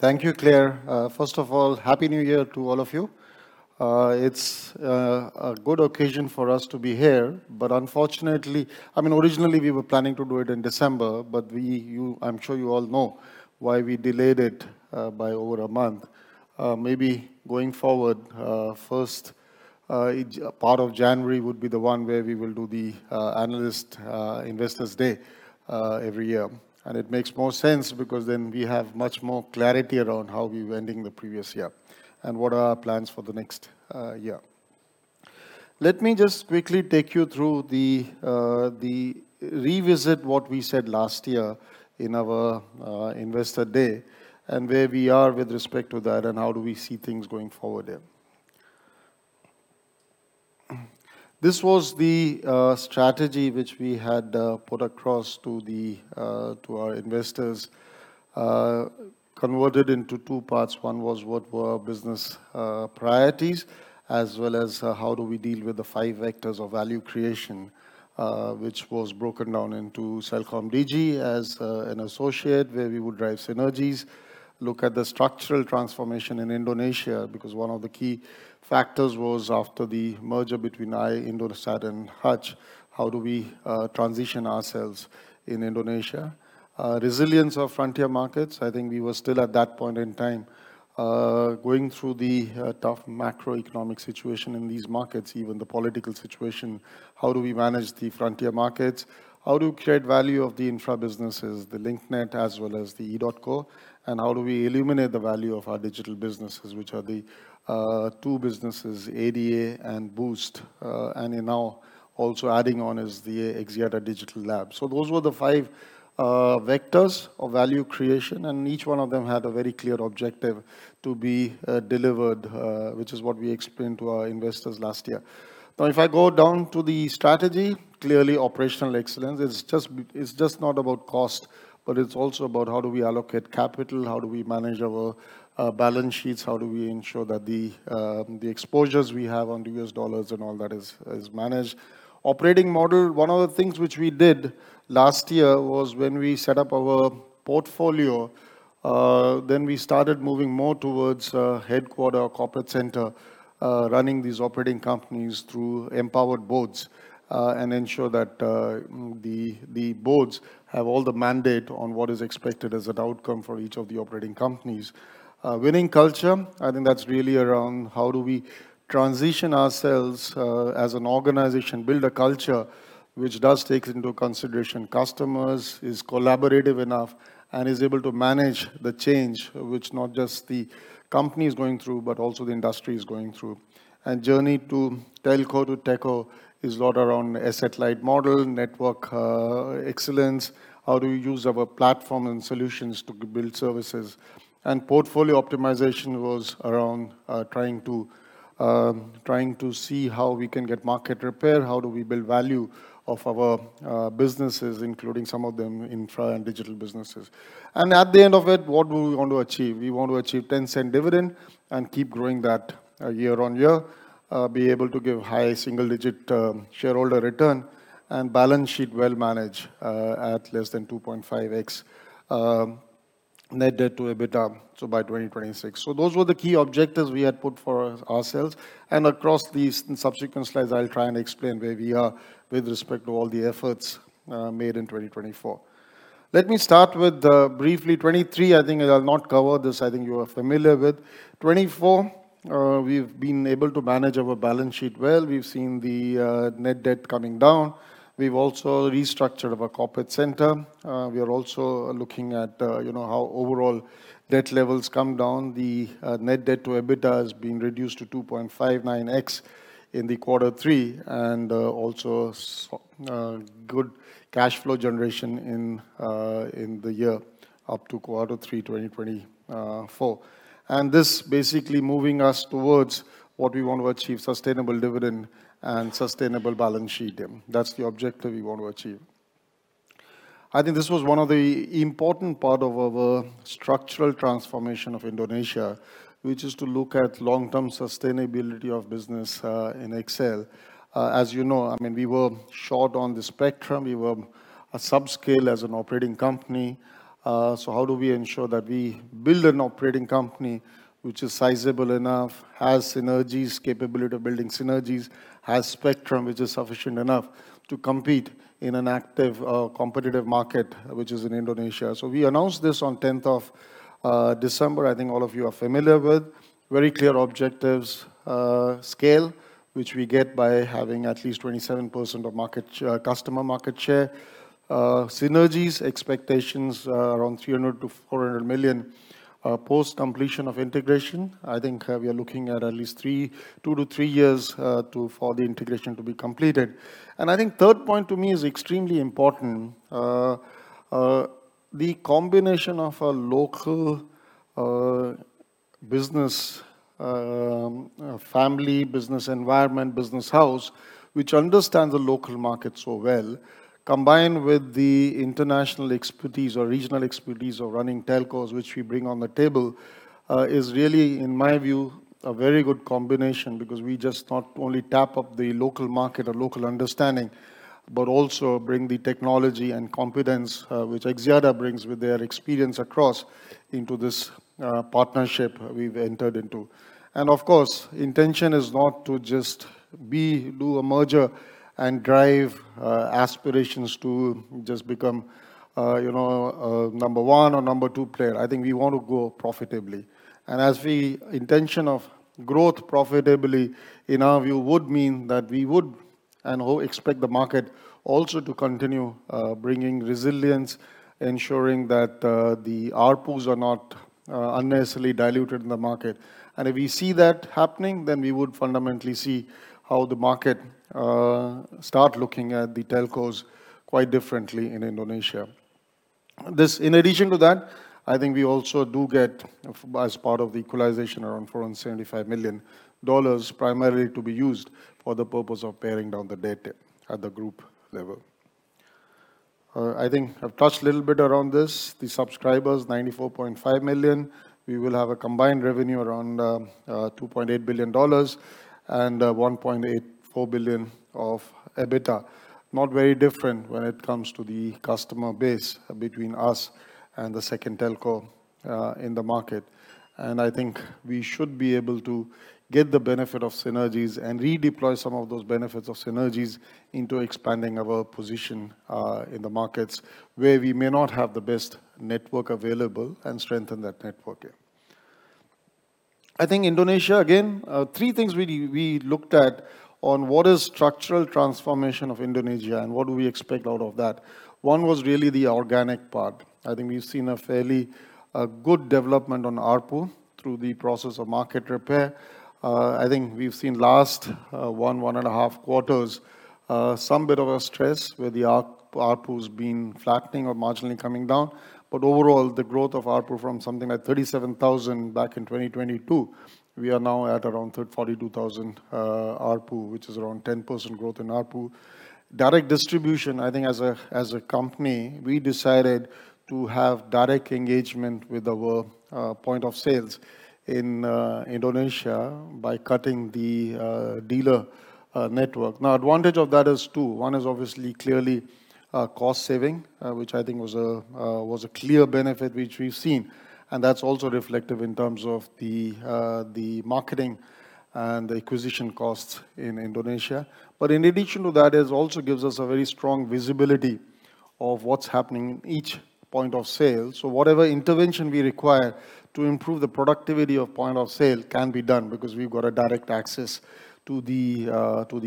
Thank you, Clare. First of all, Happy New Year to all of you. It's a good occasion for us to be here, but unfortunately, I mean, originally we were planning to do it in December, but I'm sure you all know why we delayed it by over a month. Maybe going forward, first part of January would be the one where we will do the Analyst Investors Day every year, and it makes more sense because then we have much more clarity around how we were ending the previous year and what are our plans for the next year. Let me just quickly take you through and revisit what we said last year in our Investor Day and where we are with respect to that and how do we see things going forward here. This was the strategy which we had put across to our investors, converted into two parts. One was what were business priorities as well as how do we deal with the five vectors of value creation, which was broken down into CelcomDigi as an associate where we would drive synergies, look at the structural transformation in Indonesia because one of the key factors was after the merger between Indosat and Hutch, how do we transition ourselves in Indonesia? Resilience of frontier markets. I think we were still at that point in time going through the tough macroeconomic situation in these markets, even the political situation. How do we manage the frontier markets? How do we create value of the infra businesses, the Link Net as well as the EDOTCO? And how do we eliminate the value of our digital businesses, which are the two businesses, ADA and Boost? And now also adding on is the Axiata Digital Labs. So those were the five vectors of value creation, and each one of them had a very clear objective to be delivered, which is what we explained to our investors last year. Now, if I go down to the strategy, clearly operational excellence, it's just not about cost, but it's also about how do we allocate capital, how do we manage our balance sheets, how do we ensure that the exposures we have on U.S. dollars and all that is managed. Operating model, one of the things which we did last year was when we set up our portfolio, then we started moving more towards headquarters or corporate center, running these operating companies through empowered boards and ensure that the boards have all the mandate on what is expected as an outcome for each of the operating companies. Winning culture, I think that's really around how do we transition ourselves as an organization, build a culture which does take into consideration customers, is collaborative enough, and is able to manage the change, which not just the company is going through, but also the industry is going through, and journey to Telco to TechCo is a lot around asset light model, network excellence, how do we use our platform and solutions to build services, and portfolio optimization was around trying to see how we can get market repair, how do we build value of our businesses, including some of them infra and digital businesses, and at the end of it, what do we want to achieve? We want to achieve 0.10 dividend and keep growing that year on year, be able to give high single-digit shareholder return and balance sheet well managed at less than 2.5x net debt to EBITDA by 2026, so those were the key objectives we had put for ourselves, and across these subsequent slides, I'll try and explain where we are with respect to all the efforts made in 2024. Let me start with briefly 2023. I think I'll not cover this. I think you are familiar with 2024. We've been able to manage our balance sheet well. We've seen the net debt coming down. We've also restructured our corporate center. We are also looking at how overall debt levels come down. The net debt to EBITDA has been reduced to 2.59x in the quarter three and also good cash flow generation in the year up to quarter three 2024. And this basically moving us towards what we want to achieve, sustainable dividend and sustainable balance sheet. That's the objective we want to achieve. I think this was one of the important parts of our structural transformation of Indonesia, which is to look at long-term sustainability of business in XL. As you know, I mean, we were short on the spectrum. We were subscale as an operating company. So how do we ensure that we build an operating company which is sizable enough, has synergies, capability of building synergies, has spectrum which is sufficient enough to compete in an active competitive market, which is in Indonesia? So we announced this on 10th of December. I think all of you are familiar with very clear objectives, scale, which we get by having at least 27% of customer market share, synergies, expectations around $300 million-$400 million post-completion of integration. I think we are looking at least two to three years for the integration to be completed, and I think the third point to me is extremely important. The combination of a local business, family business environment, business house which understands the local market so well, combined with the international expertise or regional expertise of running telcos, which we bring on the table, is really, in my view, a very good combination because we just not only tap into the local market, a local understanding, but also bring the technology and competence which Axiata brings with their experience across into this partnership we've entered into, and of course, the intention is not to just do a merger and drive aspirations to just become number one or number two player. I think we want to grow profitably. As the intention of growth profitably, in our view, would mean that we would and expect the market also to continue bringing resilience, ensuring that the ARPUs are not unnecessarily diluted in the market. If we see that happening, then we would fundamentally see how the market start looking at the telcos quite differently in Indonesia. In addition to that, I think we also do get, as part of the equalization around $475 million, primarily to be used for the purpose of paring down the debt at the group level. I think I've touched a little bit around this. The subscribers, 94.5 million. We will have a combined revenue around $2.8 billion and $1.84 billion of EBITDA. Not very different when it comes to the customer base between us and the second telco in the market. And I think we should be able to get the benefit of synergies and redeploy some of those benefits of synergies into expanding our position in the markets where we may not have the best network available and strengthen that network here. I think Indonesia, again, three things we looked at on what is structural transformation of Indonesia and what do we expect out of that. One was really the organic part. I think we've seen a fairly good development on ARPU through the process of market repair. I think we've seen last one, one and a half quarters, some bit of a stress where the ARPU has been flattening or marginally coming down. But overall, the growth of ARPU from something like 37,000 back in 2022, we are now at around 42,000 ARPU, which is around 10% growth in ARPU. Direct distribution, I think as a company, we decided to have direct engagement with our point of sales in Indonesia by cutting the dealer network. Now, advantage of that is two. One is obviously clearly cost saving, which I think was a clear benefit which we've seen, and that's also reflective in terms of the marketing and the acquisition costs in Indonesia. But in addition to that, it also gives us a very strong visibility of what's happening in each point of sale, so whatever intervention we require to improve the productivity of point of sale can be done because we've got a direct access to the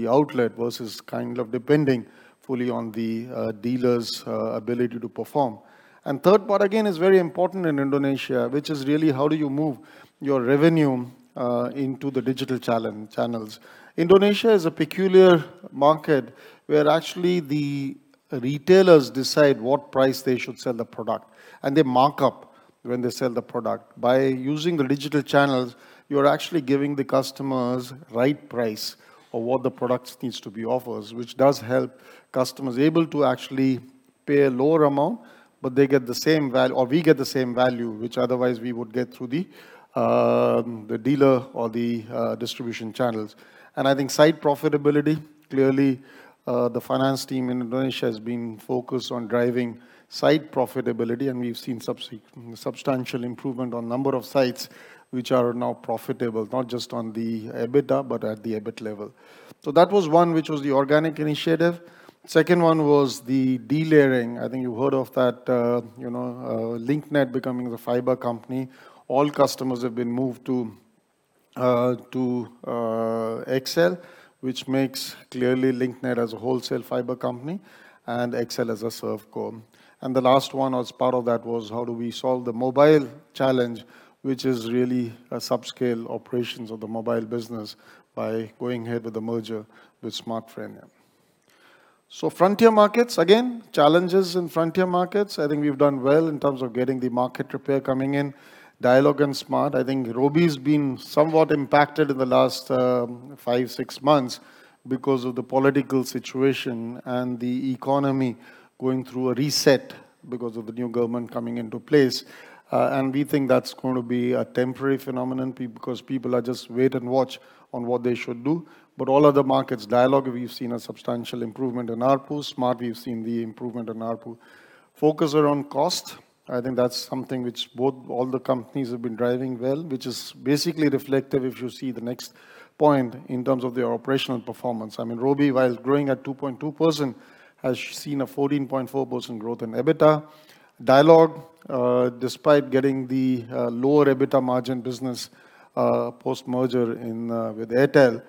outlet versus kind of depending fully on the dealer's ability to perform. And third part, again, is very important in Indonesia, which is really how do you move your revenue into the digital channels. Indonesia is a peculiar market where actually the retailers decide what price they should sell the product and they mark up when they sell the product. By using the digital channels, you're actually giving the customers right price of what the product needs to be offered, which does help customers able to actually pay a lower amount, but they get the same value or we get the same value, which otherwise we would get through the dealer or the distribution channels, and I think site profitability, clearly the finance team in Indonesia has been focused on driving site profitability, and we've seen substantial improvement on number of sites which are now profitable, not just on the EBITDA, but at the EBIT level. So that was one, which was the organic initiative. Second one was the de-layering. I think you've heard of that Link Net becoming a fiber company. All customers have been moved to XL, which clearly makes Link Net as a wholesale fiber company and XL as a ServeCo. The last one as part of that was how do we solve the mobile challenge, which is really subscale operations of the mobile business by going ahead with the merger with Smartfren. Frontier markets, again, challenges in frontier markets. I think we've done well in terms of getting the market repair coming in, Dialog and Smart. I think Robi's been somewhat impacted in the last five, six months because of the political situation and the economy going through a reset because of the new government coming into place. We think that's going to be a temporary phenomenon because people are just wait and watch on what they should do. But all other markets, Dialog, we've seen a substantial improvement in ARPU. Smart, we've seen the improvement in ARPU. Focus around cost. I think that's something which all the companies have been driving well, which is basically reflective if you see the next point in terms of their operational performance. I mean, Robi, while growing at 2.2%, has seen a 14.4% growth in EBITDA. Dialog, despite getting the lower EBITDA margin business post-merger with Airtel,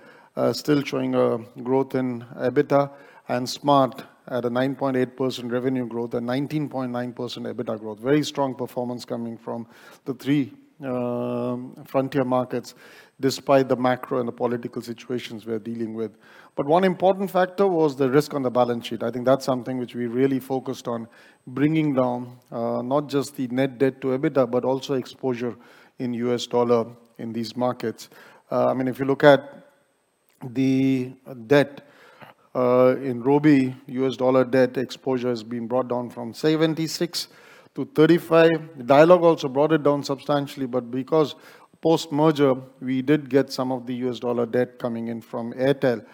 still showing a growth in EBITDA and Smart at a 9.8% revenue growth and 19.9% EBITDA growth. Very strong performance coming from the three frontier markets despite the macro and the political situations we're dealing with, but one important factor was the risk on the balance sheet. I think that's something which we really focused on bringing down, not just the net debt to EBITDA, but also exposure in U.S. dollar in these markets. I mean, if you look at the debt in Robi, USD debt exposure has been brought down from 76 to 35. Dialog also brought it down substantially, but because post-merger, we did get some of the USD debt coming in from Airtel.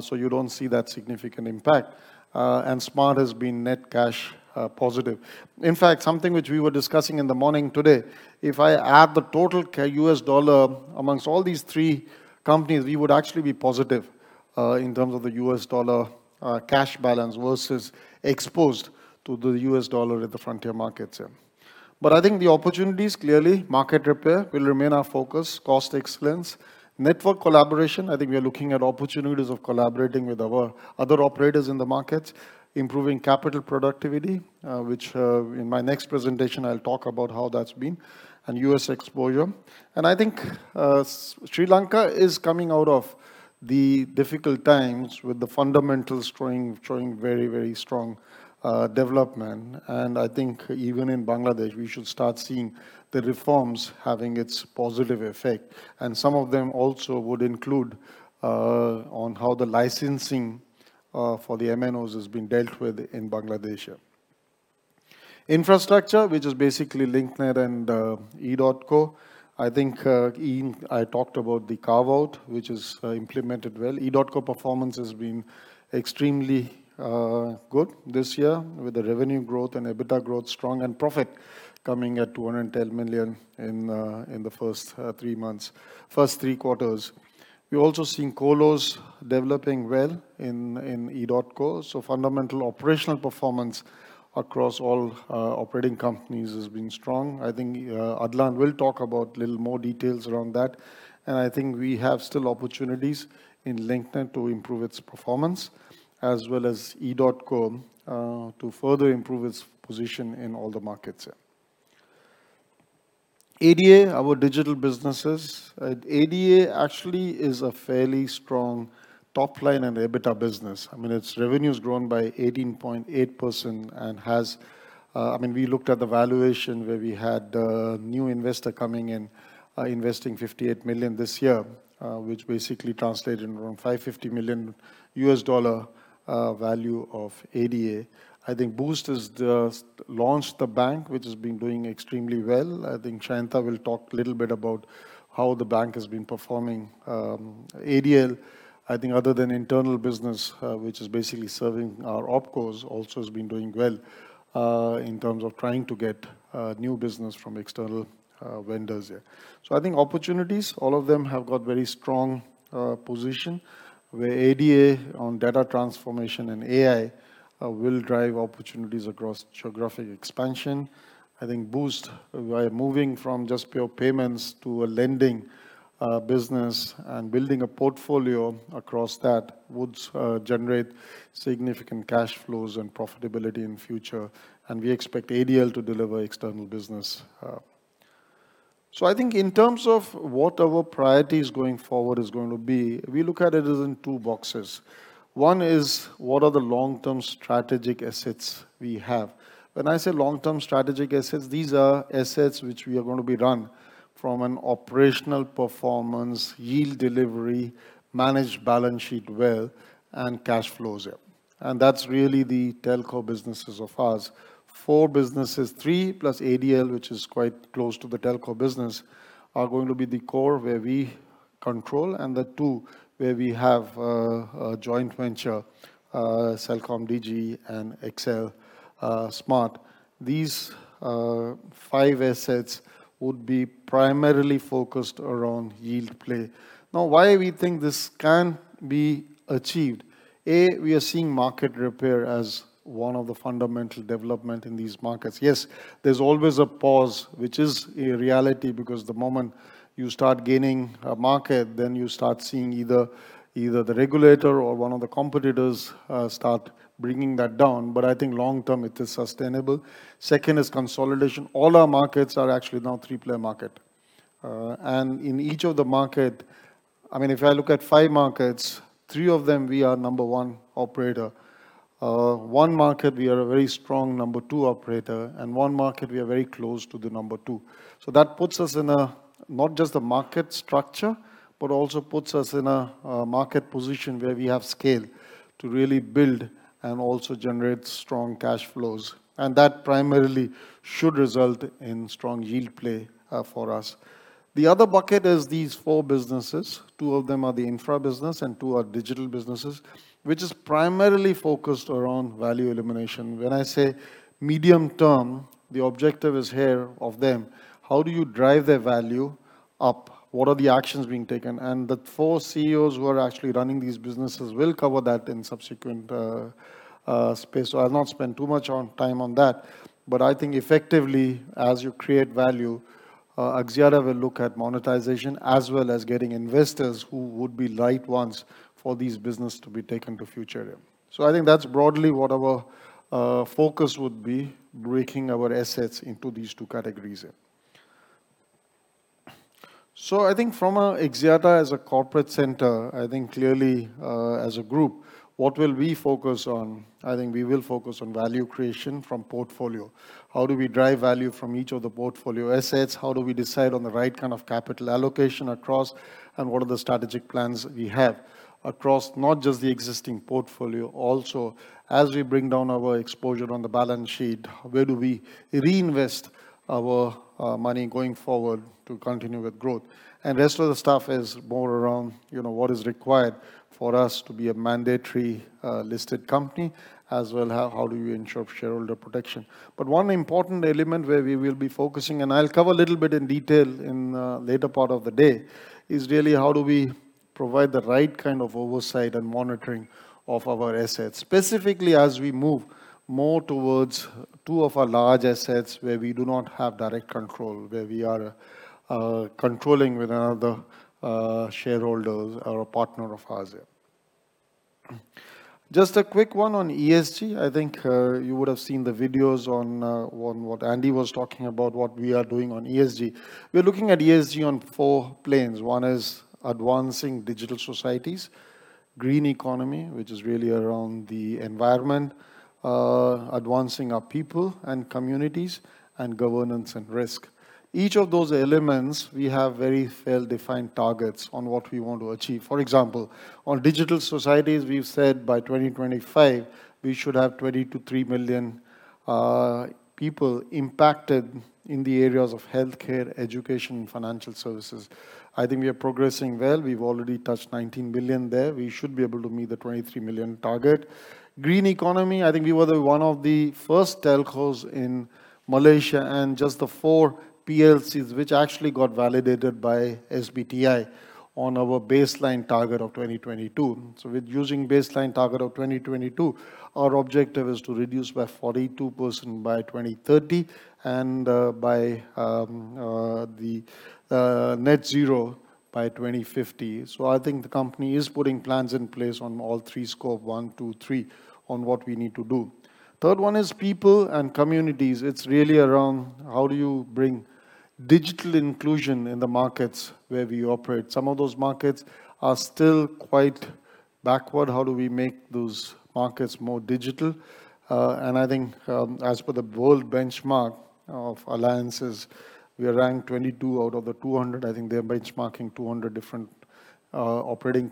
So you don't see that significant impact. And Smart has been net cash positive. In fact, something which we were discussing in the morning today, if I add the total USD amongst all these three companies, we would actually be positive in terms of the USD cash balance versus exposed to the USD in the frontier markets. But I think the opportunities, clearly market repair, will remain our focus, cost excellence, network collaboration. I think we are looking at opportunities of collaborating with our other operators in the markets, improving capital productivity, which in my next presentation, I'll talk about how that's been and U.S. exposure. I think Sri Lanka is coming out of the difficult times with the fundamentals showing very, very strong development. I think even in Bangladesh, we should start seeing the reforms having its positive effect. Some of them also would include on how the licensing for the MNOs has been dealt with in Bangladesh. Infrastructure, which is basically Link Net and EDOTCO. I think I talked about the carve-out, which is implemented well. EDOTCO performance has been extremely good this year with the revenue growth and EBITDA growth strong and profit coming at $210 million in the first three months, first three quarters. We're also seeing colos developing well in EDOTCO. So fundamental operational performance across all operating companies has been strong. I think Adlan will talk about a little more details around that. And I think we have still opportunities in Link Net to improve its performance as well as EDOTCO to further improve its position in all the markets. ADA, our digital businesses. ADA actually is a fairly strong top line and EBITDA business. I mean, its revenue has grown by 18.8% and has, I mean, we looked at the valuation where we had the new investor coming in, investing $58 million this year, which basically translated around $550 million value of ADA. I think Boost has launched the bank, which has been doing extremely well. I think Sheyantha will talk a little bit about how the bank has been performing. ADL, I think other than internal business, which is basically serving our OpCos, also has been doing well in terms of trying to get new business from external vendors here. So I think opportunities, all of them have got very strong position where ADA on data transformation and AI will drive opportunities across geographic expansion. I think Boost, by moving from just pure payments to a lending business and building a portfolio across that, would generate significant cash flows and profitability in the future. And we expect ADL to deliver external business. So I think in terms of what our priorities going forward is going to be, we look at it as in two boxes. One is what are the long-term strategic assets we have. When I say long-term strategic assets, these are assets which we are going to be run from an operational performance, yield delivery, managed balance sheet well, and cash flows here, and that's really the telco businesses of ours. Four businesses, three plus ADL, which is quite close to the telco business, are going to be the core where we control and the two where we have a joint venture, CelcomDigi and XL-Smartfren. These five assets would be primarily focused around yield play. Now, why we think this can be achieved? A, we are seeing market repair as one of the fundamental developments in these markets. Yes, there's always a pause, which is a reality because the moment you start gaining a market, then you start seeing either the regulator or one of the competitors start bringing that down, but I think long-term, it is sustainable. Second is consolidation. All our markets are actually now three-player markets. And in each of the markets, I mean, if I look at five markets, three of them, we are number one operator. One market, we are a very strong number two operator, and one market, we are very close to the number two. So that puts us in a not just a market structure, but also puts us in a market position where we have scale to really build and also generate strong cash flows. And that primarily should result in strong yield play for us. The other bucket is these four businesses. Two of them are the infra business and two are digital businesses, which is primarily focused around value illumination. When I say medium term, the objective is to hear from them. How do you drive their value up? What are the actions being taken? The four CEOs who are actually running these businesses will cover that in subsequent space. I'll not spend too much time on that. I think effectively, as you create value, Axiata will look at monetization as well as getting investors who would be right ones for these businesses to be taken to future. I think that's broadly what our focus would be, breaking our assets into these two categories here. I think from Axiata as a corporate center, I think clearly as a group, what will we focus on? I think we will focus on value creation from portfolio. How do we drive value from each of the portfolio assets? How do we decide on the right kind of capital allocation across and what are the strategic plans we have across not just the existing portfolio? Also, as we bring down our exposure on the balance sheet, where do we reinvest our money going forward to continue with growth? And the rest of the stuff is more around what is required for us to be a mandatory listed company as well. How do you ensure shareholder protection? But one important element where we will be focusing, and I'll cover a little bit in detail in the later part of the day, is really how do we provide the right kind of oversight and monitoring of our assets, specifically as we move more towards two of our large assets where we do not have direct control, where we are controlling with another shareholder or a partner of ours. Just a quick one on ESG. I think you would have seen the videos on what Asri was talking about, what we are doing on ESG. We're looking at ESG on four planes. One is advancing digital societies, green economy, which is really around the environment, advancing our people and communities, and governance and risk. Each of those elements, we have very well-defined targets on what we want to achieve. For example, on digital societies, we've said by 2025, we should have 20 to 23 million people impacted in the areas of healthcare, education, and financial services. I think we are progressing well. We've already touched 19 million there. We should be able to meet the 23 million target. Green economy, I think we were one of the first telcos in Malaysia and just the four PLCs, which actually got validated by SBTi on our baseline target of 2022. So with using baseline target of 2022, our objective is to reduce by 42% by 2030 and to net zero by 2050. So I think the company is putting plans in place on all three scopes, one, two, three on what we need to do. Third one is people and communities. It's really around how do you bring digital inclusion in the markets where we operate. Some of those markets are still quite backward. How do we make those markets more digital? And I think as for the World Benchmarking Alliance, we are ranked 22 out of the 200. I think they're benchmarking 200 different operating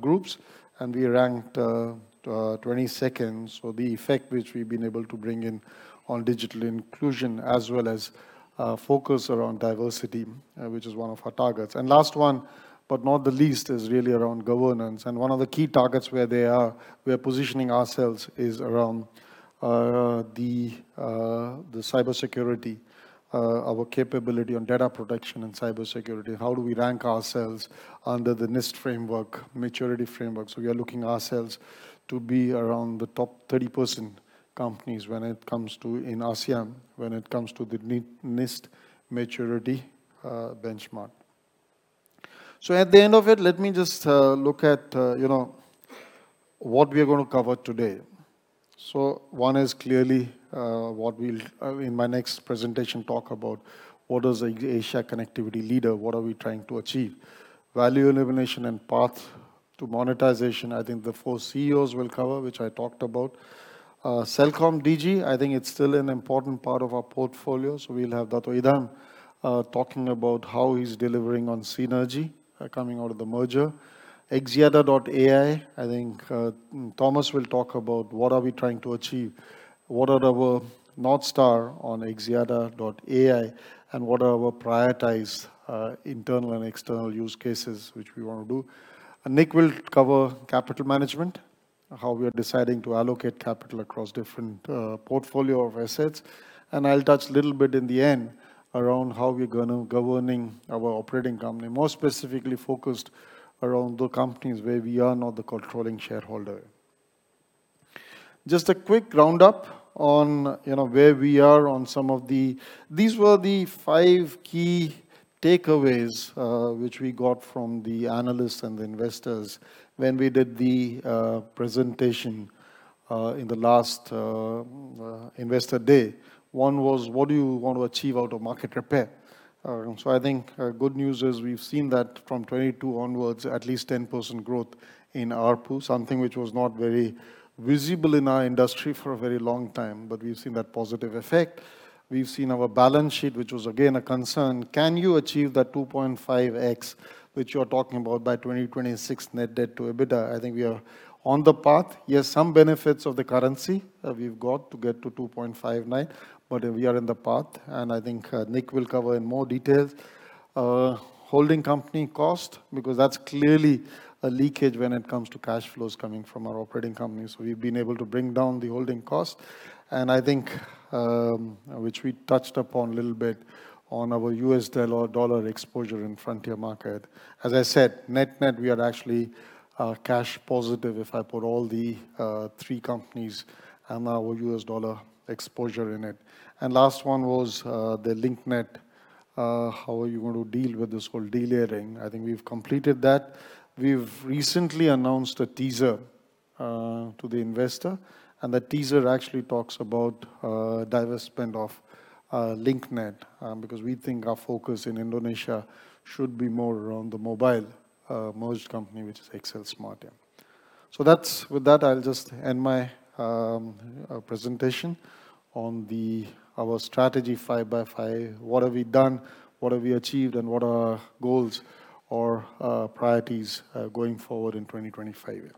groups, and we ranked 22nd. So the effect which we've been able to bring in on digital inclusion as well as focus around diversity, which is one of our targets. And last one, but not the least, is really around governance. And one of the key targets where we are positioning ourselves is around the cybersecurity, our capability on data protection and cybersecurity. How do we rank ourselves under the NIST framework, maturity framework? So we are looking ourselves to be around the top 30% companies when it comes to in ASEAN, when it comes to the NIST maturity benchmark. So at the end of it, let me just look at what we are going to cover today. So one is clearly what we'll, in my next presentation, talk about what is Asia Connectivity Leader, what are we trying to achieve, value illumination and path to monetization. I think the four CEOs will cover, which I talked about. CelcomDigi, I think it's still an important part of our portfolio. So we'll have Datuk Idham talking about how he's delivering on synergy coming out of the merger. Axiata.AI, I think Thomas will talk about what are we trying to achieve, what are our North Star on Axiata.AI, and what are our prioritized internal and external use cases which we want to do. Nik will cover capital management, how we are deciding to allocate capital across different portfolio of assets. And I'll touch a little bit in the end around how we're going to be governing our operating company, more specifically focused around the companies where we are not the controlling shareholder. Just a quick roundup on where we are on some of the, these were the five key takeaways which we got from the analysts and the investors when we did the presentation in the last investor day. One was, what do you want to achieve out of market repair? I think good news is we've seen that from 2022 onwards, at least 10% growth in ARPU, something which was not very visible in our industry for a very long time, but we've seen that positive effect. We've seen our balance sheet, which was again a concern. Can you achieve that 2.5x which you're talking about by 2026 net debt to EBITDA? I think we are on the path. Yes, some benefits of the currency we've got to get to 2.59, but we are in the path. And I think Nik will cover in more detail holding company cost because that's clearly a leakage when it comes to cash flows coming from our operating company. So we've been able to bring down the holding cost. And I think, which we touched upon a little bit on our U.S. dollar exposure in frontier market. As I said, net net, we are actually cash positive if I put all the three companies and our U.S. dollar exposure in it. And last one was the Link Net. How are you going to deal with this whole delaying? I think we've completed that. We've recently announced a teaser to the investor, and the teaser actually talks about divest spin-off Link Net because we think our focus in Indonesia should be more around the mobile merged company, which is XL Smartfren. So with that, I'll just end my presentation on our Strategy 5x5. What have we done? What have we achieved? And what are our goals or priorities going forward in 2025?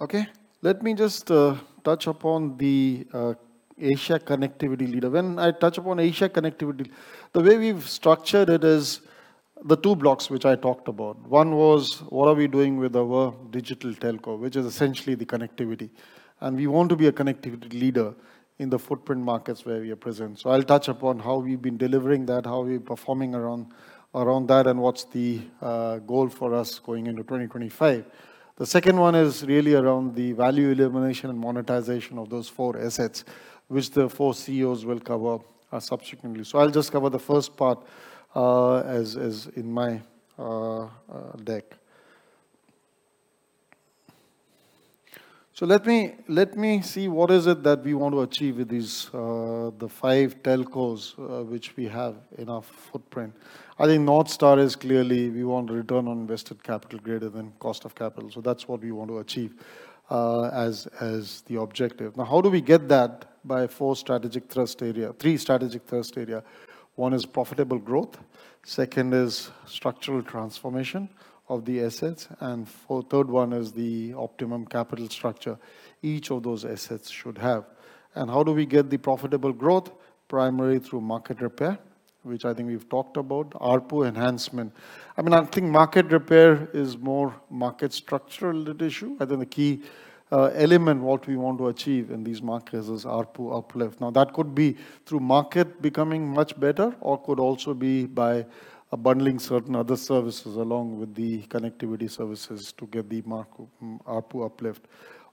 Okay, let me just touch upon the Asia connectivity leader. When I touch upon Asia connectivity, the way we've structured it is the two blocks which I talked about. One was what are we doing with our digital telco, which is essentially the connectivity. And we want to be a connectivity leader in the footprint markets where we are present. So I'll touch upon how we've been delivering that, how we're performing around that, and what's the goal for us going into 2025. The second one is really around the value illumination and monetization of those four assets, which the four CEOs will cover subsequently. So I'll just cover the first part as in my deck. So let me see what is it that we want to achieve with the five telcos which we have in our footprint. I think North Star is clearly we want return on invested capital greater than cost of capital. So that's what we want to achieve as the objective. Now, how do we get that by four strategic thrust area, three strategic thrust area? One is profitable growth. Second is structural transformation of the assets. And third one is the optimum capital structure each of those assets should have. And how do we get the profitable growth? Primarily through market repair, which I think we've talked about, ARPU enhancement. I mean, I think market repair is more market structural issue. I think the key element what we want to achieve in these markets is ARPU uplift. Now, that could be through market becoming much better or could also be by bundling certain other services along with the connectivity services to get the ARPU uplift.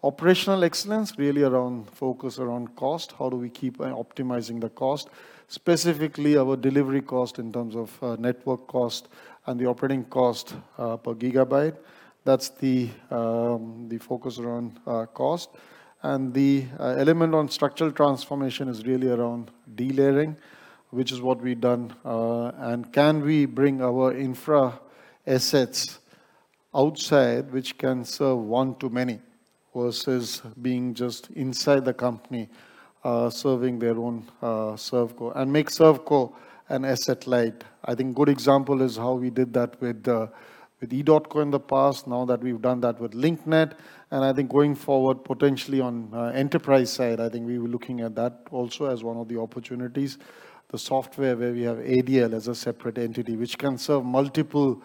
Operational excellence really around focus around cost. How do we keep optimizing the cost, specifically our delivery cost in terms of network cost and the operating cost per GB? That's the focus around cost. The element on structural transformation is really around delayering, which is what we've done, and can we bring our infra assets outside which can serve one-to-many versus being just inside the company serving their own ServeCo and make ServeCo asset-light? I think a good example is how we did that with EDOTCO in the past. Now that we've done that with Link Net, and I think going forward, potentially on enterprise side, I think we were looking at that also as one of the opportunities, the software where we have ADL as a separate entity which can serve multiple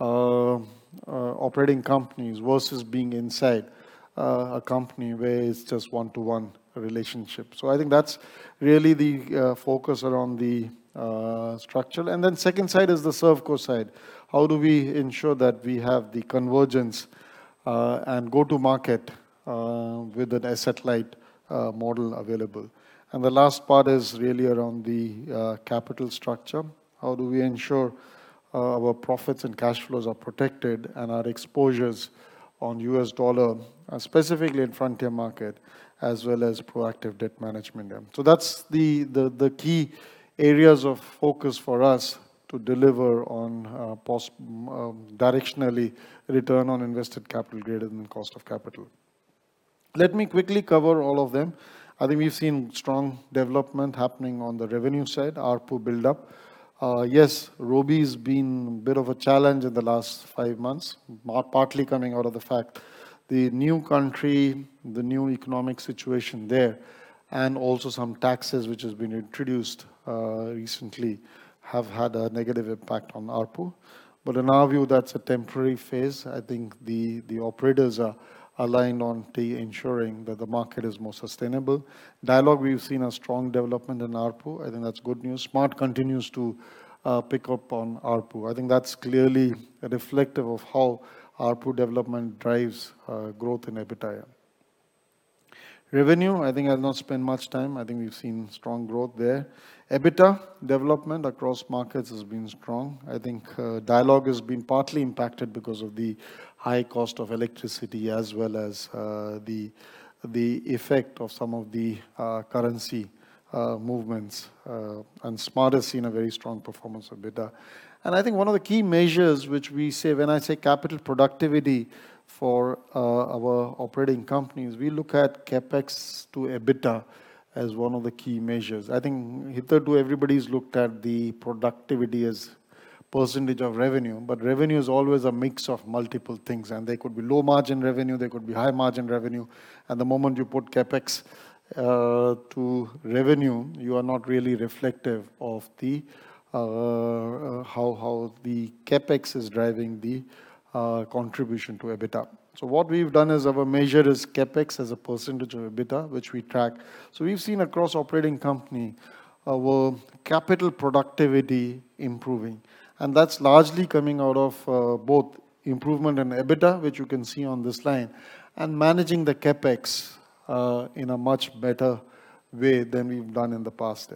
operating companies versus being inside a company where it's just one-to-one relationship. So I think that's really the focus around the structure, and then second side is the ServeCo side. How do we ensure that we have the convergence and go-to-market with an asset light model available? And the last part is really around the capital structure. How do we ensure our profits and cash flows are protected and our exposures on USD, specifically in frontier market, as well as proactive debt management? So that's the key areas of focus for us to deliver on directionally return on invested capital greater than cost of capital. Let me quickly cover all of them. I think we've seen strong development happening on the revenue side, ARPU buildup. Yes, Robi's been a bit of a challenge in the last five months, partly coming out of the fact the new country, the new economic situation there, and also some taxes which have been introduced recently have had a negative impact on ARPU. But in our view, that's a temporary phase. I think the operators are aligned on ensuring that the market is more sustainable. Dialog, we've seen a strong development in ARPU. I think that's good news. Smart continues to pick up on ARPU. I think that's clearly reflective of how ARPU development drives growth in EBITDA. Revenue, I think I'll not spend much time. I think we've seen strong growth there. EBITDA development across markets has been strong. I think Dialog has been partly impacted because of the high cost of electricity as well as the effect of some of the currency movements, and Smart has seen a very strong performance of EBITDA, and I think one of the key measures which we say, when I say capital productivity for our operating companies, we look at CapEx to EBITDA as one of the key measures. I think hitherto everybody's looked at the productivity as percentage of revenue, but revenue is always a mix of multiple things. And they could be low margin revenue, they could be high margin revenue. And the moment you put CapEx to revenue, you are not really reflective of how the CapEx is driving the contribution to EBITDA. So what we've done is our measure is CapEx as a percentage of EBITDA, which we track. So we've seen across operating company, our capital productivity improving. And that's largely coming out of both improvement in EBITDA, which you can see on this line, and managing the CapEx in a much better way than we've done in the past.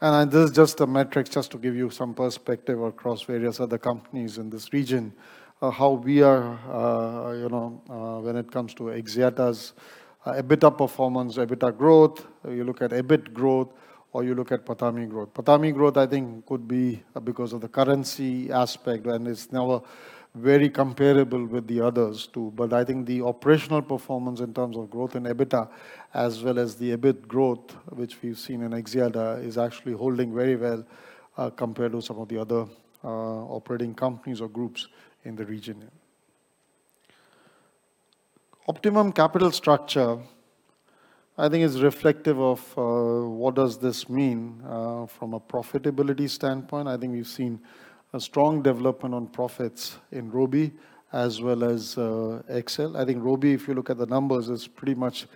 This is just a metric just to give you some perspective across various other companies in this region, how we are when it comes to Axiata's EBITDA performance, EBITDA growth. You look at EBIT growth or you look at PATAMI growth. PATAMI growth, I think, could be because of the currency aspect and it's now very comparable with the others too. But I think the operational performance in terms of growth in EBITDA as well as the EBIT growth, which we've seen in Axiata, is actually holding very well compared to some of the other operating companies or groups in the region. Optimal capital structure, I think, is reflective of what does this mean from a profitability standpoint. I think we've seen a strong development on profits in Robi as well as XL. I think Robi, if you look at the numbers, has pretty much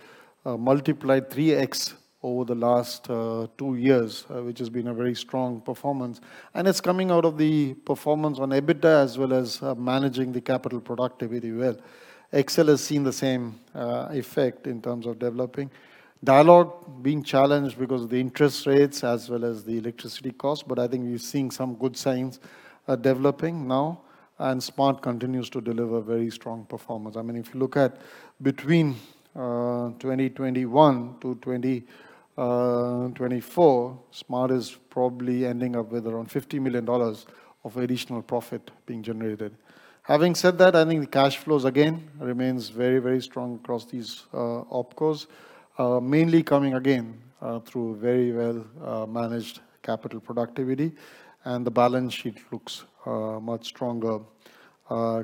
multiplied 3x over the last two years, which has been a very strong performance. It's coming out of the performance on EBITDA as well as managing the capital productivity well. XL has seen the same effect in terms of developing. Dialog being challenged because of the interest rates as well as the electricity cost, but I think we've seen some good signs developing now. Smart continues to deliver very strong performance. I mean, if you look at between 2021-2024, Smart is probably ending up with around $50 million of additional profit being generated. Having said that, I think the cash flows again remain very, very strong across these OpCos, mainly coming again through very well-managed capital productivity. The balance sheet looks much stronger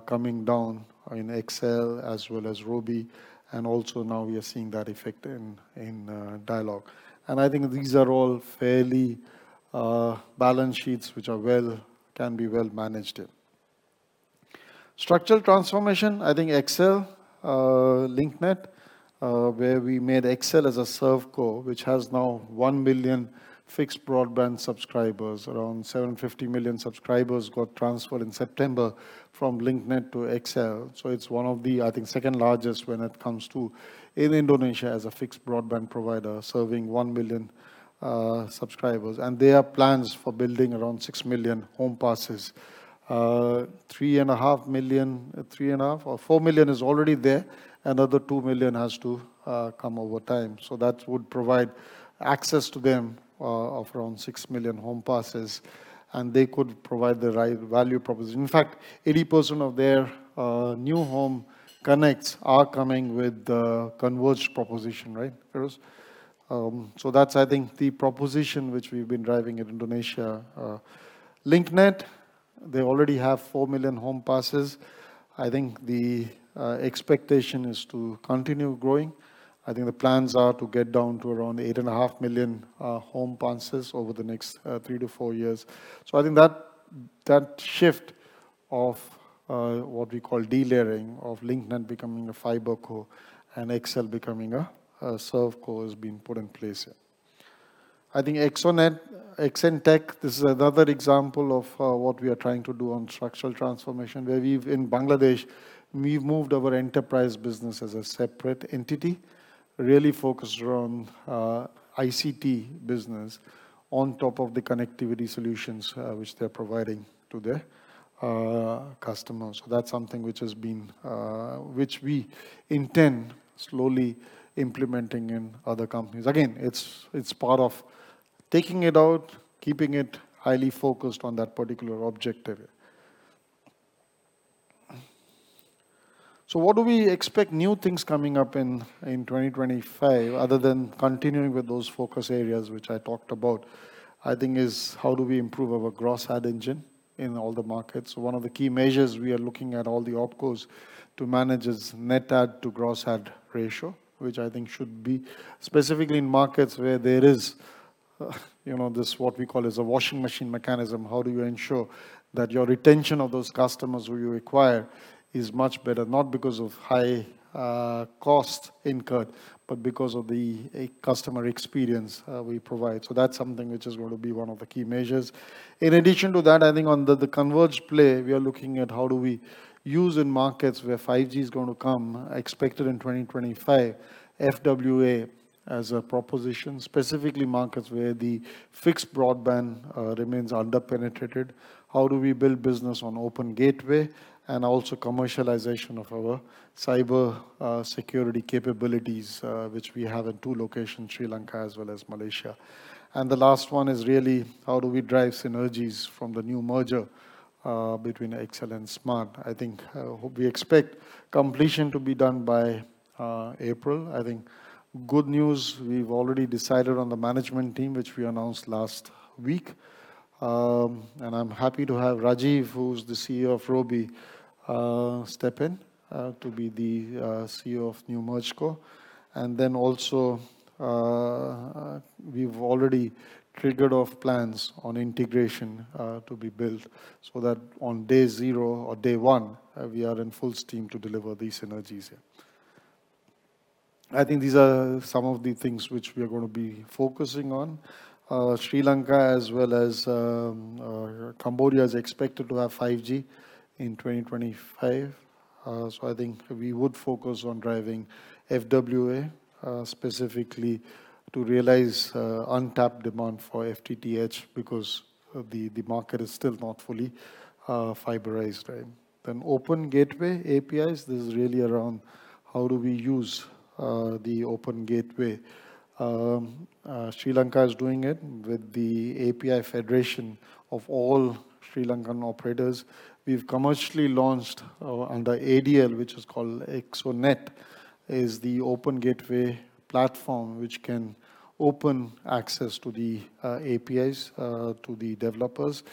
coming down in XL as well as Robi. And also now we are seeing that effect in Dialog. I think these are all fairly balanced sheets which can be well managed. Structural transformation, I think XL, Link Net, where we made XL as a ServeCo, which has now 1 million fixed broadband subscribers. Around 750 million subscribers got transferred in September from Link Net to XL. So it's one of the, I think, second largest when it comes to in Indonesia as a fixed broadband provider serving 1 million subscribers. And there are plans for building around 6 million home passes. 3.5 million, 3.5 or 4 million is already there. Another 2 million has to come over time. So that would provide access to them of around 6 million home passes. And they could provide the right value proposition. In fact, 80% of their new home connects are coming with the converged proposition, right, Feiruz? So that's, I think, the proposition which we've been driving in Indonesia. Link Net, they already have 4 million home passes. I think the expectation is to continue growing. I think the plans are to get down to around 8.5 million home passes over the next three to four years. So I think that shift of what we call delaying of Link Net becoming a FiberCo and XL becoming a ServeCo has been put in place here. I think Axonect, this is another example of what we are trying to do on structural transformation where we've in Bangladesh, we've moved our enterprise business as a separate entity, really focused around ICT business on top of the connectivity solutions which they're providing to their customers. So that's something which has been, which we intend slowly implementing in other companies. Again, it's part of taking it out, keeping it highly focused on that particular objective. So what do we expect new things coming up in 2025 other than continuing with those focus areas which I talked about? I think is how do we improve our gross add engine in all the markets? So one of the key measures we are looking at all the OpCos to manage is net add to gross add ratio, which I think should be specifically in markets where there is this what we call is a washing machine mechanism. How do you ensure that your retention of those customers who you acquire is much better, not because of high cost incurred, but because of the customer experience we provide? So that's something which is going to be one of the key measures. In addition to that, I think on the converged play, we are looking at how do we use in markets where 5G is going to come expected in 2025, FWA as a proposition, specifically markets where the fixed broadband remains under penetrated. How do we build business on Open Gateway and also commercialization of our cyber security capabilities which we have in two locations, Sri Lanka as well as Malaysia? The last one is really how do we drive synergies from the new merger between XL and Smartfren. I think we expect completion to be done by April. I think good news, we've already decided on the management team, which we announced last week. I'm happy to have Rajeev, who's the CEO of Robi, step in to be the CEO of new MergeCo. And then also we've already triggered off plans on integration to be built so that on day zero or day one, we are in full steam to deliver these synergies here. I think these are some of the things which we are going to be focusing on. Sri Lanka as well as Cambodia is expected to have 5G in 2025. So I think we would focus on driving FWA specifically to realize untapped demand for FTTH because the market is still not fully fiberized. Then open gateway APIs. This is really around how do we use the open gateway. Sri Lanka is doing it with the API federation of all Sri Lankan operators. We've commercially launched under ADL, which is called Axonect, is the open gateway platform which can open access to the APIs to the developers.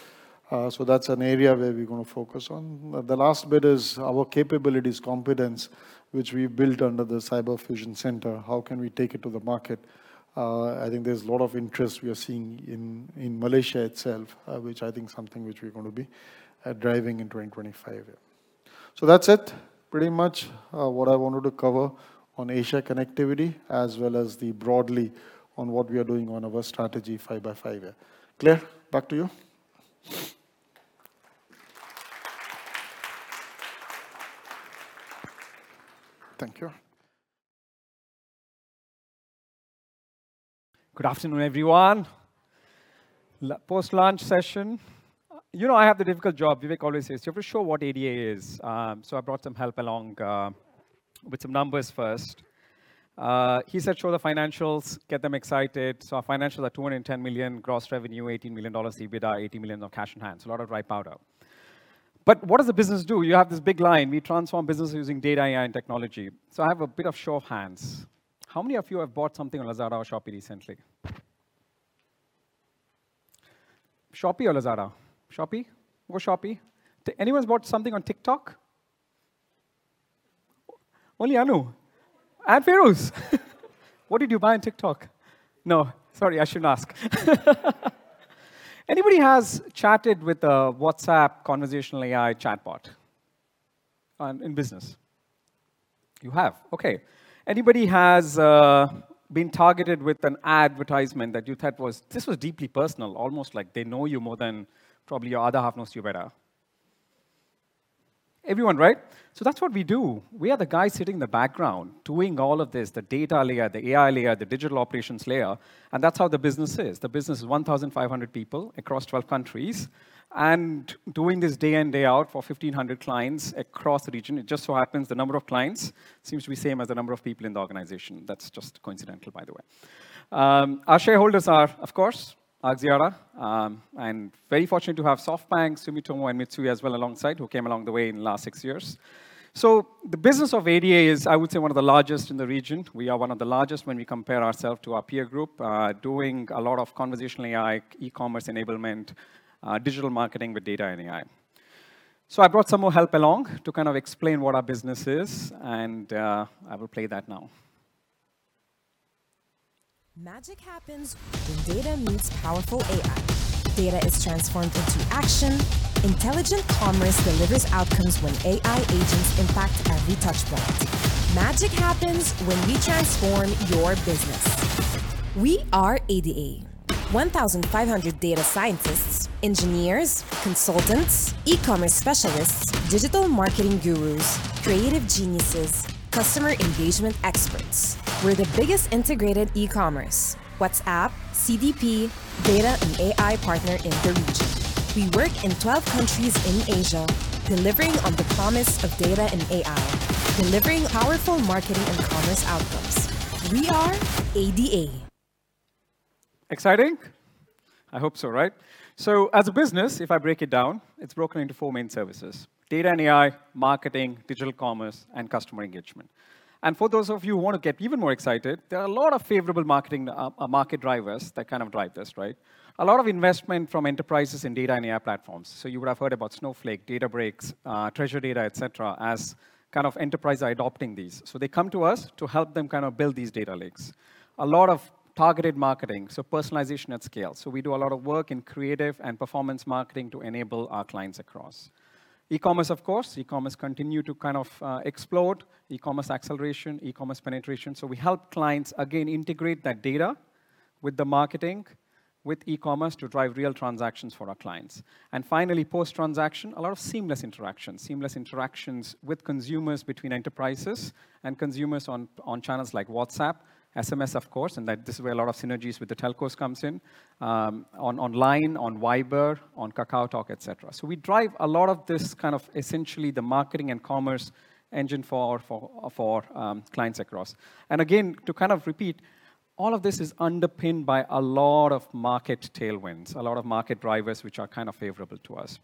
So that's an area where we're going to focus on. The last bit is our capabilities competence, which we built under the Cyber Fusion Centre. How can we take it to the market? I think there's a lot of interest we are seeing in Malaysia itself, which I think is something which we're going to be driving in 2025. So that's it, pretty much what I wanted to cover on Asia connectivity as well as the broadly on what we are doing on our Strategy 5x5 here. Clare, back to you. Thank you. Good afternoon, everyone. Post-lunch session. You know I have the difficult job. Vivek always says, "Do you have to show what ADA is?" So I brought some help along with some numbers first. He said, "Show the financials, get them excited." So our financials are $210 million, gross revenue $18 million, EBITDA $80 million of cash in hand, so a lot of dry powder. But what does the business do? You have this big line. We transform business using data and technology. So I have a bit of show of hands. How many of you have bought something on Lazada or Shopee recently? Shopee or Lazada? Shopee or Shopee? Anyone's bought something on TikTok? Only Anu. And Feiruz. What did you buy on TikTok? No, sorry, I shouldn't ask. Anybody has chatted with a WhatsApp conversational AI chatbot in business? You have. Okay. Anybody has been targeted with an advertisement that you thought was, "This was deeply personal," almost like they know you more than probably your other half knows you better? Everyone, right? So that's what we do. We are the guys sitting in the background doing all of this, the data layer, the AI layer, the digital operations layer. And that's how the business is. The business is 1,500 people across 12 countries and doing this day in, day out for 1,500 clients across the region. It just so happens the number of clients seems to be the same as the number of people in the organization. That's just coincidental, by the way. Our shareholders are, of course, Axiata, and very fortunate to have SoftBank, Sumitomo, and Mitsui as well, alongside who came along the way in the last six years. So the business of ADA is, I would say, one of the largest in the region. We are one of the largest when we compare ourselves to our peer group, doing a lot of conversational AI, e-commerce enablement, digital marketing with data and AI. So I brought some more help along to kind of explain what our business is, and I will play that now. Magic happens when data meets powerful AI. Data is transformed into action. Intelligent commerce delivers outcomes when AI agents impact every touchpoint. Magic happens when we transform your business. We are ADA. 1,500 data scientists, engineers, consultants, e-commerce specialists, digital marketing gurus, creative geniuses, customer engagement experts. We're the biggest integrated e-commerce, WhatsApp, CDP, data, and AI partner in the region. We work in 12 countries in Asia, delivering on the promise of data and AI, delivering powerful marketing and commerce outcomes. We are ADA. Exciting? I hope so, right? So as a business, if I break it down, it's broken into four main services: data and AI, marketing, digital commerce, and customer engagement. And for those of you who want to get even more excited, there are a lot of favorable marketing market drivers that kind of drive this, right? A lot of investment from enterprises in data and AI platforms. So you would have heard about Snowflake, Databricks, Treasure Data, etc., as kind of enterprises are adopting these. So they come to us to help them kind of build these data lakes. A lot of targeted marketing, so personalization at scale. So we do a lot of work in creative and performance marketing to enable our clients across. E-commerce, of course. E-commerce acceleration, e-commerce penetration. So we help clients, again, integrate that data with the marketing, with e-commerce to drive real transactions for our clients. And finally, post-transaction, a lot of seamless interactions with consumers between enterprises and consumers on channels like WhatsApp, SMS, of course. And this is where a lot of synergies with the telcos comes in, online, on Viber, on KakaoTalk, etc. So we drive a lot of this kind of essentially the marketing and commerce engine for our clients across. And again, to kind of repeat, all of this is underpinned by a lot of market tailwinds, a lot of market drivers which are kind of favorable to us.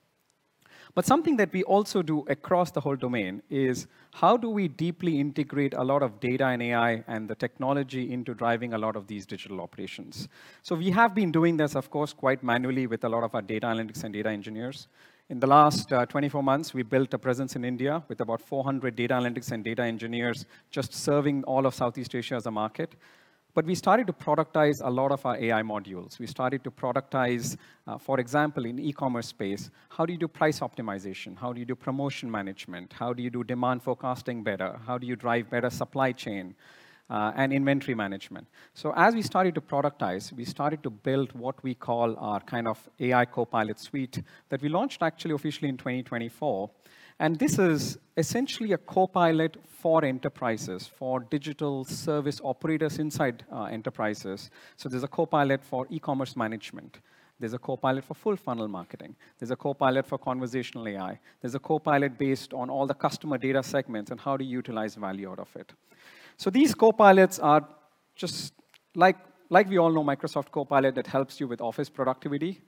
But something that we also do across the whole domain is how do we deeply integrate a lot of data and AI and the technology into driving a lot of these digital operations? So we have been doing this, of course, quite manually with a lot of our data analytics and data engineers. In the last 24 months, we built a presence in India with about 400 data analytics and data engineers just serving all of Southeast Asia as a market. But we started to productize a lot of our AI modules. We started to productize, for example, in the e-commerce space, how do you do price optimization? How do you do promotion management? How do you do demand forecasting better? How do you drive better supply chain and inventory management? So as we started to productize, we started to build what we call our kind of AI Copilot suite that we launched actually officially in 2024. And this is essentially a Copilot for enterprises, for digital service operators inside enterprises. So there's a Copilot for e-commerce management. There's a Copilot for full funnel marketing. There's a Copilot for conversational AI. There's a Copilot based on all the customer data segments and how to utilize value out of it. So these Copilots are just like we all know Microsoft Copilot that helps you with office productivity.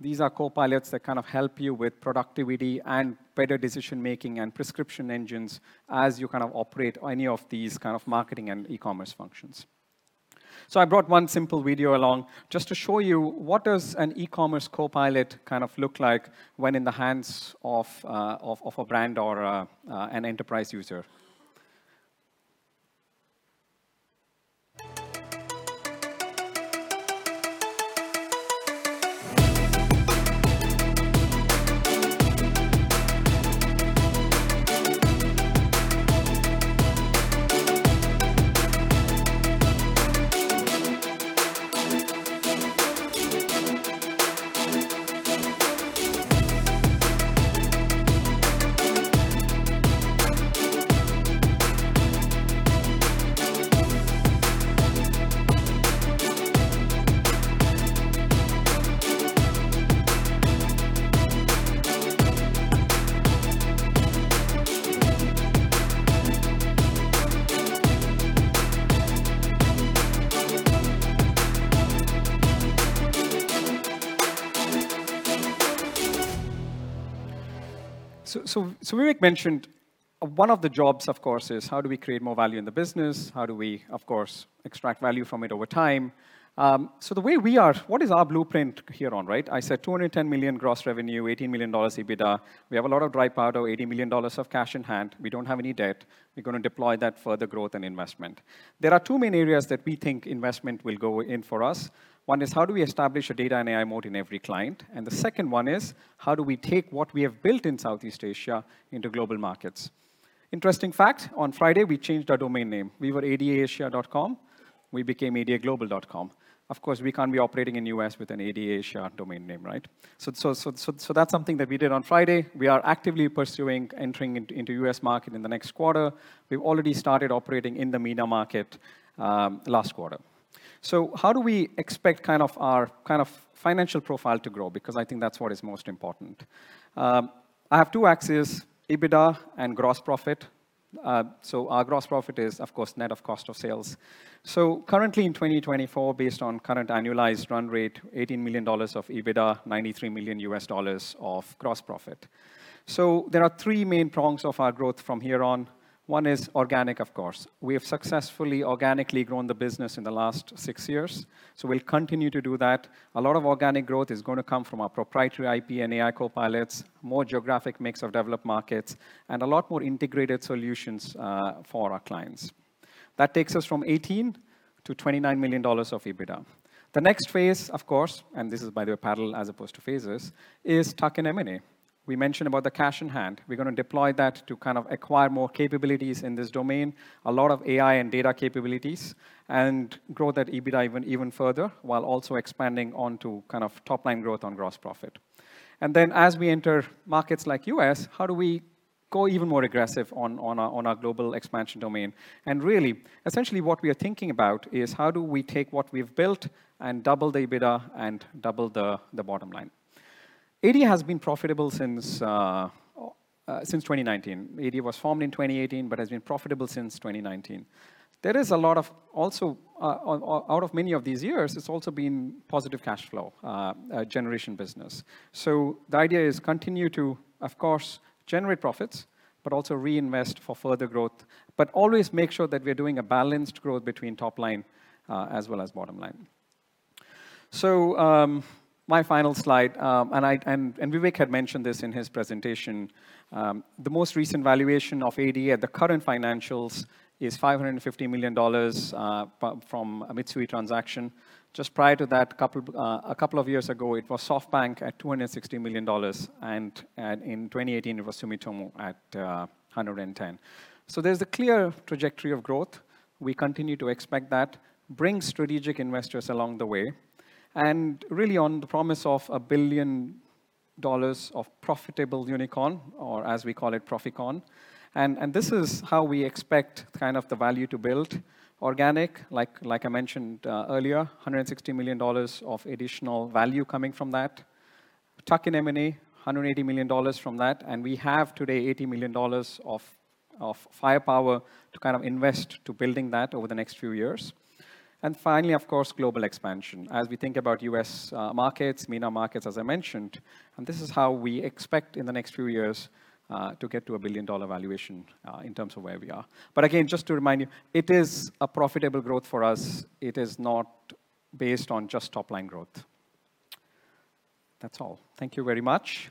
These are Copilots that kind of help you with productivity and better decision-making and prescription engines as you kind of operate any of these kind of marketing and e-commerce functions. So I brought one simple video along just to show you what does an e-commerce Copilot kind of look like when in the hands of a brand or an enterprise user. So Vivek mentioned one of the jobs, of course, is how do we create more value in the business? How do we, of course, extract value from it over time? So the way we are, what is our blueprint here on, right? I said $210 million gross revenue, $18 million EBITDA. We have a lot of dry powder, $80 million of cash in hand. We don't have any debt. We're going to deploy that further growth and investment. There are two main areas that we think investment will go in for us. One is how do we establish a data and AI moat in every client? And the second one is how do we take what we have built in Southeast Asia into global markets? Interesting fact, on Friday, we changed our domain name. We were ada-asia.com. We became adaglobal.com. Of course, we can't be operating in the U.S. with an ADA Asia domain name, right? So that's something that we did on Friday. We are actively pursuing entering into the U.S. market in the next quarter. We've already started operating in the MENA market last quarter. So how do we expect kind of our kind of financial profile to grow? Because I think that's what is most important. I have two axes, EBITDA and gross profit. So our gross profit is, of course, net of cost of sales. So currently in 2024, based on current annualized run rate, $18 million of EBITDA, $93 million of gross profit. So there are three main prongs of our growth from here on. One is organic, of course. We have successfully organically grown the business in the last six years. So we'll continue to do that. A lot of organic growth is going to come from our proprietary IP and AI Copilots, more geographic mix of developed markets, and a lot more integrated solutions for our clients. That takes us from $18 million-$29 million of EBITDA. The next phase, of course, and this is, by the way, parallel as opposed to phases, is tuck-in M&A. We mentioned about the cash in hand. We're going to deploy that to kind of acquire more capabilities in this domain, a lot of AI and data capabilities, and grow that EBITDA even further while also expanding onto kind of top-line growth on gross profit, and then as we enter markets like the U.S., how do we go even more aggressive on our global expansion domain? And really, essentially what we are thinking about is how do we take what we've built and double the EBITDA and double the bottom line? ADA has been profitable since 2019. ADA was formed in 2018, but has been profitable since 2019. There is a lot of, also, out of many of these years, it's also been positive cash flow generation business. The idea is to continue to, of course, generate profits, but also reinvest for further growth, but always make sure that we are doing a balanced growth between top line as well as bottom line. My final slide, and Vivek had mentioned this in his presentation, the most recent valuation of ADA at the current financials is $550 million from a Mitsui transaction. Just prior to that, a couple of years ago, it was SoftBank at $260 million, and in 2018, it was Sumitomo at $110 million. So there's a clear trajectory of growth. We continue to expect that, bring strategic investors along the way, and rely on the promise of a billion dollars of profitable unicorn, or as we call it, Proficorn. And this is how we expect kind of the value to build. Organic, like I mentioned earlier, $160 million of additional value coming from that. Tuck-in M&A, $180 million from that, and we have today $80 million of firepower to kind of invest to building that over the next few years. Finally, of course, global expansion. As we think about U.S. markets, MENA markets, as I mentioned, and this is how we expect in the next few years to get to a billion-dollar valuation in terms of where we are, but again, just to remind you, it is a profitable growth for us. It is not based on just top-line growth. That's all. Thank you very much.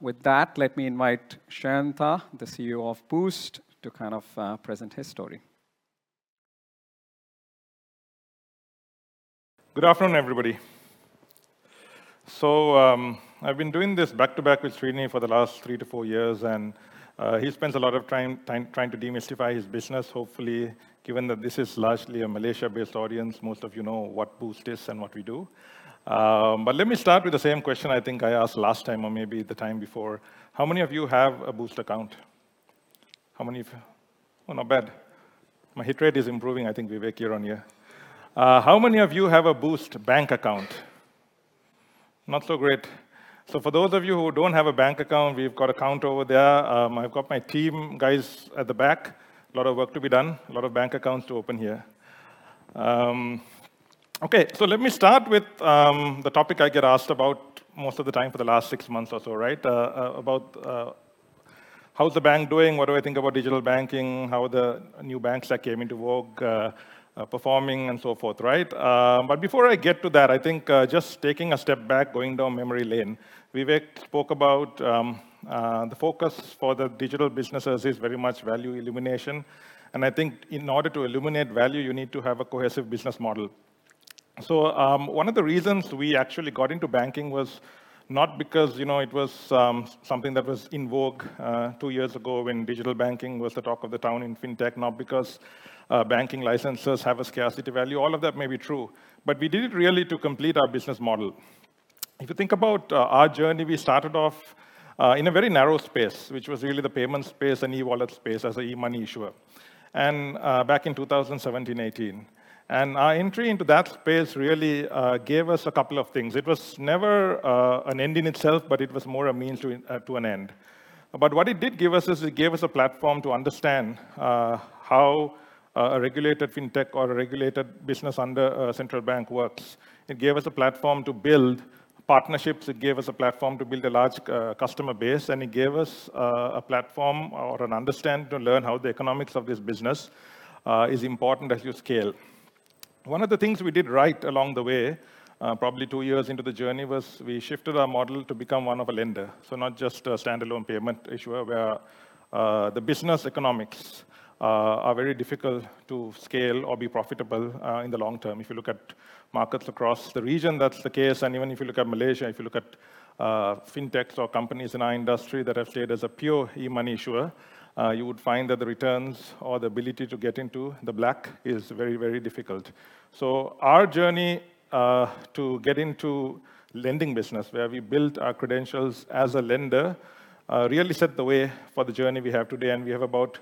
With that, let me invite Sheyantha, the CEO of Boost, to kind of present his story. Good afternoon, everybody. So I've been doing this back-to-back with Srinivas for the last three to four years, and he spends a lot of time trying to demystify his business, hopefully, given that this is largely a Malaysia-based audience. Most of you know what Boost is and what we do. But let me start with the same question I think I asked last time or maybe the time before. How many of you have a Boost account? How many of you? Oh, not bad. My hit rate is improving, I think, Vivek, year on year. How many of you have a Boost Bank account? Not so great. So for those of you who don't have a bank account, we've got a counter over there. I've got my team guys at the back. A lot of work to be done. A lot of bank accounts to open here. Okay, so let me start with the topic I get asked about most of the time for the last six months or so, right? About how's the bank doing? What do I think about digital banking? How are the new banks that came into work performing and so forth, right? But before I get to that, I think just taking a step back, going down memory lane, Vivek spoke about the focus for the digital businesses is very much value illumination. And I think in order to illuminate value, you need to have a cohesive business model. So one of the reasons we actually got into banking was not because it was something that was in vogue two years ago when digital banking was the talk of the town in fintech, not because banking licenses have a scarcity value. All of that may be true, but we did it really to complete our business model. If you think about our journey, we started off in a very narrow space, which was really the payment space and e-wallet space as an e-money issuer, and back in 2017, 2018, and our entry into that space really gave us a couple of things. It was never an end in itself, but it was more a means to an end, but what it did give us is it gave us a platform to understand how a regulated fintech or a regulated business under a central bank works. It gave us a platform to build partnerships. It gave us a platform to build a large customer base, and it gave us a platform or an understanding to learn how the economics of this business is important as you scale. One of the things we did right along the way, probably two years into the journey, was we shifted our model to become one of a lender, so not just a standalone payment issuer, where the business economics are very difficult to scale or be profitable in the long term. If you look at markets across the region, that's the case, and even if you look at Malaysia, if you look at fintechs or companies in our industry that have stayed as a pure e-money issuer, you would find that the returns or the ability to get into the black is very, very difficult, so our journey to get into lending business, where we built our credentials as a lender, really set the way for the journey we have today. We have about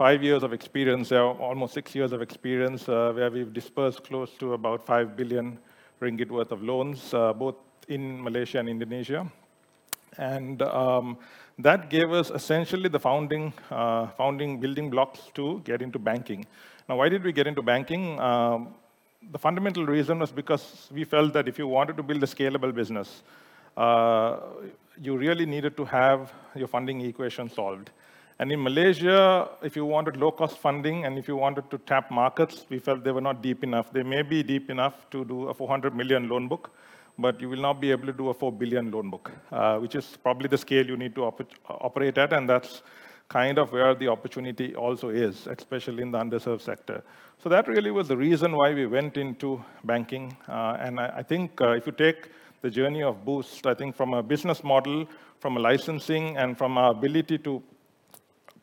five years of experience, almost six years of experience, where we've dispersed close to about 5 billion ringgit worth of loans, both in Malaysia and Indonesia. That gave us essentially the founding building blocks to get into banking. Now, why did we get into banking? The fundamental reason was because we felt that if you wanted to build a scalable business, you really needed to have your funding equation solved. In Malaysia, if you wanted low-cost funding and if you wanted to tap markets, we felt they were not deep enough. They may be deep enough to do a $400 million loan book, but you will not be able to do a $4 billion loan book, which is probably the scale you need to operate at. That's kind of where the opportunity also is, especially in the underserved sector. That really was the reason why we went into banking. I think if you take the journey of Boost, I think from a business model, from a licensing, and from our ability to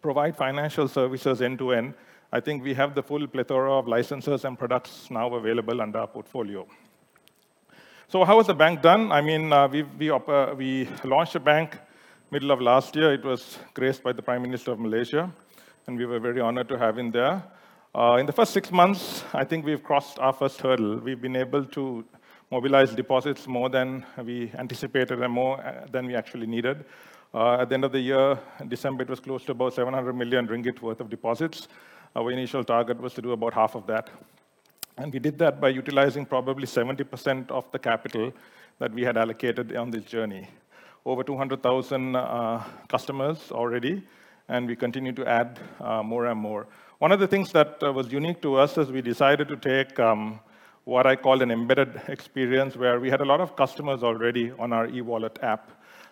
provide financial services end-to-end, I think we have the full plethora of licenses and products now available under our portfolio. How has the bank done? I mean, we launched a bank middle of last year. It was graced by the Prime Minister of Malaysia, and we were very honored to have him there. In the first six months, I think we've crossed our first hurdle. We've been able to mobilize deposits more than we anticipated and more than we actually needed. At the end of the year, in December, it was close to about 700 million ringgit worth of deposits. Our initial target was to do about MYR 350 million. We did that by utilizing probably 70% of the capital that we had allocated on this journey, over 200,000 customers already, and we continue to add more and more. One of the things that was unique to us is we decided to take what I call an embedded experience, where we had a lot of customers already on our e-wallet app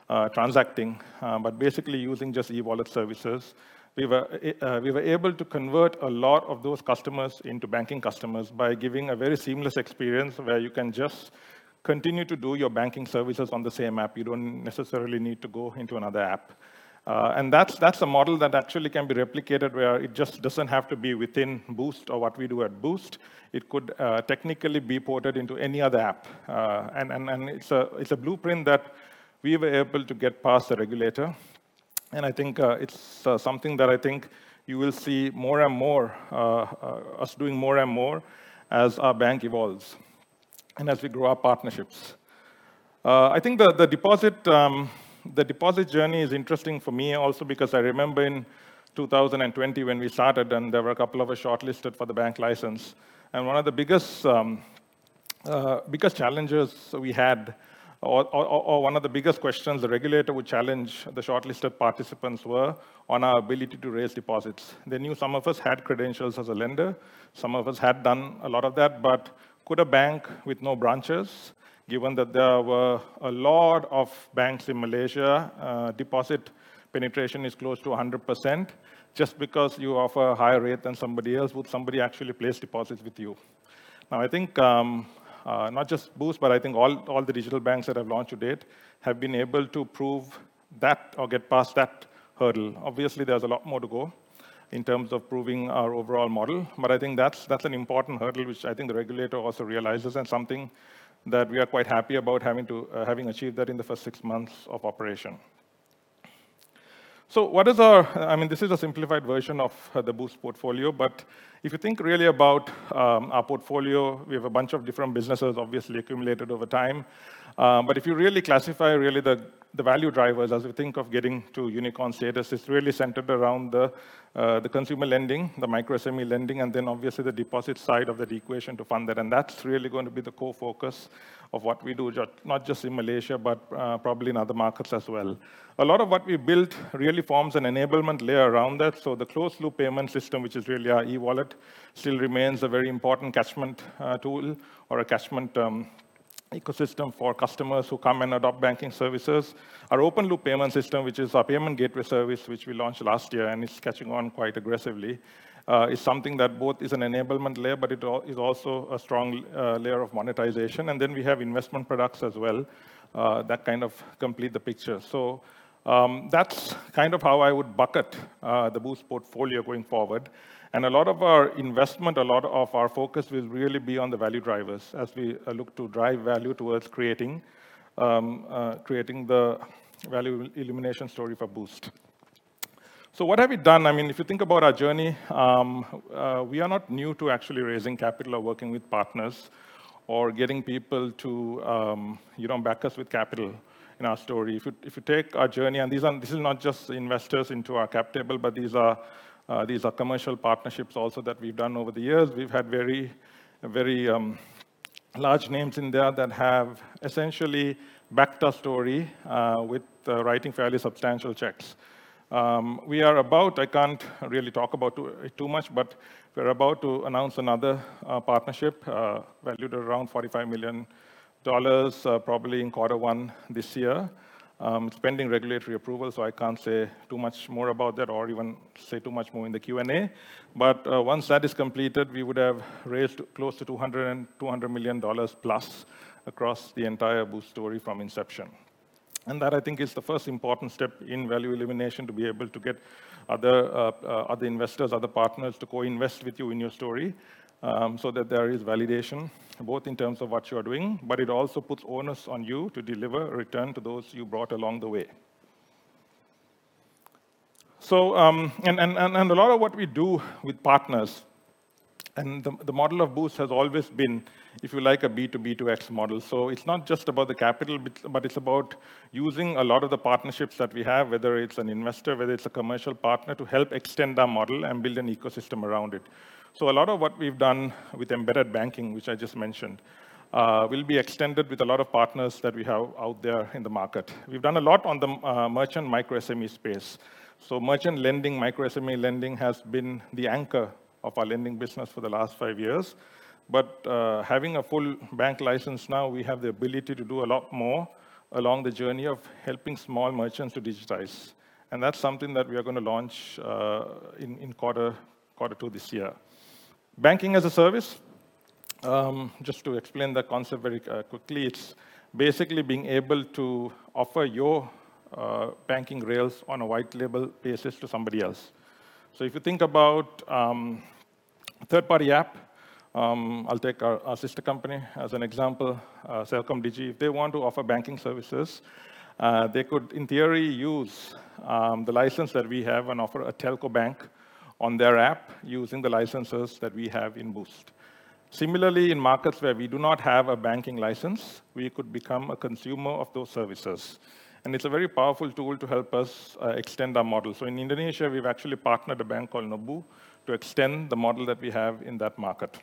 transacting, but basically using just e-wallet services. We were able to convert a lot of those customers into banking customers by giving a very seamless experience where you can just continue to do your banking services on the same app. You don't necessarily need to go into another app. That's a model that actually can be replicated where it just doesn't have to be within Boost or what we do at Boost. It could technically be ported into any other app. It's a blueprint that we were able to get past the regulator. I think it's something that I think you will see more and more us doing more and more as our bank evolves and as we grow our partnerships. I think the deposit journey is interesting for me also because I remember in 2020 when we started, and there were a couple of us shortlisted for the bank license. One of the biggest challenges we had, or one of the biggest questions the regulator would challenge the shortlisted participants were, was on our ability to raise deposits. They knew some of us had credentials as a lender. Some of us had done a lot of that. But could a bank with no branches, given that there were a lot of banks in Malaysia, deposit penetration is close to 100% just because you offer a higher rate than somebody else? Would somebody actually place deposits with you? Now, I think not just Boost, but I think all the digital banks that have launched to date have been able to prove that or get past that hurdle. Obviously, there's a lot more to go in terms of proving our overall model, but I think that's an important hurdle, which I think the regulator also realizes and something that we are quite happy about having achieved that in the first six months of operation. So what is our, I mean, this is a simplified version of the Boost portfolio, but if you think really about our portfolio, we have a bunch of different businesses, obviously accumulated over time. But if you really classify the value drivers, as we think of getting to unicorn status, it's really centered around the consumer lending, the micro SME lending, and then obviously the deposit side of the equation to fund that. And that's really going to be the core focus of what we do, not just in Malaysia, but probably in other markets as well. A lot of what we built really forms an enablement layer around that. So the closed-loop payment system, which is really our e-wallet, still remains a very important catchment tool or a catchment ecosystem for customers who come and adopt banking services. Our open-loop payment system, which is our payment gateway service, which we launched last year and is catching on quite aggressively, is something that both is an enablement layer, but it is also a strong layer of monetization. And then we have investment products as well that kind of complete the picture. So that's kind of how I would bucket the Boost portfolio going forward. And a lot of our investment, a lot of our focus will really be on the value drivers as we look to drive value towards creating the value illumination story for Boost. So what have we done? I mean, if you think about our journey, we are not new to actually raising capital or working with partners or getting people to back us with capital in our story. If you take our journey, and this is not just investors into our cap table, but these are commercial partnerships also that we've done over the years. We've had very large names in there that have essentially backed our story with writing fairly substantial checks. We are about to. I can't really talk about too much, but we're about to announce another partnership valued at around $45 million, probably in quarter one this year, pending regulatory approval. I can't say too much more about that or even say too much more in the Q&A. Once that is completed, we would have raised close to $200 million+ across the entire Boost story from inception. That, I think, is the first important step in value illumination to be able to get other investors, other partners to co-invest with you in your story so that there is validation both in terms of what you are doing, but it also puts onus on you to deliver a return to those you brought along the way. A lot of what we do with partners, and the model of Boost has always been, if you like, a B2B2X model. So it's not just about the capital, but it's about using a lot of the partnerships that we have, whether it's an investor, whether it's a commercial partner, to help extend our model and build an ecosystem around it. So a lot of what we've done with embedded banking, which I just mentioned, will be extended with a lot of partners that we have out there in the market. We've done a lot on the merchant micro SME space. So merchant lending, micro SME lending has been the anchor of our lending business for the last five years. But having a full bank license now, we have the ability to do a lot more along the journey of helping small merchants to digitize. That's something that we are going to launch in quarter two this year. Banking as a service, just to explain the concept very quickly, it's basically being able to offer your banking rails on a white-label basis to somebody else. So if you think about a third-party app, I'll take our sister company as an example, CelcomDigi. If they want to offer banking services, they could, in theory, use the license that we have and offer a telco bank on their app using the licenses that we have in Boost. Similarly, in markets where we do not have a banking license, we could become a consumer of those services. And it's a very powerful tool to help us extend our model. So in Indonesia, we've actually partnered a bank called Bank Nobu to extend the model that we have in that market.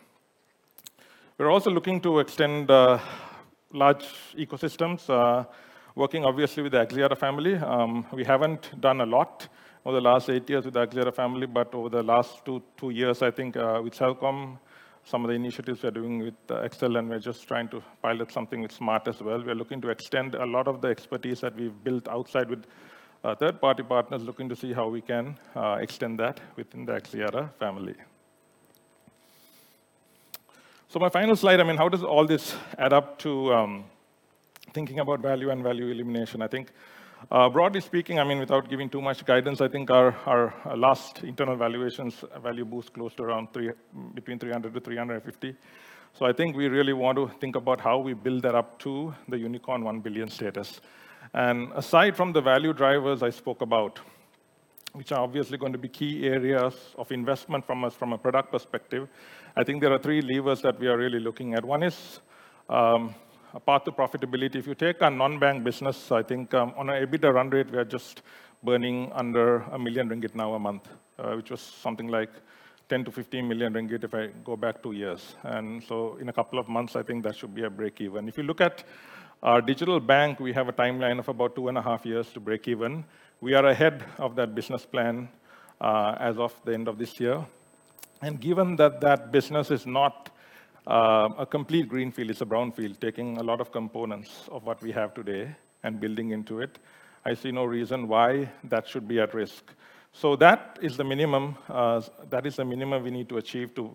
We're also looking to extend large ecosystems, working obviously with the Axiata family. We haven't done a lot over the last eight years with the Axiata family, but over the last two years, I think with CelcomDigi, some of the initiatives we're doing with XL, and we're just trying to pilot something with Smart as well. We are looking to extend a lot of the expertise that we've built outside with third-party partners, looking to see how we can extend that within the Axiata family. So my final slide, I mean, how does all this add up to thinking about value and value illumination I think? Broadly speaking, I mean, without giving too much guidance, I think our last internal valuations value Boost close to around between $300 million-$350 million. So I think we really want to think about how we build that up to the unicorn $1 billion status. And aside from the value drivers I spoke about, which are obviously going to be key areas of investment from a product perspective, I think there are three levers that we are really looking at. One is a path to profitability. If you take a non-bank business, I think on an EBITDA run rate, we are just burning under 1 million ringgit now a month, which was something like 10 million-15 million ringgit if I go back two years. And so in a couple of months, I think that should be a break-even. If you look at our digital bank, we have a timeline of about two and a half years to break-even. We are ahead of that business plan as of the end of this year. Given that that business is not a complete greenfield, it's a brownfield, taking a lot of components of what we have today and building into it, I see no reason why that should be at risk. That is the minimum. That is the minimum we need to achieve to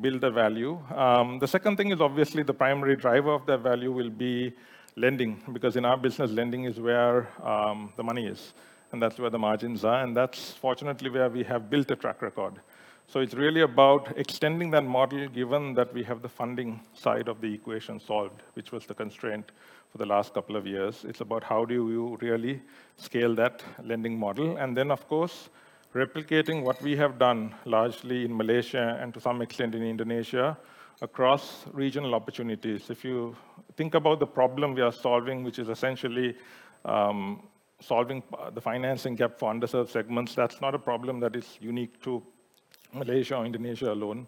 build the value. The second thing is obviously the primary driver of that value will be lending, because in our business, lending is where the money is, and that's where the margins are. That's fortunately where we have built a track record. It's really about extending that model, given that we have the funding side of the equation solved, which was the constraint for the last couple of years. It's about how do you really scale that lending model. And then, of course, replicating what we have done largely in Malaysia and to some extent in Indonesia across regional opportunities. If you think about the problem we are solving, which is essentially solving the financing gap for underserved segments, that's not a problem that is unique to Malaysia or Indonesia alone.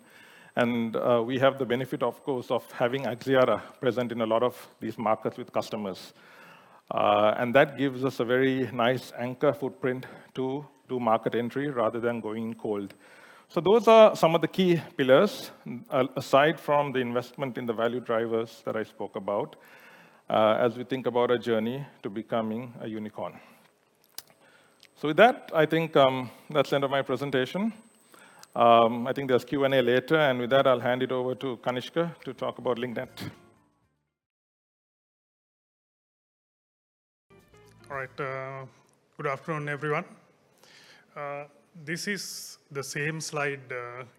And we have the benefit, of course, of having Axiata present in a lot of these markets with customers. And that gives us a very nice anchor footprint to market entry rather than going cold. So those are some of the key pillars, aside from the investment in the value drivers that I spoke about, as we think about a journey to becoming a unicorn. So with that, I think that's the end of my presentation. I think there's Q&A later, and with that, I'll hand it over to Kanishka to talk about Link Net. All right. Good afternoon, everyone. This is the same slide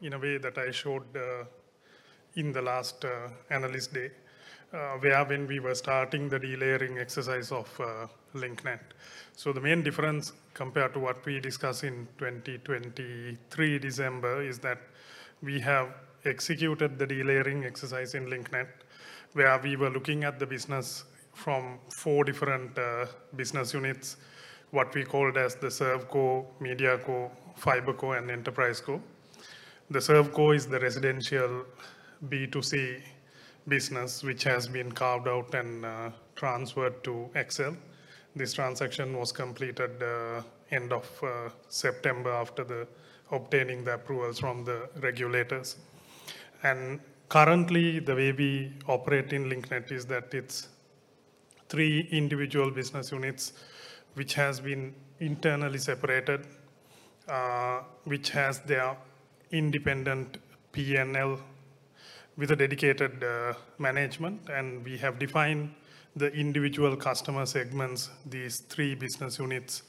in a way that I showed in the last Analyst Day, where when we were starting the delayering exercise of Link Net. So the main difference compared to what we discussed in December 2023 is that we have executed the delayering exercise in Link Net, where we were looking at the business from four different business units, what we called as the ServeCo, MediaCo, FiberCo, and EnterpriseCo. The ServeCo is the residential B2C business, which has been carved out and transferred to XL. This transaction was completed at the end of September after obtaining the approvals from the regulators, and currently, the way we operate in Link Net is that it's three individual business units, which have been internally separated, which have their independent P&L with a dedicated management, and we have defined the individual customer segments, these three business units,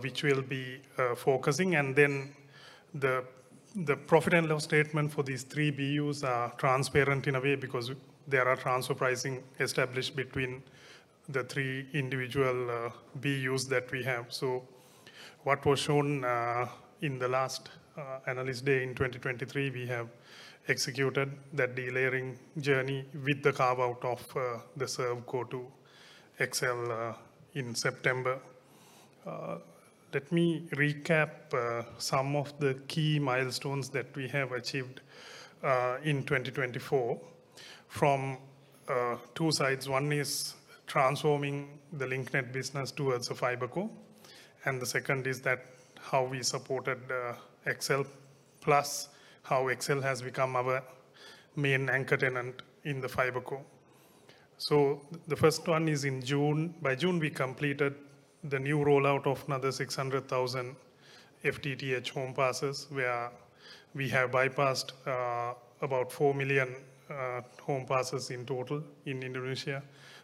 which we'll be focusing. Then the profit and loss statement for these three BUs are transparent in a way because there are transfer pricing established between the three individual BUs that we have. So what was shown in the last Analyst Day in 2023, we have executed that delayering journey with the carve-out of the ServeCo to XL in September. Let me recap some of the key milestones that we have achieved in 2024 from two sides. One is transforming the Link Net business towards a FiberCo. And the second is how we supported XL, how XL has become our main anchor tenant in the FiberCo. So the first one is in June. By June, we completed the new rollout of another 600,000 FTTH home passes, where we have bypassed about 4 million home passes in total in Indonesia,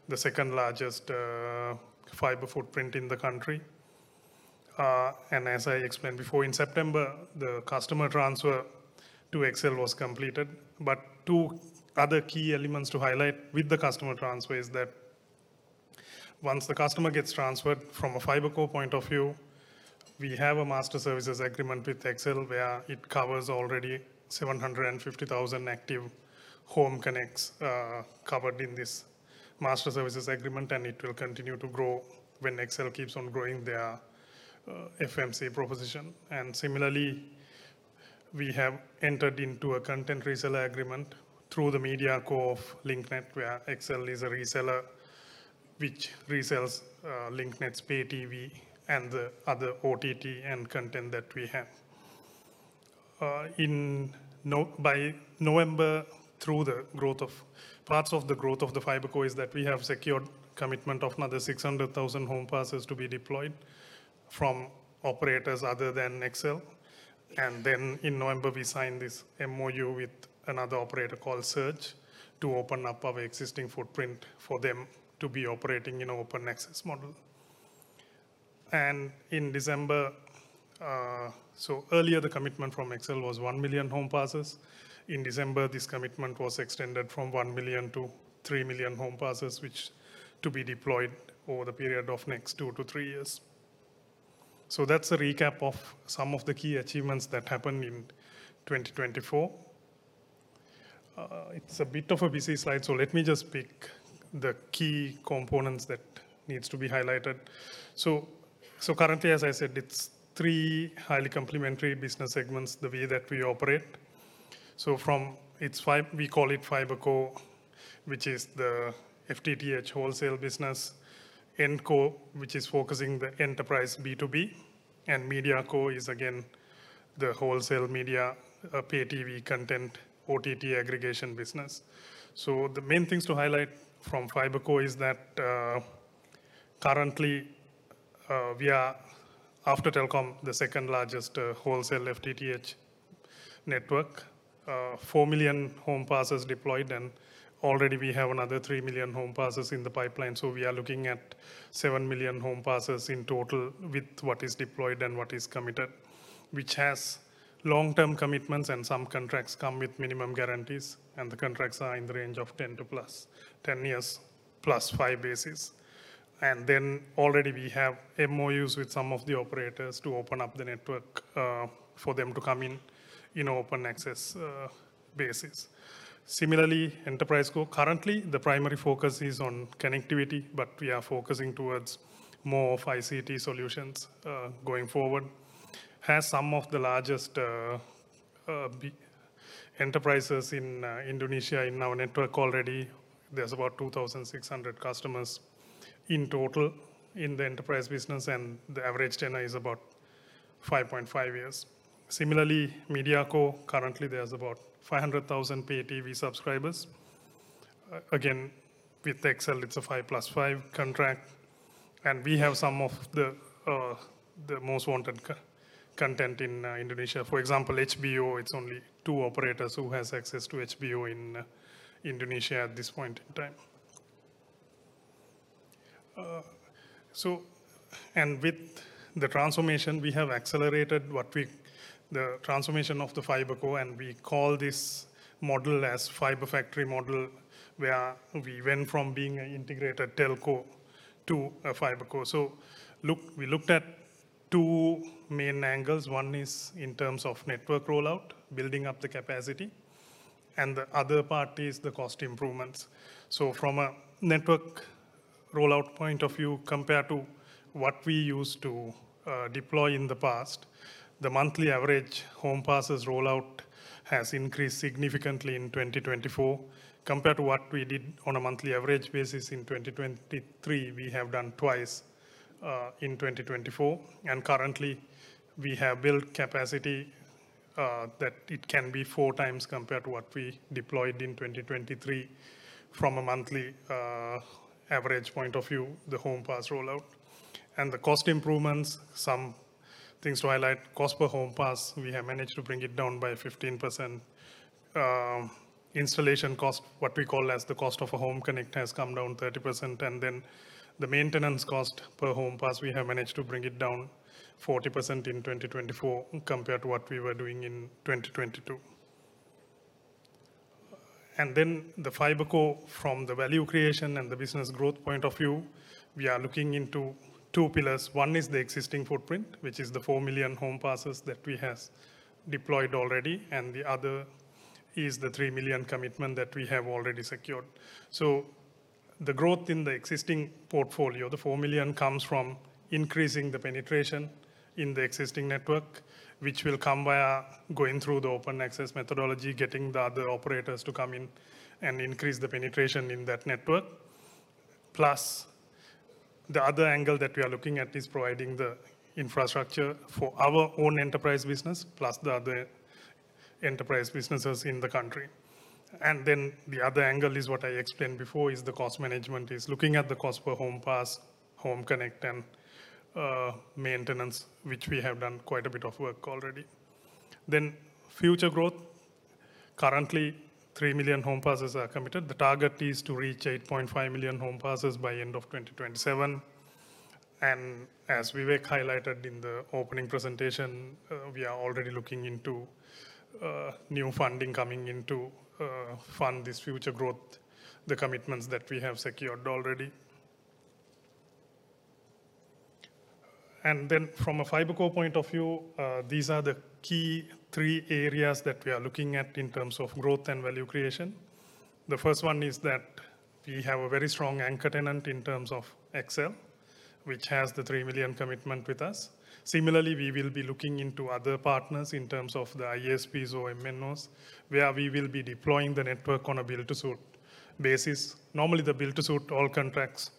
the second largest fiber footprint in the country. As I explained before, in September, the customer transfer to XL was completed. Two other key elements to highlight with the customer transfer is that once the customer gets transferred from a FiberCo point of view, we have a master services agreement with XL, where it covers already 750,000 active home connects covered in this master services agreement, and it will continue to grow when XL keeps on growing their FMC proposition. Similarly, we have entered into a content reseller agreement through the MediaCo of Link Net, where XL is a reseller which resells Link Net's pay TV and the other OTT and content that we have. By November. Through the growth of parts of the growth of the FiberCo is that we have secured commitment of another 600,000 home passes to be deployed from operators other than XL. And then in November, we signed this MoU with another operator called Surge to open up our existing footprint for them to be operating in an open access model. And in December, so earlier, the commitment from XL was 1 million home passes. In December, this commitment was extended from 1 million-3 million home passes, which to be deployed over the period of next two to three years. So that's a recap of some of the key achievements that happened in 2024. It's a bit of a busy slide, so let me just pick the key components that need to be highlighted. So currently, as I said, it's three highly complementary business segments, the way that we operate. So, we call it FiberCo, which is the FTTH wholesale business, NetCo, which is focusing the enterprise B2B, and MediaCo is again the wholesale media pay TV content OTT aggregation business. So the main things to highlight from FiberCo is that currently, we are, after Telkom, the second largest wholesale FTTH network, 4 million home passes deployed, and already we have another 3 million home passes in the pipeline. So we are looking at 7 million home passes in total with what is deployed and what is committed, which has long-term commitments and some contracts come with minimum guarantees, and the contracts are in the range of 10 plus 10 years plus five basis. And then already we have MoUs with some of the operators to open up the network for them to come in in open access basis. Similarly, EnterpriseCo currently, the primary focus is on connectivity, but we are focusing towards more of ICT solutions going forward. It has some of the largest enterprises in Indonesia in our network already. There's about 2,600 customers in total in the enterprise business, and the average tenor is about 5.5 years. Similarly, MediaCo currently, there's about 500,000 pay TV subscribers. Again, with XL, it's a 5+5 contract, and we have some of the most wanted content in Indonesia. For example, HBO, it's only two operators who have access to HBO in Indonesia at this point in time. And with the transformation, we have accelerated the transformation of the FiberCo, and we call this model as FiberFactory model, where we went from being an integrated Telco to a FiberCo, so we looked at two main angles. One is in terms of network rollout, building up the capacity, and the other part is the cost improvements. So from a network rollout point of view, compared to what we used to deploy in the past, the monthly average home passes rollout has increased significantly in 2024. Compared to what we did on a monthly average basis in 2023, we have done twice in 2024. And currently, we have built capacity that it can be four times compared to what we deployed in 2023 from a monthly average point of view, the home pass rollout. And the cost improvements, some things to highlight, cost per home pass, we have managed to bring it down by 15%. Installation cost, what we call as the cost of a home connect, has come down 30%. Then the maintenance cost per home pass, we have managed to bring it down 40% in 2024 compared to what we were doing in 2022. Then the FiberCo, from the value creation and the business growth point of view, we are looking into two pillars. One is the existing footprint, which is the 4 million home passes that we have deployed already, and the other is the 3 million commitment that we have already secured. The growth in the existing portfolio, the 4 million comes from increasing the penetration in the existing network, which will come via going through the open access methodology, getting the other operators to come in and increase the penetration in that network. Plus, the other angle that we are looking at is providing the infrastructure for our own enterprise business, plus the other enterprise businesses in the country. And then the other angle is what I explained before, is the cost management, is looking at the cost per home pass, home connect, and maintenance, which we have done quite a bit of work already. Then future growth, currently, three million home passes are committed. The target is to reach 8.5 million home passes by the end of 2027. And as Vivek highlighted in the opening presentation, we are already looking into new funding coming in to fund this future growth, the commitments that we have secured already. And then from a FiberCo point of view, these are the key three areas that we are looking at in terms of growth and value creation. The first one is that we have a very strong anchor tenant in terms of XL, which has the three million commitment with us. Similarly, we will be looking into other partners in terms of the ISPs or MNOs, where we will be deploying the network on a build-to-suit basis. Normally, the build-to-suit all contracts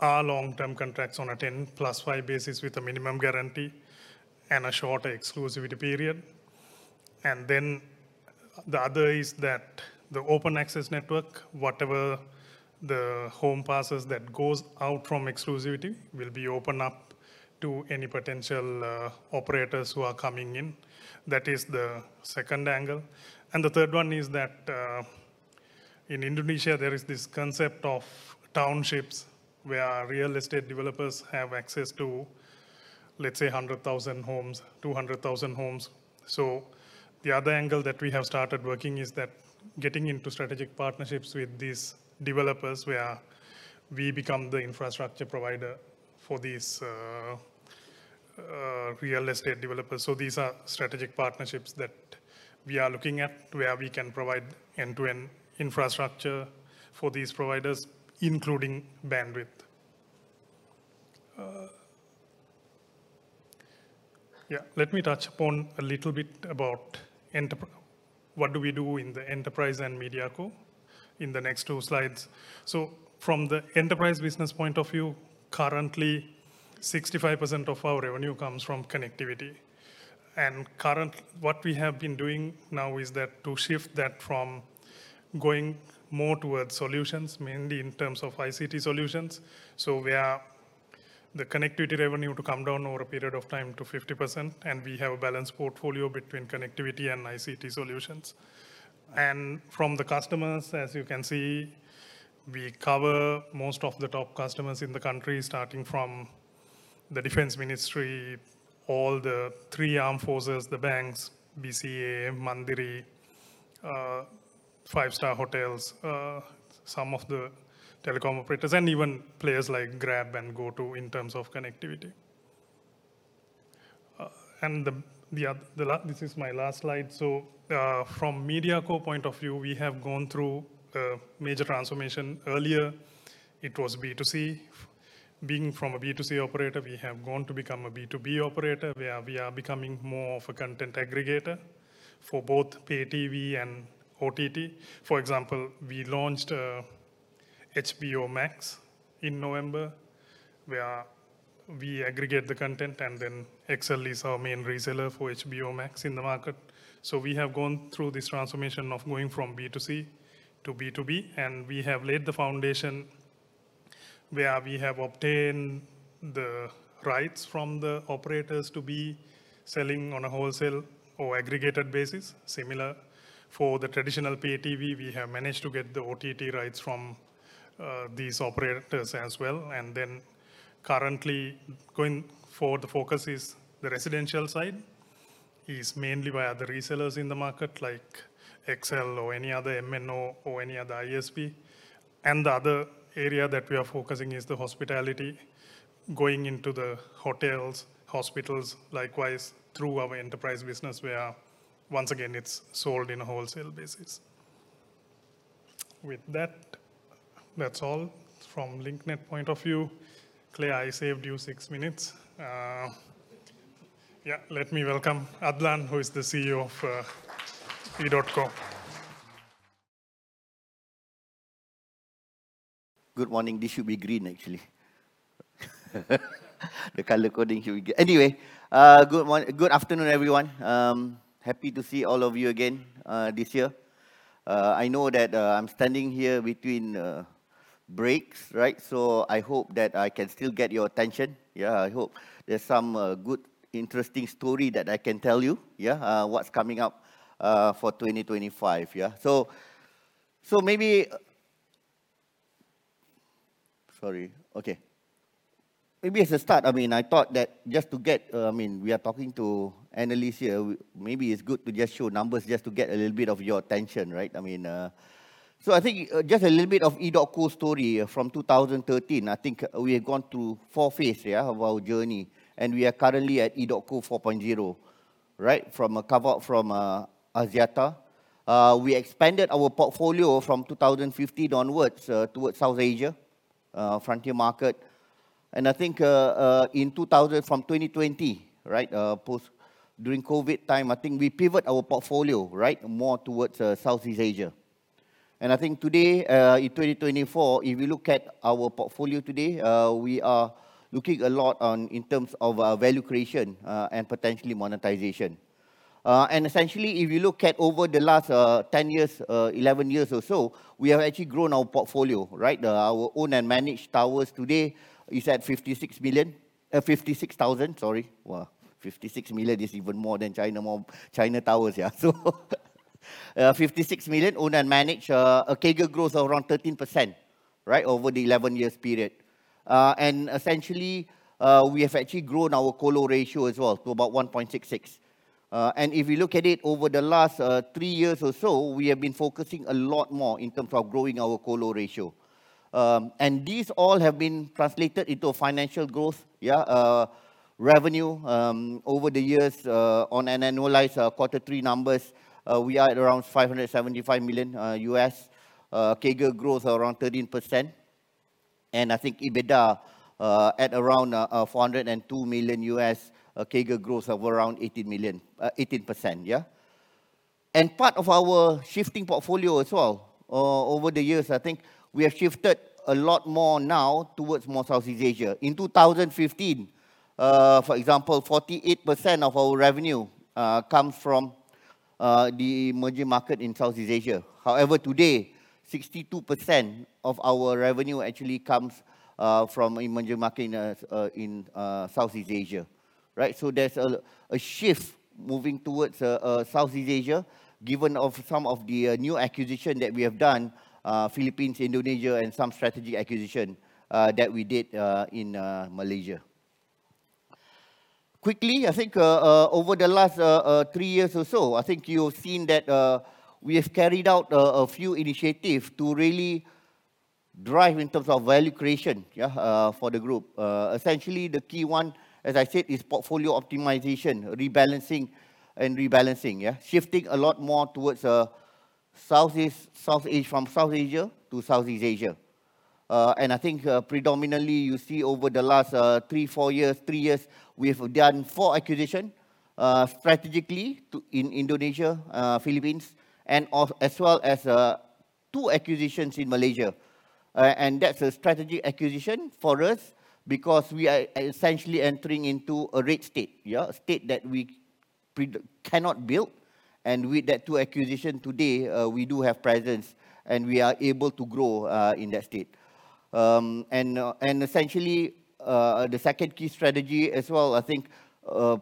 are long-term contracts on a 10+5 basis with a minimum guarantee and a shorter exclusivity period, and then the other is that the open access network, whatever the home passes that go out from exclusivity will be opened up to any potential operators who are coming in. That is the second angle, and the third one is that in Indonesia, there is this concept of townships where real estate developers have access to, let's say, 100,000 homes, 200,000 homes, so the other angle that we have started working is that getting into strategic partnerships with these developers where we become the infrastructure provider for these real estate developers. So these are strategic partnerships that we are looking at where we can provide end-to-end infrastructure for these providers, including bandwidth. Yeah, let me touch upon a little bit about what do we do in the enterprise and MediaCo in the next two slides. So from the enterprise business point of view, currently, 65% of our revenue comes from connectivity. And currently, what we have been doing now is that to shift that from going more towards solutions, mainly in terms of ICT solutions. So the connectivity revenue to come down over a period of time to 50%, and we have a balanced portfolio between connectivity and ICT solutions. From the customers, as you can see, we cover most of the top customers in the country, starting from the Defense Ministry, all the three armed forces, the banks, BCA, Mandiri, five-star hotels, some of the telecom operators, and even players like Grab and GoTo in terms of connectivity. This is my last slide. From MediaCo point of view, we have gone through a major transformation. Earlier, it was B2C. Being from a B2C operator, we have gone to become a B2B operator, where we are becoming more of a content aggregator for both pay TV and OTT. For example, we launched HBO Max in November, where we aggregate the content, and then XL is our main reseller for HBO Max in the market. So we have gone through this transformation of going from B2C to B2B, and we have laid the foundation where we have obtained the rights from the operators to be selling on a wholesale or aggregated basis. Similar, for the traditional pay TV, we have managed to get the OTT rights from these operators as well. And then currently, for the focus is the residential side. It's mainly via the resellers in the market, like XL or any other MNO or any other ISP. And the other area that we are focusing is the hospitality, going into the hotels, hospitals, likewise through our enterprise business, where once again, it's sold in a wholesale basis. With that, that's all. From Link Net point of view, Clare, I saved you six minutes. Yeah, let me welcome Adlan, who is the CEO of EDOTCO. Good morning. This should be green, actually. The color coding should be good. Anyway, good afternoon, everyone. Happy to see all of you again this year. I know that I'm standing here between breaks, right? So I hope that I can still get your attention. Yeah, I hope there's some good, interesting story that I can tell you, yeah, what's coming up for 2025. Yeah, so maybe, sorry, okay. Maybe as a start, I mean, I thought that just to get, I mean, we are talking to Annelise here. Maybe it's good to just show numbers just to get a little bit of your attention, right? I mean, so I think just a little bit of EDOTCO story from 2013. I think we have gone through four phases of our journey, and we are currently at EDOTCO 4.0, right? From a carve-out from Axiata, we expanded our portfolio from 2015 onwards towards South Asia, frontier market. I think in 2000, from 2020, right, during COVID time, I think we pivoted our portfolio, right, more towards Southeast Asia. I think today, in 2024, if we look at our portfolio today, we are looking a lot in terms of value creation and potentially monetization. Essentially, if you look at over the last 10 years, 11 years or so, we have actually grown our portfolio, right. Our own and managed towers today is at 56 million, 56,000, sorry. Well, 56 million is even more than China Tower, yeah. So 56 million owned and managed, a CAGR growth of around 13%, right, over the 11 years period. Essentially, we have actually grown our colo ratio as well to about 1.66. If you look at it over the last three years or so, we have been focusing a lot more in terms of growing our colo ratio. These all have been translated into financial growth, yeah, revenue over the years on an annualized quarter three numbers. We are at around $575 million, CAGR growth around 13%. I think EBITDA at around $402 million, CAGR growth of around 18 million, 18%, yeah. Part of our shifting portfolio as well over the years, I think we have shifted a lot more now towards more Southeast Asia. In 2015, for example, 48% of our revenue comes from the emerging market in Southeast Asia. However, today, 62% of our revenue actually comes from emerging market in Southeast Asia, right? So there's a shift moving towards Southeast Asia given some of the new acquisitions that we have done, Philippines, Indonesia, and some strategic acquisitions that we did in Malaysia. Quickly, I think over the last three years or so, I think you have seen that we have carried out a few initiatives to really drive in terms of value creation, yeah, for the group. Essentially, the key one, as I said, is portfolio optimization, rebalancing and rebalancing, yeah, shifting a lot more towards Southeast, from Southeast Asia to Southeast Asia. And I think predominantly you see over the last three, four years, three years, we have done four acquisitions strategically in Indonesia, Philippines, and as well as two acquisitions in Malaysia. And that's a strategic acquisition for us because we are essentially entering into a Restricted State, yeah, a state that we cannot build. And with that two acquisitions today, we do have presence and we are able to grow in that state. And essentially, the second key strategy as well, I think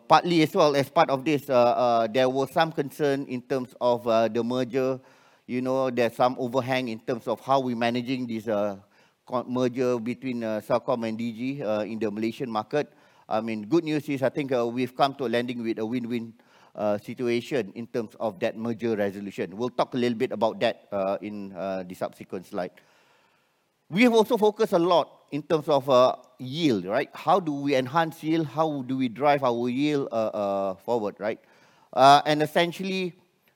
partly as well as part of this, there was some concern in terms of the merger. You know, there's some overhang in terms of how we're managing this merger between Celcom and Digi in the Malaysian market. I mean, good news is I think we've come to a landing with a win-win situation in terms of that merger resolution. We'll talk a little bit about that in the subsequent slide. We have also focused a lot in terms of yield, right? How do we enhance yield? How do we drive our yield forward, right? Essentially,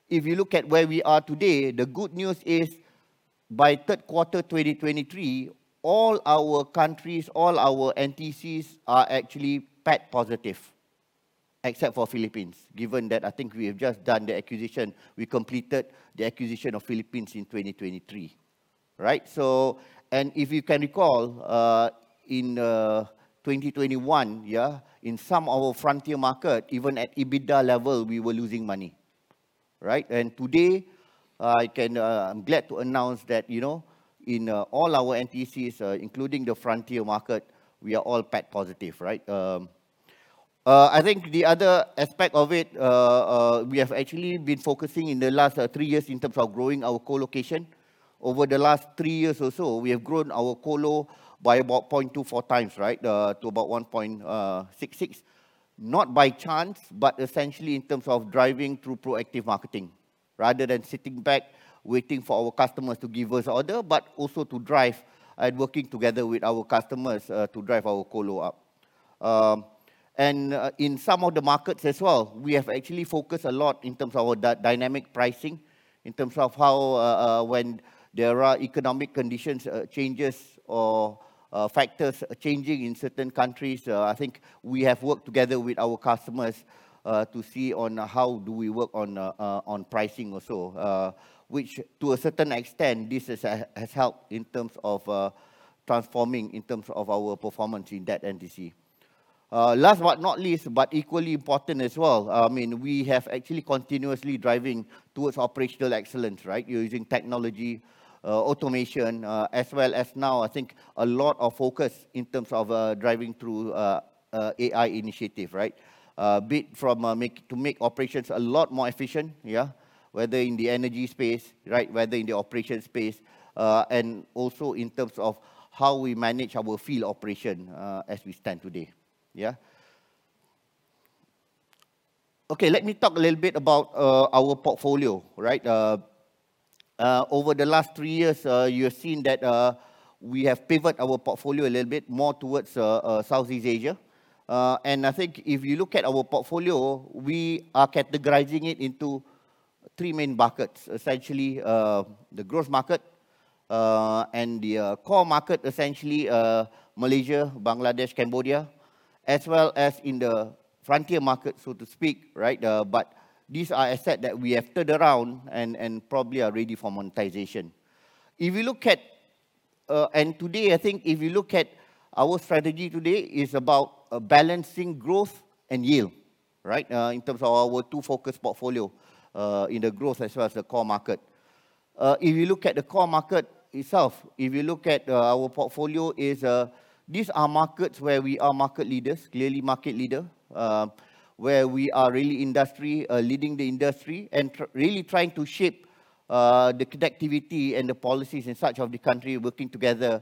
if you look at where we are today, the good news is by third quarter 2023, all our countries, all our NTCs are actually PAT positive, except for Philippines, given that I think we have just done the acquisition. We completed the acquisition of Philippines in 2023, right? So, and if you can recall in 2021, yeah, in some of our frontier market, even at EBITDA level, we were losing money, right? And today, I can, I'm glad to announce that, you know, in all our NTCs, including the frontier market, we are all PAT positive, right? I think the other aspect of it, we have actually been focusing in the last three years in terms of growing our colocation. Over the last three years or so, we have grown our colo by about 0.24x, right, to about 1.66, not by chance, but essentially in terms of driving through proactive marketing rather than sitting back waiting for our customers to give us order, but also to drive and working together with our customers to drive our colo up, and in some of the markets as well, we have actually focused a lot in terms of our dynamic pricing, in terms of how when there are economic conditions, changes or factors changing in certain countries, I think we have worked together with our customers to see on how do we work on pricing also, which to a certain extent, this has helped in terms of transforming in terms of our performance in that NTC. Last but not least, but equally important as well, I mean, we have actually continuously driving towards operational excellence, right? Using technology, automation, as well as now, I think a lot of focus in terms of driving through AI initiative, right? Be driven to make operations a lot more efficient, yeah, whether in the energy space, right, whether in the operation space, and also in terms of how we manage our field operation as we stand today, yeah? Okay, let me talk a little bit about our portfolio, right? Over the last three years, you have seen that we have pivoted our portfolio a little bit more towards Southeast Asia, and I think if you look at our portfolio, we are categorizing it into three main buckets, essentially the growth market and the core market, essentially Malaysia, Bangladesh, Cambodia, as well as in the frontier market, so to speak, right? These are assets that we have turned around and probably are ready for monetization. Today, I think if you look at our strategy today, it's about balancing growth and yield, right, in terms of our two-focus portfolio in the growth as well as the core market. If you look at the core market itself, if you look at our portfolio, these are markets where we are market leaders, clearly market leaders, where we are really leading the industry and really trying to shape the connectivity and the policies and such of the country working together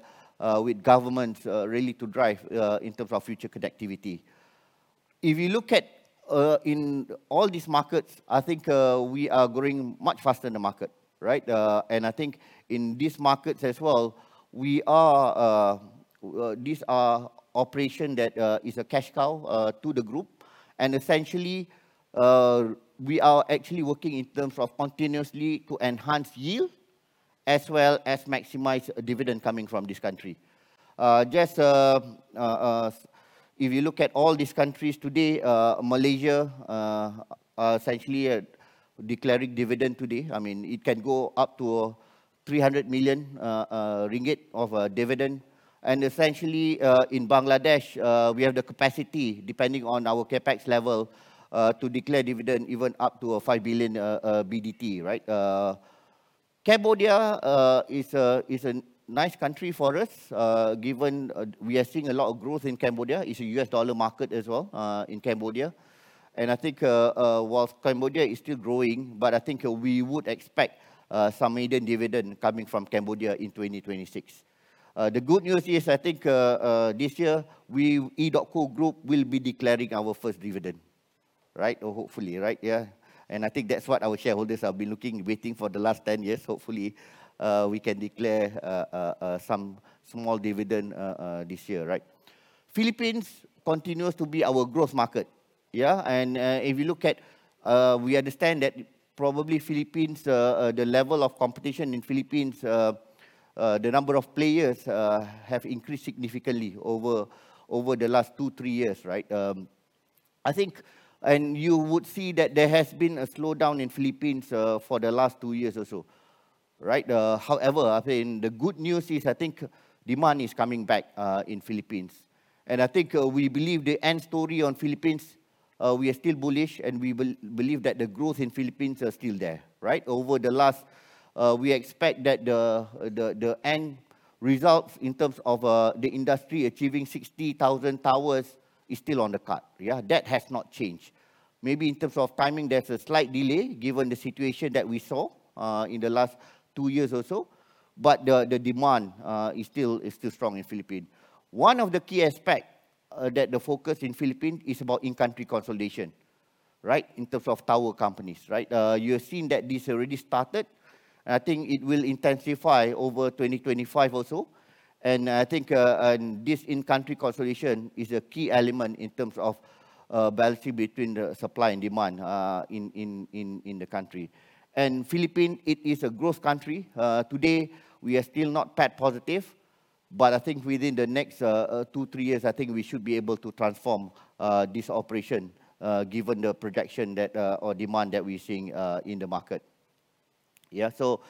with governments really to drive in terms of future connectivity. If you look at all these markets, I think we are growing much faster than the market, right? And I think in these markets as well, these are operations that is a cash cow to the group. Essentially, we are actually working in terms of continuously to enhance yield as well as maximize dividend coming from this country. Just if you look at all these countries today, Malaysia essentially declaring dividend today, I mean, it can go up to 300 million ringgit of dividend. Essentially in Bangladesh, we have the capacity depending on our CapEx level to declare dividend even up to 5 billion BDT, right? Cambodia is a nice country for us given we are seeing a lot of growth in Cambodia. It's a US dollar market as well in Cambodia. I think while Cambodia is still growing, but I think we would expect some median dividend coming from Cambodia in 2026. The good news is I think this year we EDOTCO Group will be declaring our first dividend, right? Or hopefully, right? Yeah. I think that's what our shareholders have been looking, waiting for the last 10 years. Hopefully, we can declare some small dividend this year, right? Philippines continues to be our growth market, yeah? If you look at, we understand that probably Philippines, the level of competition in Philippines, the number of players have increased significantly over the last two, three years, right? I think, and you would see that there has been a slowdown in Philippines for the last two years or so, right? However, I think the good news is I think demand is coming back in Philippines. I think we believe the end story on Philippines, we are still bullish and we believe that the growth in Philippines is still there, right? Over the last, we expect that the end result in terms of the industry achieving 60,000 towers is still on the card, yeah? That has not changed. Maybe in terms of timing, there's a slight delay given the situation that we saw in the last two years or so, but the demand is still strong in Philippines. One of the key aspects that the focus in Philippines is about in-country consolidation, right? In terms of tower companies, right? You have seen that this already started, and I think it will intensify over 2025 also. And I think this in-country consolidation is a key element in terms of balancing between the supply and demand in the country. And Philippines, it is a growth country. Today, we are still not EBITDA positive, but I think within the next two, three years, I think we should be able to transform this operation given the projection or demand that we're seeing in the market, yeah? So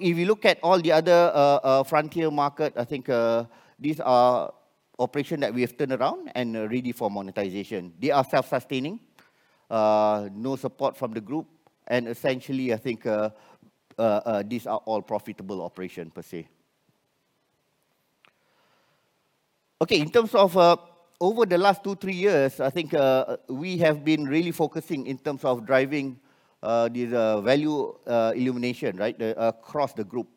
if you look at all the other frontier markets, I think these are operations that we have turned around and ready for monetization. They are self-sustaining, no support from the group, and essentially I think these are all profitable operations per se. Okay, in terms of over the last two, three years, I think we have been really focusing in terms of driving these value realization, right? Across the group,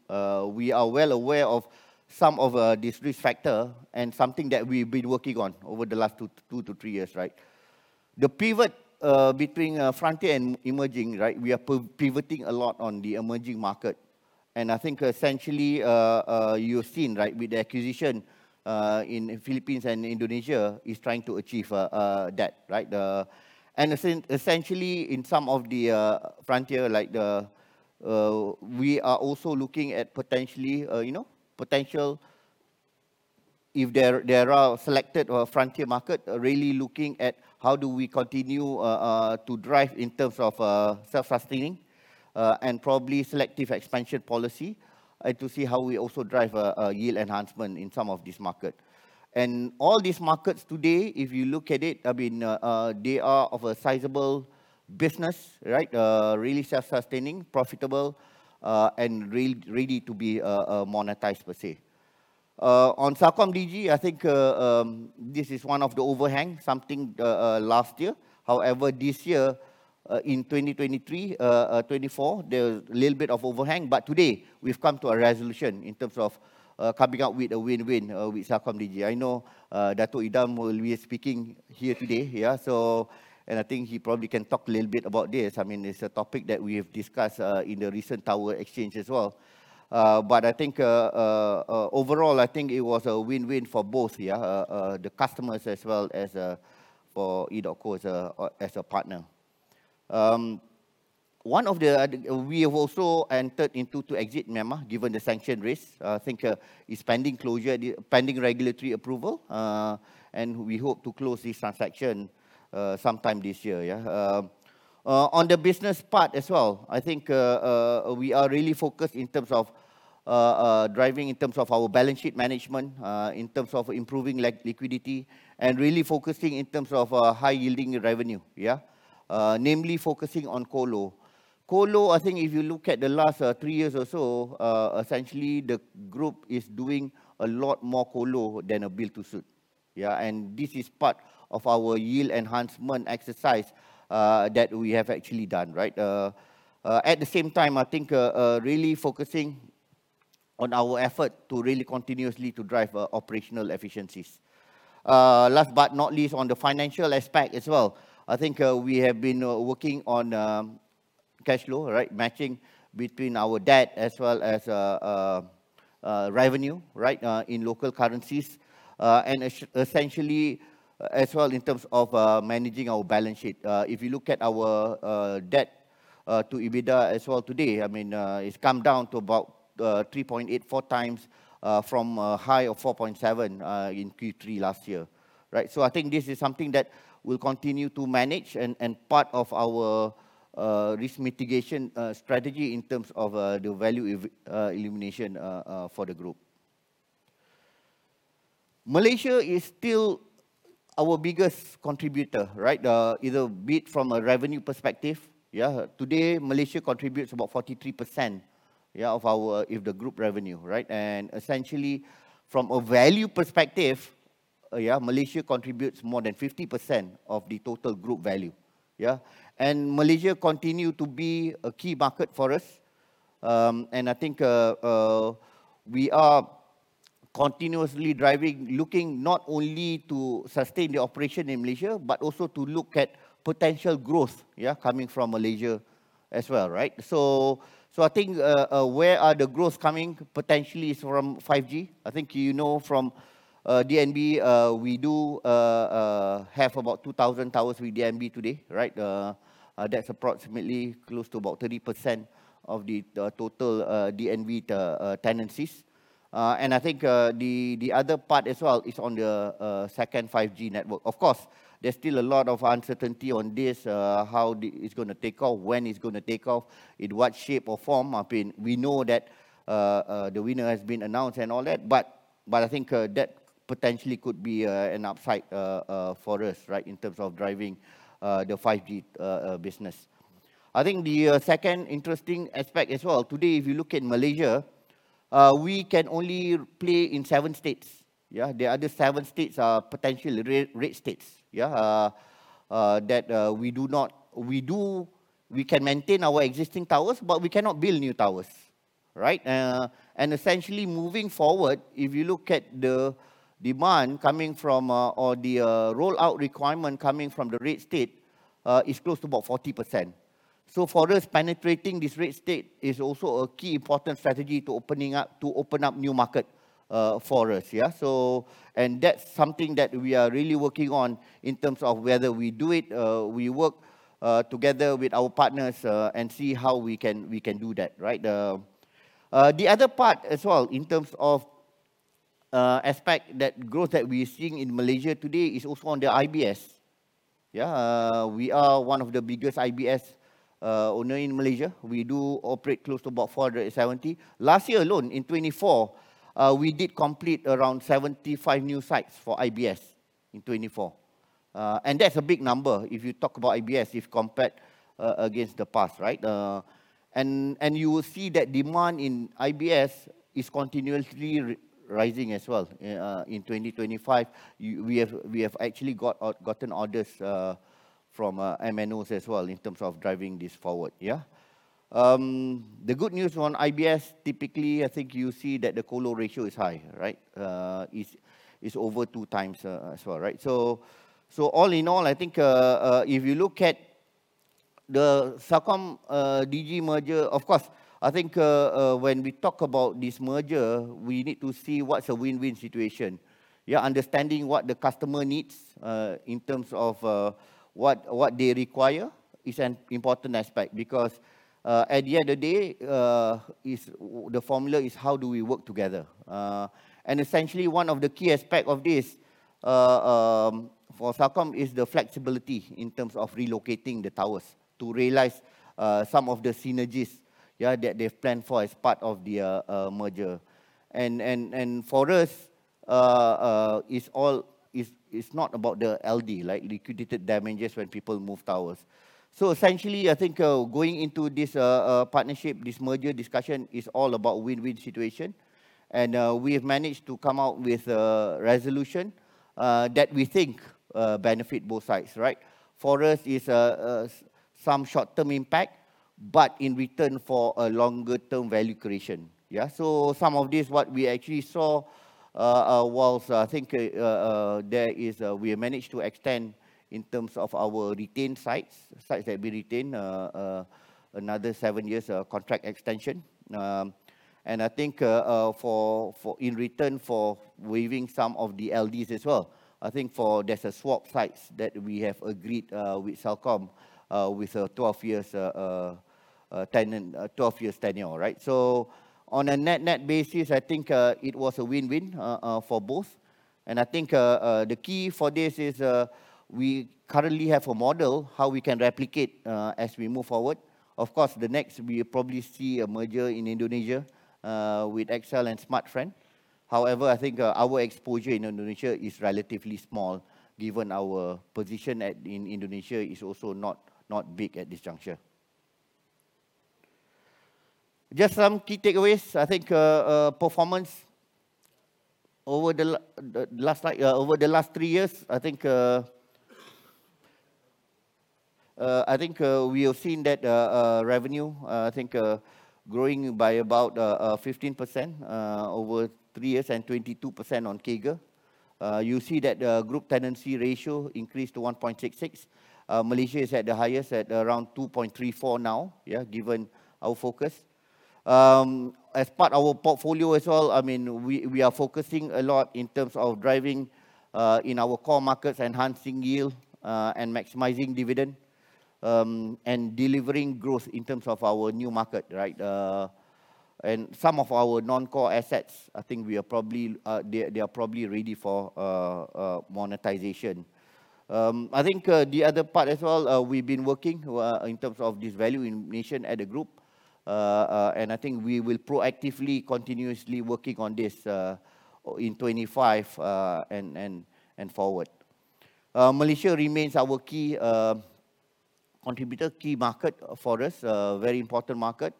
we are well aware of some of these risk factors and something that we've been working on over the last two to three years, right? The pivot between frontier and emerging, right? We are pivoting a lot on the emerging market. I think essentially you've seen, right? With the acquisition in Philippines and Indonesia, it's trying to achieve that, right? Essentially in some of the frontier markets, like we are also looking at potentially, you know, potential if there are selected frontier markets, really looking at how do we continue to drive in terms of self-sustaining and probably selective expansion policy to see how we also drive yield enhancement in some of these markets. And all these markets today, if you look at it, I mean, they are of a sizable business, right? Really self-sustaining, profitable, and ready to be monetized per se. On CelcomDigi, I think this is one of the overhangs, something last year. However, this year in 2023-2024, there's a little bit of overhang, but today we've come to a resolution in terms of coming up with a win-win with CelcomDigi. I know Datuk Idham will be speaking here today, yeah? So, and I think he probably can talk a little bit about this. I mean, it's a topic that we have discussed in the recent tower exchange as well. But I think overall, I think it was a win-win for both, yeah? The customers as well as for EDOTCO as a partner. One of the, we have also entered into to exit Myanmar given the sanction risk. I think it's pending closure, pending regulatory approval, and we hope to close this transaction sometime this year, yeah? On the business part as well, I think we are really focused in terms of driving in terms of our balance sheet management, in terms of improving liquidity, and really focusing in terms of high yielding revenue, yeah? Namely focusing on colo. Colo, I think if you look at the last three years or so, essentially the group is doing a lot more colo than a build-to-suit, yeah? This is part of our yield enhancement exercise that we have actually done, right? At the same time, I think really focusing on our effort to really continuously drive operational efficiencies. Last but not least, on the financial aspect as well, I think we have been working on cash flow, right? Matching between our debt as well as revenue, right? In local currencies. And essentially as well in terms of managing our balance sheet. If you look at our debt to EBITDA as well today, I mean, it's come down to about 3.84x from a high of 4.7 in Q3 last year, right? So I think this is something that we'll continue to manage and part of our risk mitigation strategy in terms of the value enhancement for the group. Malaysia is still our biggest contributor, right? Albeit from a revenue perspective, yeah? Today, Malaysia contributes about 43%, yeah, of our, if the group revenue, right? And essentially from a value perspective, yeah, Malaysia contributes more than 50% of the total group value, yeah? And Malaysia continues to be a key market for us. And I think we are continuously driving, looking not only to sustain the operation in Malaysia, but also to look at potential growth, yeah, coming from Malaysia as well, right? So I think where are the growth coming potentially is from 5G. I think you know from DNB, we do have about 2,000 towers with DNB today, right? That's approximately close to about 30% of the total DNB tenancies. And I think the other part as well is on the second 5G network. Of course, there's still a lot of uncertainty on this, how it's going to take off, when it's going to take off, in what shape or form. I mean, we know that the winner has been announced and all that, but I think that potentially could be an upside for us, right, in terms of driving the 5G business. I think the second interesting aspect as well today, if you look at Malaysia, we can only play in seven states, yeah? The other seven states are potentially Red States, yeah? That we can maintain our existing towers, but we cannot build new towers, right? And essentially moving forward, if you look at the demand coming from or the rollout requirement coming from the Red State, it's close to about 40%. So for us, penetrating this Red State is also a key important strategy to opening up, to open up new market for us, yeah? So, and that's something that we are really working on in terms of whether we do it, we work together with our partners and see how we can do that, right? The other part as well in terms of aspect that growth that we're seeing in Malaysia today is also on the IBS, yeah? We are one of the biggest IBS owners in Malaysia. We do operate close to about 470. Last year alone, in 2024, we did complete around 75 new sites for IBS in 2024. And that's a big number if you talk about IBS if compared against the past, right? And you will see that demand in IBS is continuously rising as well. In 2025, we have actually gotten orders from MNOs as well in terms of driving this forward, yeah? The good news on IBS, typically I think you see that the colo ratio is high, right? It's over two times as well, right? So all in all, I think if you look at the CelcomDigi merger, of course, I think when we talk about this merger, we need to see what's a win-win situation, yeah? Understanding what the customer needs in terms of what they require is an important aspect because at the end of the day, the formula is how do we work together, and essentially one of the key aspects of this for CelcomDigi is the flexibility in terms of relocating the towers to realize some of the synergies, yeah, that they've planned for as part of the merger. For us, it's not about the LD, like liquidated damages when people move towers. Essentially I think going into this partnership, this merger discussion is all about win-win situation. We have managed to come out with a resolution that we think benefits both sides, right? For us, it's some short-term impact, but in return for a longer-term value creation, yeah? Some of this what we actually saw was I think we managed to extend in terms of our retained sites, sites that we retain, another seven years contract extension. I think in return for waiving some of the LDs as well, I think for there are swap sites that we have agreed with Celcom with a 12-year tenure, right? On a net-net basis, I think it was a win-win for both. I think the key for this is we currently have a model how we can replicate as we move forward. Of course, the next we probably see a merger in Indonesia with XL and Smartfren. However, I think our exposure in Indonesia is relatively small given our position in Indonesia is also not big at this juncture. Just some key takeaways. I think performance over the last three years, I think we have seen that revenue, I think growing by about 15% over three years and 22% on CAGR. You see that the group tenancy ratio increased to 1.66. Malaysia is at the highest at around 2.34 now, yeah, given our focus. As part of our portfolio as well, I mean, we are focusing a lot in terms of driving in our core markets, enhancing yield and maximizing dividend and delivering growth in terms of our new market, right? Some of our non-core assets, I think we are probably, they are probably ready for monetization. I think the other part as well, we've been working in terms of this value realization at the group. I think we will proactively continuously work on this in 2025 and forward. Malaysia remains our key contributor, key market for us, very important market.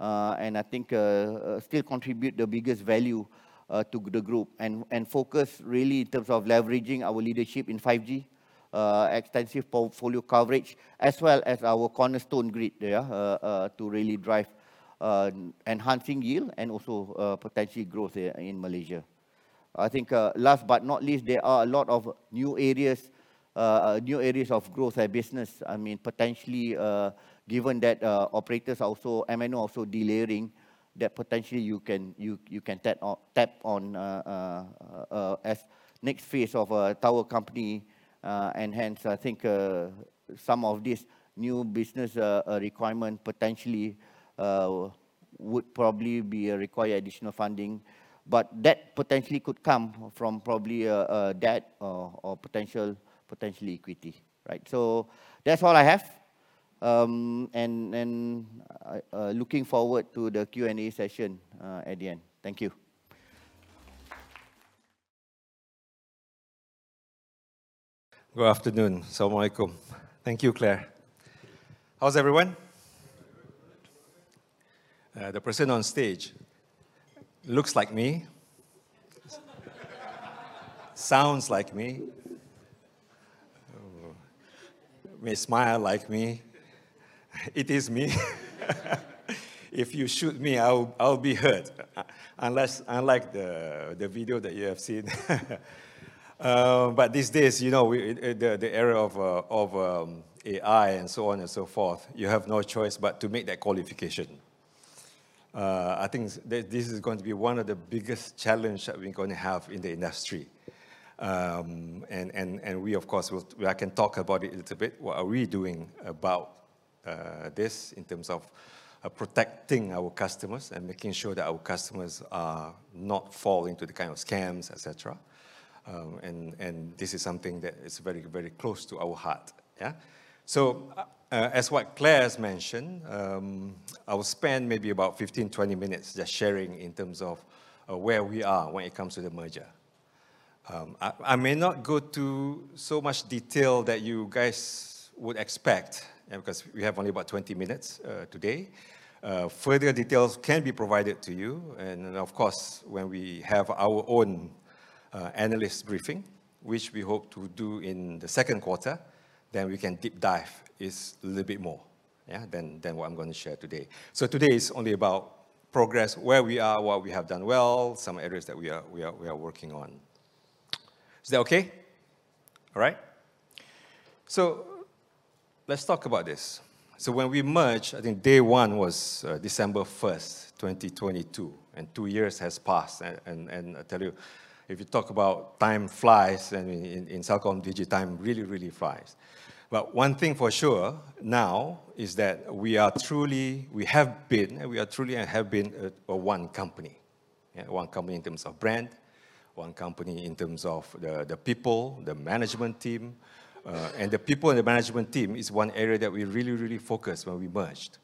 I think it still contributes the biggest value to the group and focus really in terms of leveraging our leadership in 5G, extensive portfolio coverage as well as our cornerstone grid, yeah, to really drive enhancing yield and also potentially growth in Malaysia. I think last but not least, there are a lot of new areas of growth in business. I mean, potentially given that operators are also, MNOs are also delaying that potentially you can tap on as next phase of a tower company. And hence I think some of these new business requirements potentially would probably require additional funding. But that potentially could come from probably debt or potential equity, right? So that's all I have. And looking forward to the Q&A session at the end. Thank you. Good afternoon. Assalamualaikum. Thank you, Clare. How's everyone? The person on stage looks like me. Sounds like me. May smile like me. It is me. If you shoot me, I'll be hurt. Unlike the video that you have seen. But these days, you know, the era of AI and so on and so forth, you have no choice but to make that qualification. I think this is going to be one of the biggest challenges that we're going to have in the industry. And we, of course, I can talk about it a little bit. What are we doing about this in terms of protecting our customers and making sure that our customers are not falling into the kind of scams, etc.? This is something that is very, very close to our heart, yeah? So as what Clare has mentioned, I will spend maybe about 15-20 minutes just sharing in terms of where we are when it comes to the merger. I may not go to so much detail that you guys would expect, yeah, because we have only about 20 minutes today. Further details can be provided to you. Of course, when we have our own analyst briefing, which we hope to do in the second quarter, then we can deep dive a little bit more, yeah, than what I'm going to share today. So today is only about progress, where we are, what we have done well, some areas that we are working on. Is that okay? All right? Let's talk about this. When we merged, I think day one was December 1st, 2022, and two years have passed. I tell you, if you talk about time flies, and in such a digital time really, really flies. But one thing for sure now is that we are truly, we have been, and we are truly and have been a one company, yeah, one company in terms of brand, one company in terms of the people, the management team. The people and the management team is one area that we really, really focused when we merged.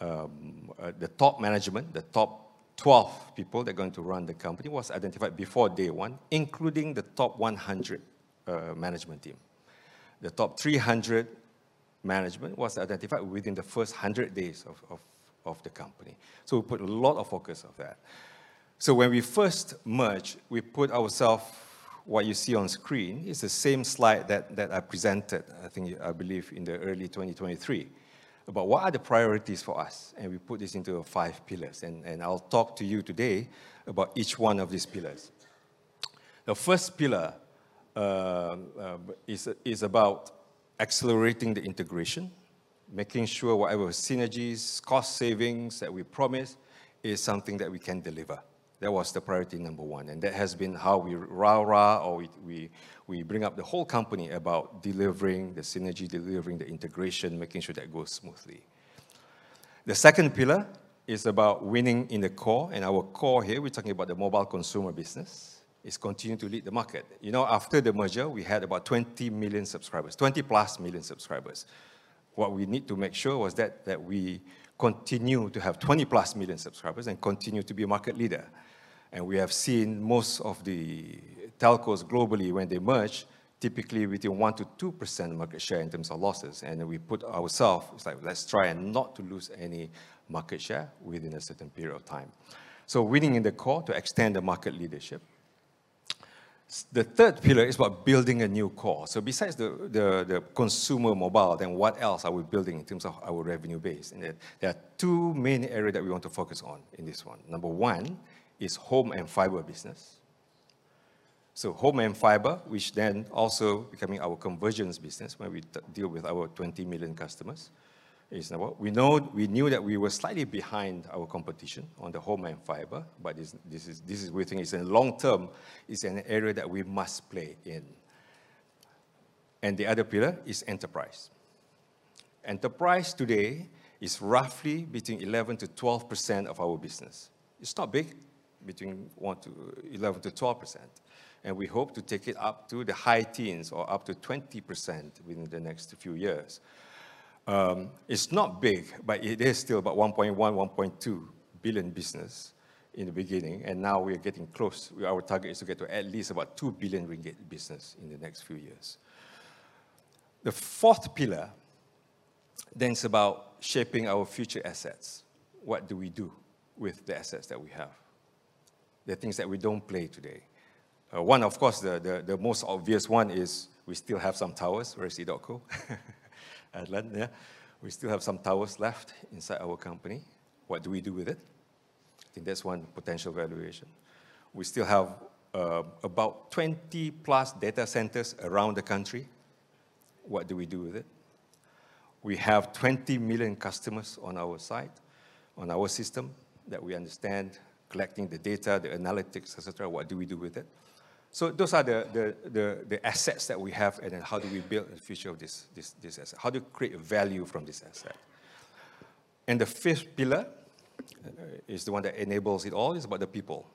The top management, the top 12 people that are going to run the company was identified before day one, including the top 100 management team. The top 300 management was identified within the first 100 days of the company, so we put a lot of focus on that, so when we first merged, we put ourselves—what you see on screen—it's the same slide that I presented. I think I believe in the early 2023, about what are the priorities for us, and we put this into five pillars, and I'll talk to you today about each one of these pillars. The first pillar is about accelerating the integration, making sure whatever synergies, cost savings that we promise is something that we can deliver. That was the priority number one, and that has been how we rah-rah or we bring up the whole company about delivering the synergy, delivering the integration, making sure that goes smoothly. The second pillar is about winning in the core. Our core here, we're talking about the mobile consumer business, is continuing to lead the market. You know, after the merger, we had about 20 million subscribers, 20 plus million subscribers. What we need to make sure was that we continue to have 20 plus million subscribers and continue to be a market leader. We have seen most of the telcos globally, when they merge, typically within 1%-2% market share in terms of losses. We put ourselves, it's like, let's try and not to lose any market share within a certain period of time. Winning in the core to extend the market leadership. The third pillar is about building a new core. Besides the consumer mobile, then what else are we building in terms of our revenue base? There are two main areas that we want to focus on in this one. Number one is home and fiber business. Home and fiber, which then also becoming our conversions business when we deal with our 20 million customers, is number one. We knew that we were slightly behind our competition on the home and fiber, but this is, we think it's a long-term, it's an area that we must play in. The other pillar is enterprise. Enterprise today is roughly between 11%-12% of our business. It's not big, between 11%-12%. We hope to take it up to the high teens or up to 20% within the next few years. It's not big, but it is still about 1.1 billion-1.2 billion business in the beginning. Now we are getting close. Our target is to get to at least about 2 billion ringgit business in the next few years. The fourth pillar then is about shaping our future assets. What do we do with the assets that we have? There are things that we don't play today. One, of course, the most obvious one is we still have some towers, whereas EDOTCO, yeah, we still have some towers left inside our company. What do we do with it? I think that's one potential valuation. We still have about 20+ data centers around the country. What do we do with it? We have 20 million customers on our side, on our system that we understand, collecting the data, the analytics, etc. What do we do with it? So those are the assets that we have and then how do we build the future of this asset? How do we create value from this asset? And the fifth pillar is the one that enables it all. It's about the people.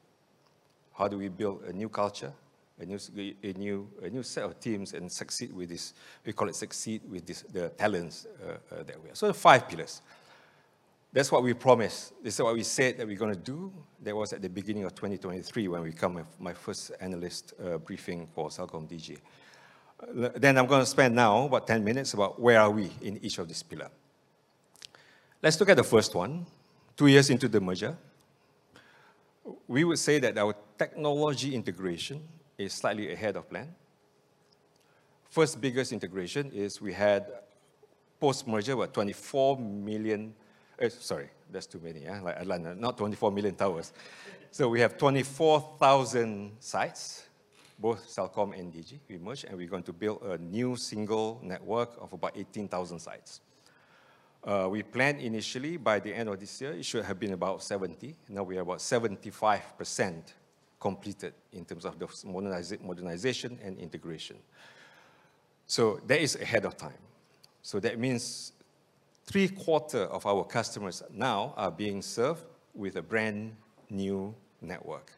How do we build a new culture, a new set of teams and succeed with this, we call it succeed with the talents that we have? The five pillars, that's what we promised. This is what we said that we're going to do. That was at the beginning of 2023 when we come with my first analyst briefing for CelcomDigi. Then I'm going to spend now about 10 minutes about where are we in each of these pillars. Let's look at the first one. Two years into the merger, we would say that our technology integration is slightly ahead of plan. First biggest integration is we had post-merger about 24 million. Sorry, that's too many, yeah? Like not 24 million towers. So we have 24,000 sites, both Celcom and Digi, we merged and we're going to build a new single network of about 18,000 sites. We planned initially by the end of this year. It should have been about 70. Now we are about 75% completed in terms of the modernization and integration. That is ahead of time. That means three quarters of our customers now are being served with a brand new network.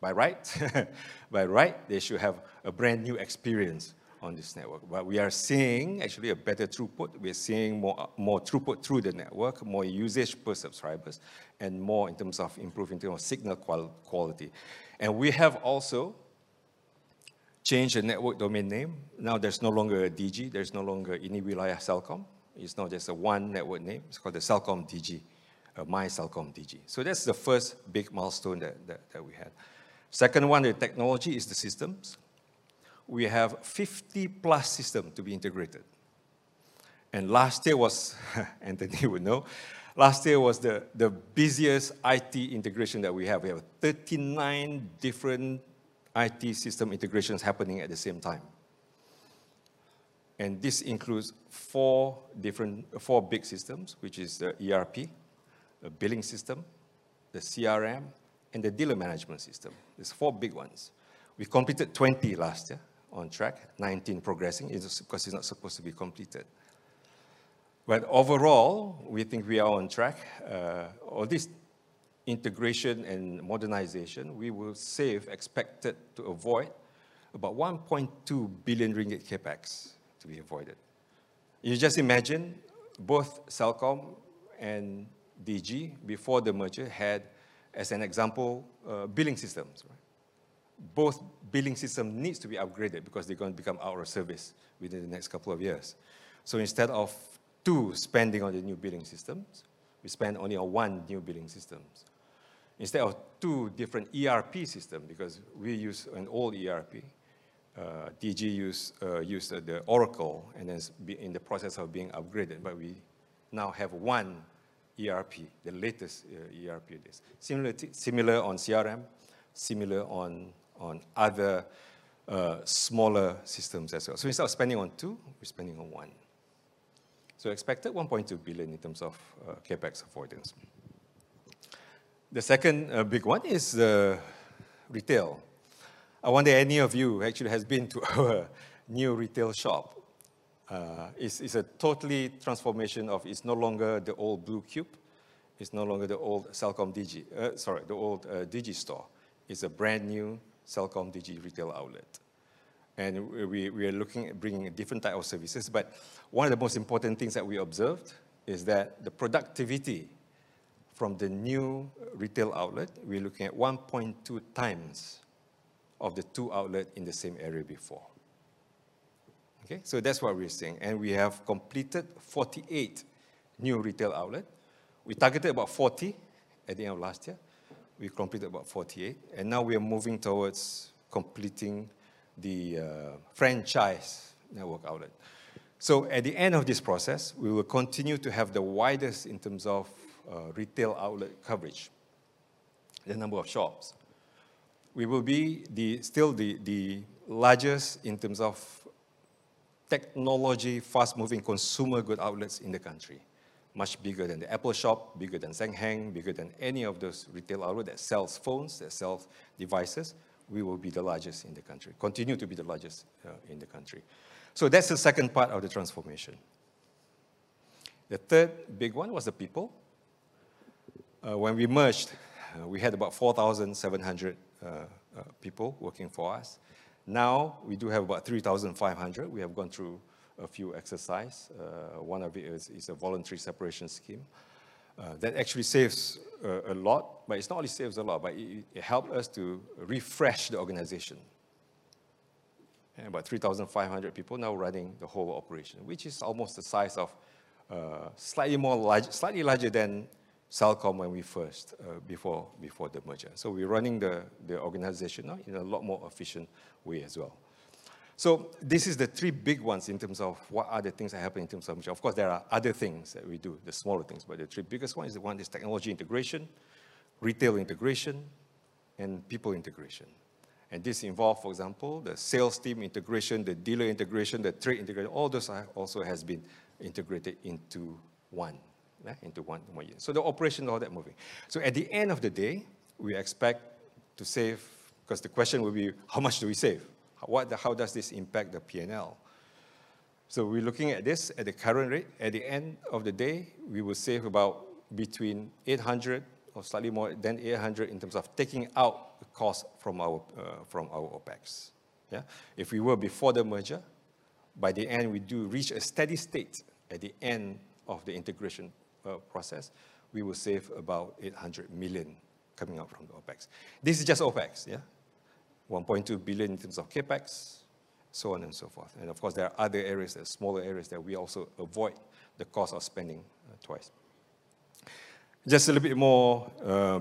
By right, by right, they should have a brand new experience on this network. We are seeing actually a better throughput. We're seeing more throughput through the network, more usage per subscribers, and more in terms of improving signal quality. We have also changed the network domain name. Now there's no longer a Digi. There's no longer any Wilayah Celcom. It's now just one network name. It's called the CelcomDigi, MY CelcomDigi. That's the first big milestone that we had. Second one, the technology is the systems. We have 50+ systems to be integrated. Last year was, Anthony would know, last year was the busiest IT integration that we have. We have 39 different IT system integrations happening at the same time. This includes four big systems, which is the ERP, the billing system, the CRM, and the dealer management system. There's four big ones. We completed 20 last year on track, 19 progressing because it's not supposed to be completed. Overall, we think we are on track. All this integration and modernization, we will save expected to avoid about 1.2 billion ringgit CapEx to be avoided. You just imagine both Celcom and Digi before the merger had, as an example, billing systems. Both billing systems need to be upgraded because they're going to become out of service within the next couple of years. So instead of two spending on the new billing systems, we spend only on one new billing system. Instead of two different ERP systems, because we use an old ERP, Digi used the Oracle and then in the process of being upgraded, but we now have one ERP, the latest ERP list. Similar on CRM, similar on other smaller systems as well. So instead of spending on two, we're spending on one. So expected 1.2 billion in terms of CapEx avoidance. The second big one is retail. I wonder any of you who actually has been to our new retail shop. It's a totally transformation of, it's no longer the old Blue Cube. It's no longer the old CelcomDigi, sorry, the old Digi store. It's a brand new CelcomDigi retail outlet. And we are looking at bringing a different type of services. But one of the most important things that we observed is that the productivity from the new retail outlet, we're looking at 1.2x of the two outlets in the same area before. Okay? So that's what we're seeing. And we have completed 48 new retail outlets. We targeted about 40 at the end of last year. We completed about 48. And now we are moving towards completing the franchise network outlet. So at the end of this process, we will continue to have the widest in terms of retail outlet coverage, the number of shops. We will be still the largest in terms of technology, fast-moving consumer goods outlets in the country. Much bigger than the Apple shop, bigger than Senheng, bigger than any of those retail outlets that sell phones, that sell devices. We will be the largest in the country, continue to be the largest in the country. So that's the second part of the transformation. The third big one was the people. When we merged, we had about 4,700 people working for us. Now we do have about 3,500. We have gone through a few exercises. One of it is a voluntary separation scheme. That actually saves a lot, but it's not only saves a lot, but it helped us to refresh the organization. About 3,500 people now running the whole operation, which is almost the size of slightly larger than Celcom when we first, before the merger. So we're running the organization now in a lot more efficient way as well. So this is the three big ones in terms of what are the things that happen in terms of merger. Of course, there are other things that we do, the smaller things, but the three biggest ones are one is technology integration, retail integration, and people integration, and this involves, for example, the sales team integration, the dealer integration, the trade integration. All those also have been integrated into one year, so the operation, all that moving, so at the end of the day, we expect to save, because the question will be, how much do we save? How does this impact the P&L, so we're looking at this at the current rate. At the end of the day, we will save about between 800 million or slightly more than 800 million in terms of taking out the cost from our OpEx. If we were before the merger, by the end, we do reach a steady state at the end of the integration process. We will save about 800 million coming out from the OpEx. This is just OpEx, yeah? 1.2 billion in terms of CapEx, so on and so forth, and of course, there are other areas, there are smaller areas that we also avoid the cost of spending twice. Just a little bit more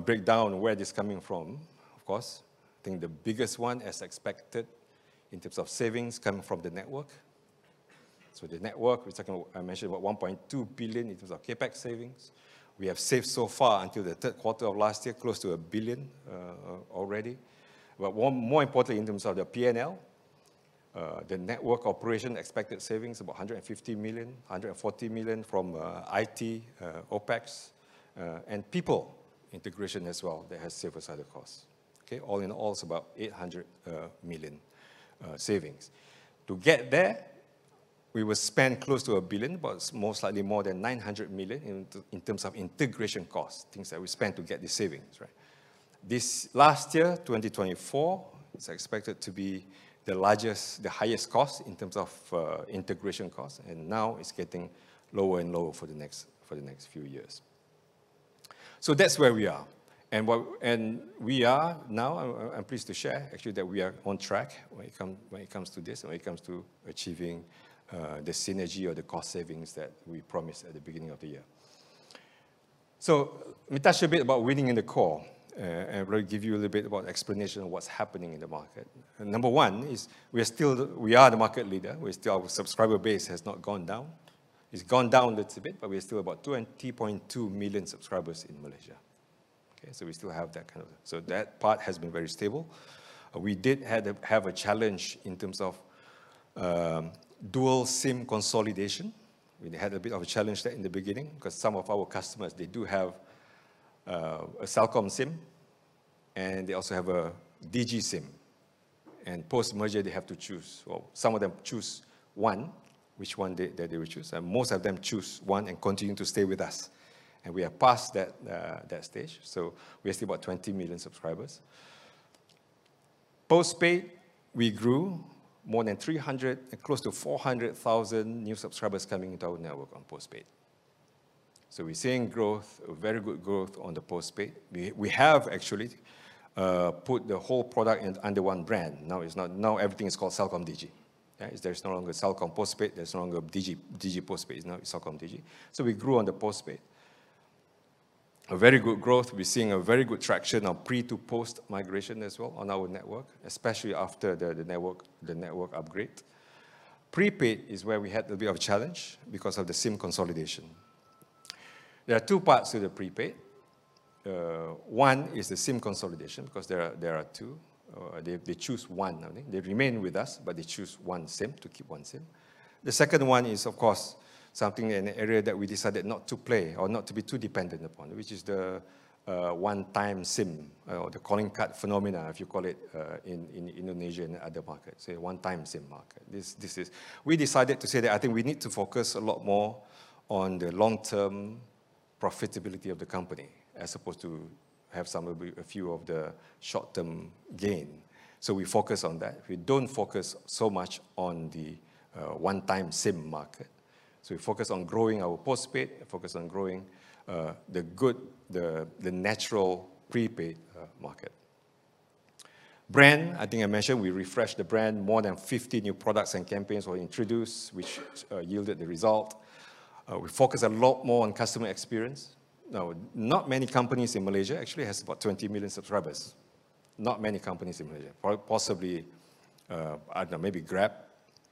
breakdown on where this is coming from, of course. I think the biggest one, as expected, in terms of savings coming from the network. So the network, I mentioned about 1.2 billion in terms of CapEx savings. We have saved so far until the third quarter of last year, close to a billion already, but more importantly, in terms of the P&L, the network operation expected savings, about 150 million, 140 million from IT, OpEx, and people integration as well that has saved us other costs. Okay? All in all, it's about 800 million savings. To get there, we will spend close to 1 billion, but most likely more than 900 million in terms of integration costs, things that we spend to get the savings, right? This last year, 2024, it's expected to be the largest, the highest cost in terms of integration costs, and now it's getting lower and lower for the next few years, so that's where we are, and we are now. I'm pleased to share actually that we are on track when it comes to this and when it comes to achieving the synergy or the cost savings that we promised at the beginning of the year, so let me touch a bit about winning in the core, and I'm going to give you a little bit about the explanation of what's happening in the market. Number one is we are the market leader. We still, our subscriber base has not gone down. It's gone down a little bit, but we are still about 20.2 million subscribers in Malaysia. Okay? So we still have that kind of, so that part has been very stable. We did have a challenge in terms of dual SIM consolidation. We had a bit of a challenge there in the beginning because some of our customers, they do have a Celcom SIM and they also have a Digi SIM, and post-merger, they have to choose. Well, some of them choose one, which one they will choose. Most of them choose one and continue to stay with us, and we have passed that stage. So we are still about 20 million subscribers. Postpaid, we grew more than 300, close to 400,000 new subscribers coming into our network on postpaid. So we're seeing growth, very good growth on the postpaid. We have actually put the whole product under one brand. Now everything is called CelcomDigi. There's no longer Celcom Postpaid, there's no longer Digi Postpaid. Now it's CelcomDigi. So we grew on the postpaid. A very good growth. We're seeing a very good traction of pre to post migration as well on our network, especially after the network upgrade. Prepaid is where we had a bit of a challenge because of the SIM consolidation. There are two parts to the prepaid. One is the SIM consolidation because there are two. They choose one. They remain with us, but they choose one SIM to keep one SIM. The second one is, of course, something in an area that we decided not to play or not to be too dependent upon, which is the one-time SIM or the calling card phenomena, if you call it in Indonesia and other markets. So one-time SIM market. We decided to say that I think we need to focus a lot more on the long-term profitability of the company as opposed to have some of a few of the short-term gain. We focus on that. We don't focus so much on the one-time SIM market. We focus on growing our Postpaid, focus on growing the good, the natural prepaid market. Brand, I think I mentioned we refreshed the brand, more than 50 new products and campaigns were introduced, which yielded the result. We focus a lot more on customer experience. Now, not many companies in Malaysia actually have about 20 million subscribers. Not many companies in Malaysia. Possibly, I don't know, maybe Grab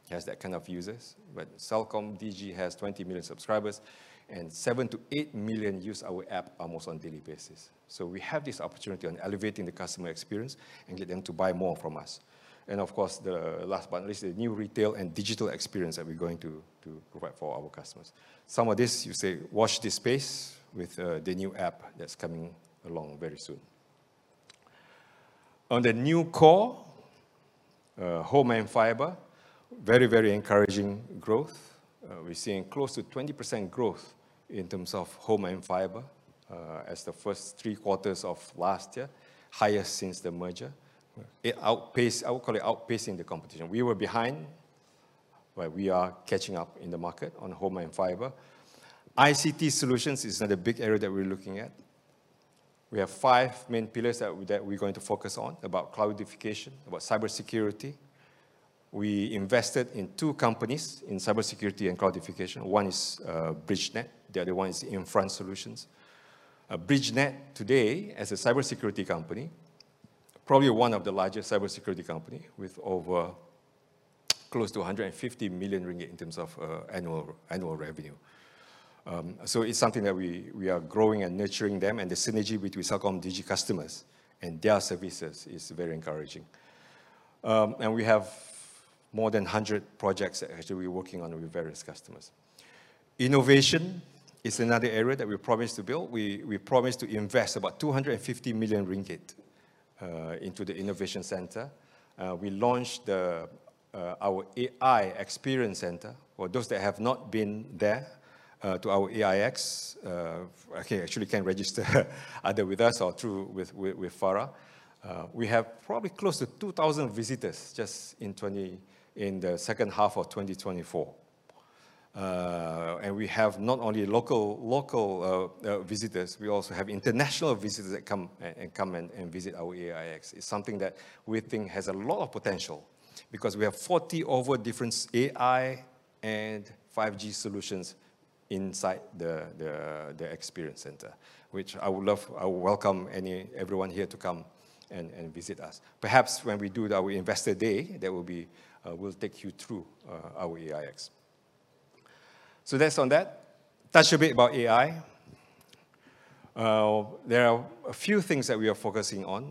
has that kind of users. But CelcomDigi has 20 million subscribers and 7 million-8 million use our app almost on a daily basis. So we have this opportunity on elevating the customer experience and get them to buy more from us. And of course, the last but not least, the new retail and digital experience that we're going to provide for our customers. Some of this, you say, watch this space with the new app that's coming along very soon. On the new core, home and fiber, very, very encouraging growth. We're seeing close to 20% growth in terms of home and fiber in the first three quarters of last year, highest since the merger. I would call it outpacing the competition. We were behind, but we are catching up in the market on home and fiber. ICT solutions is another big area that we're looking at. We have five main pillars that we're going to focus on about cloudification, about cybersecurity. We invested in two companies in cybersecurity and cloudification. One is Bridgenet Solutions. The other one is Infront Consulting. Bridgenet Solutions today, as a cybersecurity company, probably one of the largest cybersecurity companies with close to 150 million ringgit in terms of annual revenue. So it's something that we are growing and nurturing them. And the synergy between CelcomDigi customers and their services is very encouraging. And we have more than 100 projects that actually we're working on with various customers. Innovation is another area that we promised to build. We promised to invest about 250 million ringgit into the innovation center. We launched our AI Experience Center for those that have not been there to our AiX. Okay, actually can register either with us or through with Farah. We have probably close to 2,000 visitors just in the second half of 2024. And we have not only local visitors, we also have international visitors that come and visit our AiX. It's something that we think has a lot of potential because we have over 40 different AI and 5G solutions inside the experience center, which I would love. I would welcome everyone here to come and visit us. Perhaps when we do our investor day, that will take you through our AiX. So that's on that. Touch a bit about AI. There are a few things that we are focusing on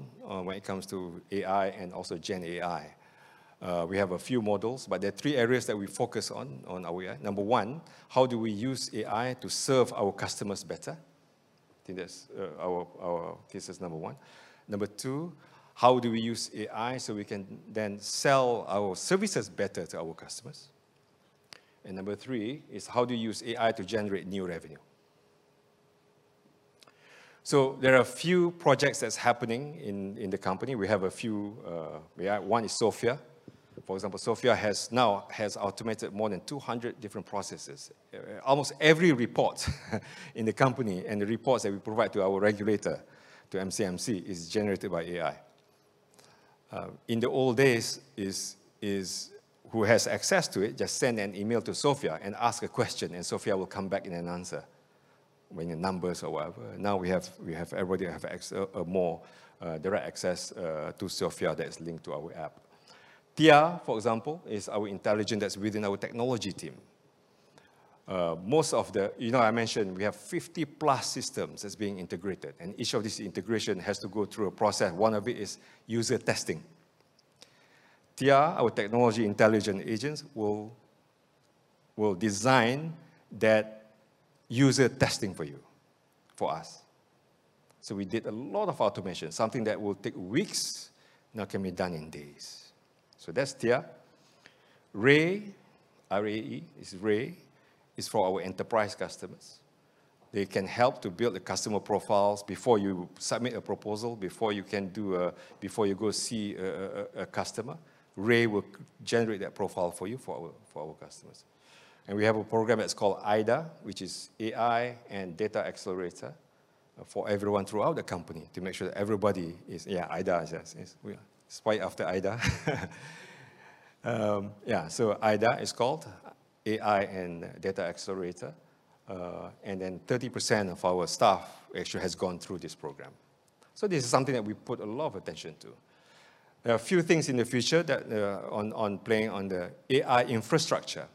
when it comes to AI and also GenAI. We have a few models, but there are three areas that we focus on anyway. Number one, how do we use AI to serve our customers better? I think that's our thesis number one. Number two, how do we use AI so we can then sell our services better to our customers? And number three is how do you use AI to generate new revenue? So there are a few projects that are happening in the company. We have a few. One is Sophia. For example, Sophia now has automated more than 200 different processes. Almost every report in the company and the reports that we provide to our regulator, to MCMC, is generated by AI. In the old days, who has access to it, just send an email to Sophia and ask a question, and Sophia will come back and answer with numbers or whatever. Now we have everybody have more direct access to Sophia that is linked to our app. Tia, for example, is our intelligence that's within our technology team. Most of the, you know, I mentioned we have 50+ systems that are being integrated, and each of these integrations has to go through a process. One of it is user testing. Tia, our technology intelligence agents, will design that user testing for you, for us. We did a lot of automation, something that will take weeks now can be done in days. That's Tia. Ray, R-A-Y is Ray, is for our enterprise customers. They can help to build the customer profiles before you submit a proposal, before you can do, before you go see a customer. Ray will generate that profile for you, for our customers. We have a program that's called AIDA, which is AI and Data Accelerator for everyone throughout the company to make sure that everybody is. Yeah, AIDA is, it's right after AIDA. Yeah, so AIDA is called AI and Data Accelerator. And then 30% of our staff actually has gone through this program. So this is something that we put a lot of attention to. There are a few things in the future that are playing on the AI infrastructure.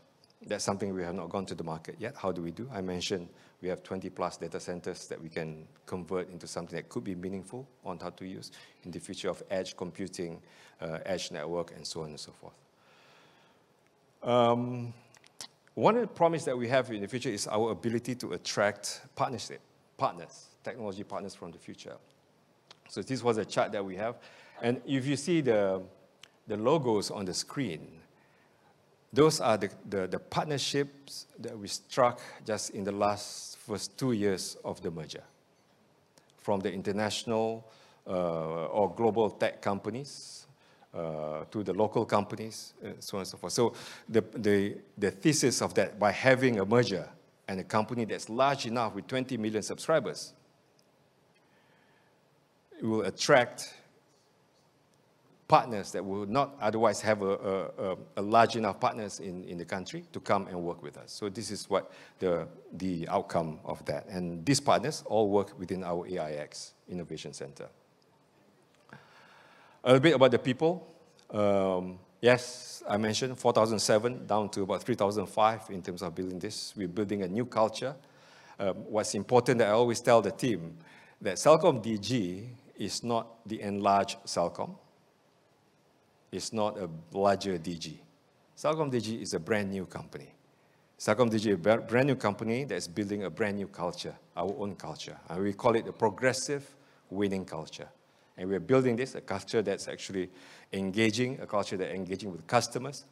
That's something we have not gone to the market yet. How do we do? I mentioned we have 20+ data centers that we can convert into something that could be meaningful on how to use in the future of edge computing, edge network, and so on and so forth. One promise that we have in the future is our ability to attract partnership, partners, technology partners from the future. So this was a chart that we have. And if you see the logos on the screen, those are the partnerships that we struck just in the last first two years of the merger, from the international or global tech companies to the local companies, so on and so forth. So the thesis of that, by having a merger and a company that's large enough with 20 million subscribers, will attract partners that will not otherwise have large enough partners in the country to come and work with us. So this is what the outcome of that. And these partners all work within our AiX Innovation Center. A little bit about the people. Yes, I mentioned 4,007 down to about 3,005 in terms of building this. We're building a new culture. What's important that I always tell the team that CelcomDigi is not the enlarged Celcom. It's not a larger Digi. CelcomDigi is a brand new company. CelcomDigi is a brand new company that's building a brand new culture, our own culture. And we call it the progressive winning culture. And we are building this, a culture that's actually engaging, a culture that's engaging with customers.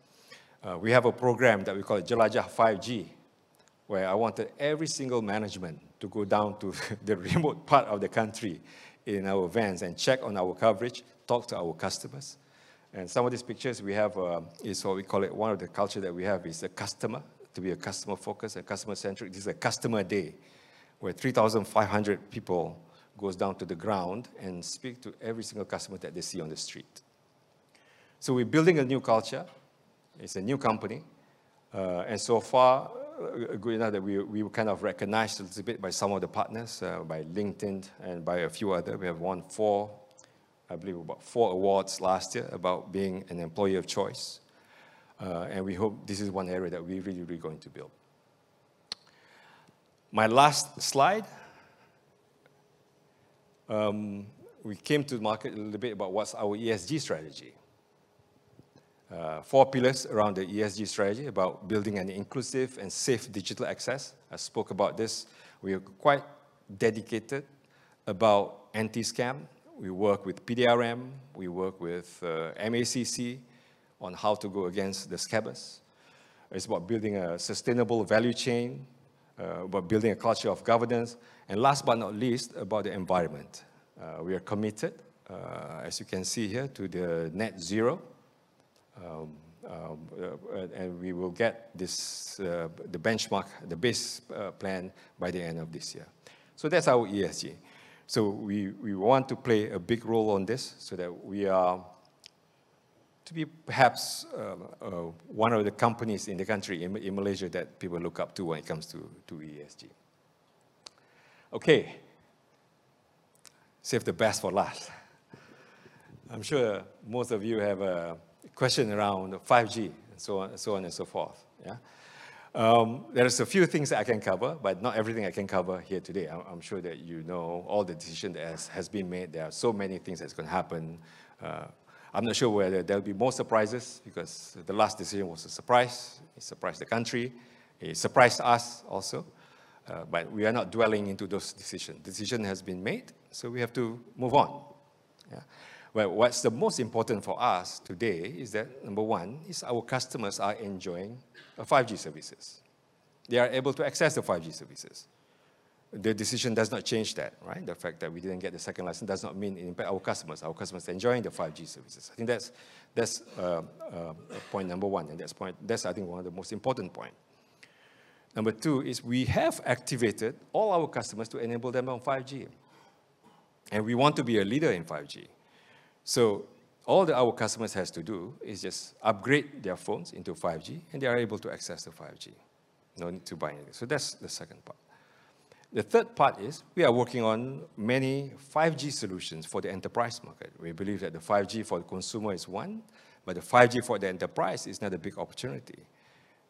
We have a program that we call Jelajah 5G, where I wanted every single management to go down to the remote part of the country in our vans and check on our coverage, talk to our customers. And some of these pictures we have is what we call it one of the cultures that we have is a customer, to be a customer focused, a customer centric. This is a Customer Day where 3,500 people go down to the ground and speak to every single customer that they see on the street. So we're building a new culture. It's a new company. So far, good enough that we were kind of recognized a little bit by some of the partners, by LinkedIn and by a few others. We have won four, I believe about four awards last year about being an employee of choice. And we hope this is one area that we really, really are going to build. My last slide. We came to the market a little bit about what's our ESG strategy. Four pillars around the ESG strategy about building an inclusive and safe digital access. I spoke about this. We are quite dedicated about anti-scam. We work with PDRM. We work with MACC on how to go against the scammers. It's about building a sustainable value chain, about building a culture of governance. And last but not least, about the environment. We are committed, as you can see here, to the net zero. We will get the benchmark, the base plan by the end of this year. That's our ESG. We want to play a big role on this so that we are to be perhaps one of the companies in the country, in Malaysia, that people look up to when it comes to ESG. Okay. Save the best for last. I'm sure most of you have a question around 5G and so on and so forth. Yeah. There are a few things I can cover, but not everything I can cover here today. I'm sure that you know all the decisions that have been made. There are so many things that are going to happen. I'm not sure whether there will be more surprises because the last decision was a surprise. It surprised the country. It surprised us also. We are not dwelling into those decisions. The decision has been made, so we have to move on. But what's the most important for us today is that number one is our customers are enjoying the 5G services. They are able to access the 5G services. The decision does not change that, right? The fact that we didn't get the second license does not mean it impacts our customers. Our customers are enjoying the 5G services. I think that's point number one. And that's point, that's I think one of the most important points. Number two is we have activated all our customers to enable them on 5G. And we want to be a leader in 5G. So all that our customers have to do is just upgrade their phones into 5G and they are able to access the 5G, no need to buy anything. So that's the second part. The third part is we are working on many 5G solutions for the enterprise market. We believe that the 5G for the consumer is one, but the 5G for the enterprise is not a big opportunity,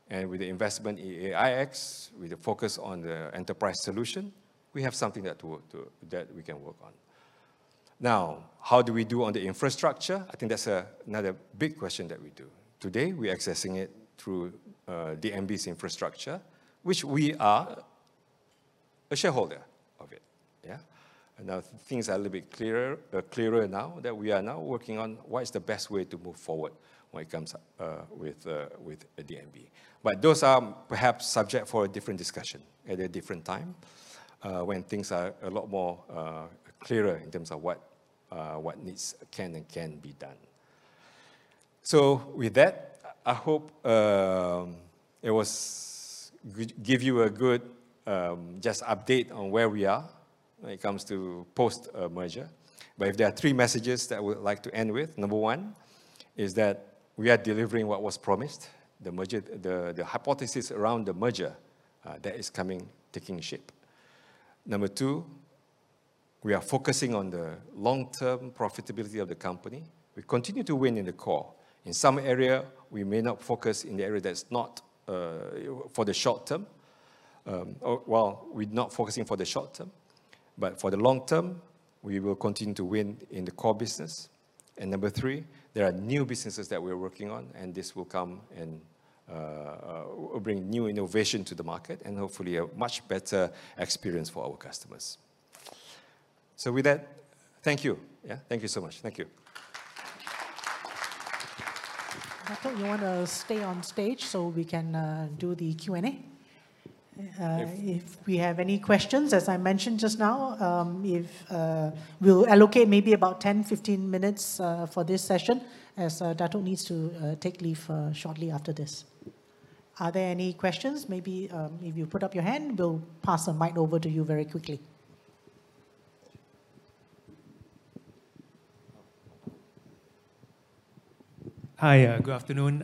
and with the investment in AiX, with the focus on the enterprise solution, we have something that we can work on. Now, how do we do on the infrastructure? I think that's another big question that we do. Today, we are accessing it through DNB's infrastructure, which we are a shareholder of. Yeah. Now things are a little bit clearer now that we are now working on what is the best way to move forward when it comes to DNB, but those are perhaps subject for a different discussion at a different time when things are a lot more clearer in terms of what needs can be done. With that, I hope it will give you a good, just update on where we are when it comes to post-merger. If there are three messages that we'd like to end with, number one is that we are delivering what was promised, the hypothesis around the merger that is taking shape. Number two, we are focusing on the long-term profitability of the company. We continue to win in the core. In some areas, we may not focus in the area that's not for the short term. We're not focusing for the short term, but for the long term, we will continue to win in the core business. Number three, there are new businesses that we are working on, and this will come and bring new innovation to the market and hopefully a much better experience for our customers. With that, thank you. Yeah, thank you so much. Thank you. Datuk, you want to stay on stage so we can do the Q&A? If we have any questions, as I mentioned just now, we'll allocate maybe about 10, 15 minutes for this session as Datuk needs to take leave shortly after this. Are there any questions? Maybe if you put up your hand, we'll pass the mic over to you very quickly. Hi, good afternoon.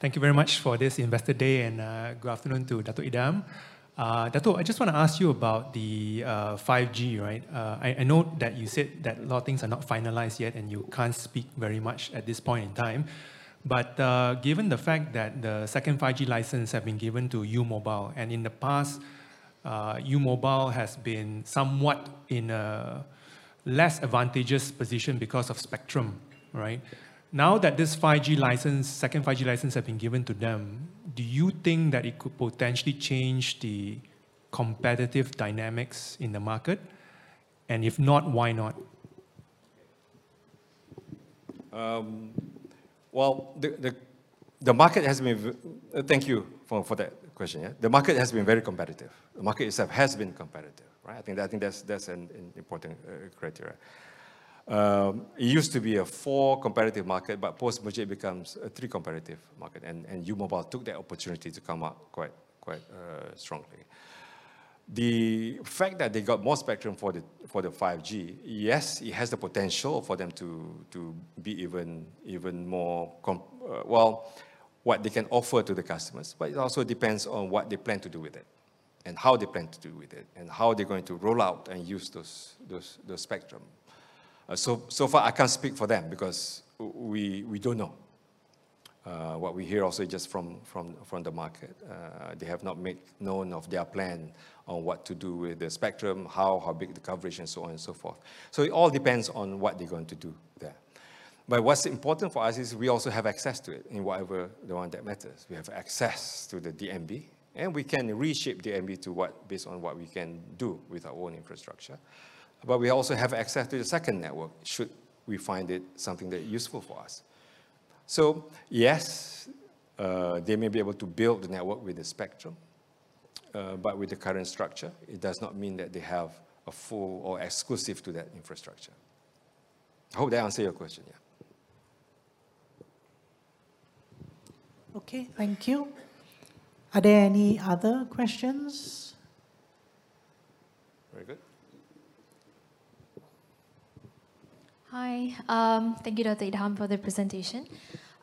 Thank you very much for this Investor Day and good afternoon to Datuk Idham. Datuk, I just want to ask you about the 5G, right? I know that you said that a lot of things are not finalized yet and you can't speak very much at this point in time. But given the fact that the second 5G license has been given to U Mobile, and in the past, U Mobile has been somewhat in a less advantageous position because of spectrum, right? Now that this second 5G license has been given to them, do you think that it could potentially change the competitive dynamics in the market? And if not, why not? Thank you for that question. The market has been very competitive. The market itself has been competitive, right? I think that's an important criterion. It used to be a four-competitive market, but post-merger it becomes a three-competitive market. U Mobile took that opportunity to come up quite strongly. The fact that they got more spectrum for the 5G, yes, it has the potential for them to be even more, well, what they can offer to the customers. But it also depends on what they plan to do with it and how they plan to do with it and how they're going to roll out and use the spectrum. So far, I can't speak for them because we don't know. What we hear also just from the market, they have not made known of their plan on what to do with the spectrum, how, how big the coverage, and so on and so forth. So it all depends on what they're going to do there. But what's important for us is we also have access to it in whatever the one that matters. We have access to the DNB, and we can reshape DNB based on what we can do with our own infrastructure. But we also have access to the second network should we find it something that is useful for us. So yes, they may be able to build the network with the spectrum, but with the current structure, it does not mean that they have a full or exclusive to that infrastructure. I hope that answers your question, yeah. Okay, thank you. Are there any other questions? Very good. Hi, thank you, Datuk Idham, for the presentation.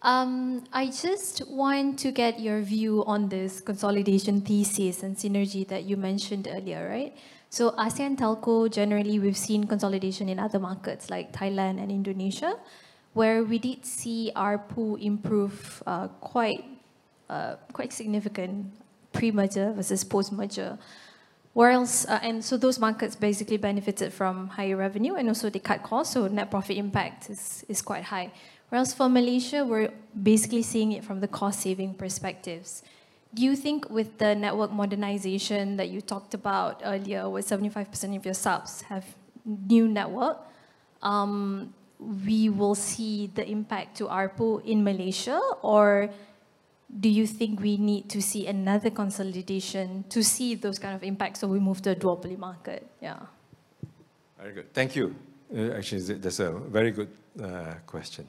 I just want to get your view on this consolidation thesis and synergy that you mentioned earlier, right? So ASEAN telco, generally, we've seen consolidation in other markets like Thailand and Indonesia, where we did see our ARPU improve quite significantly pre-merger versus post-merger. And so those markets basically benefited from higher revenue and also they cut costs, so net profit impact is quite high. Whereas for Malaysia, we're basically seeing it from the cost-saving perspectives. Do you think with the network modernization that you talked about earlier, where 75% of your subs have new network, we will see the impact to our ARPU in Malaysia, or do you think we need to see another consolidation to see those kinds of impacts so we move to a duopoly market? Yeah. Very good. Thank you. Actually, that's a very good question.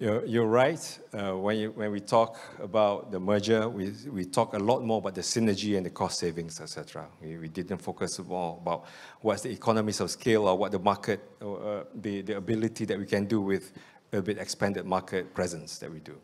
You're right. When we talk about the merger, we talk a lot more about the synergy and the cost savings, etc. We didn't focus more about what's the economies of scale or what the market, the ability that we can do with a bit expanded market presence that we do.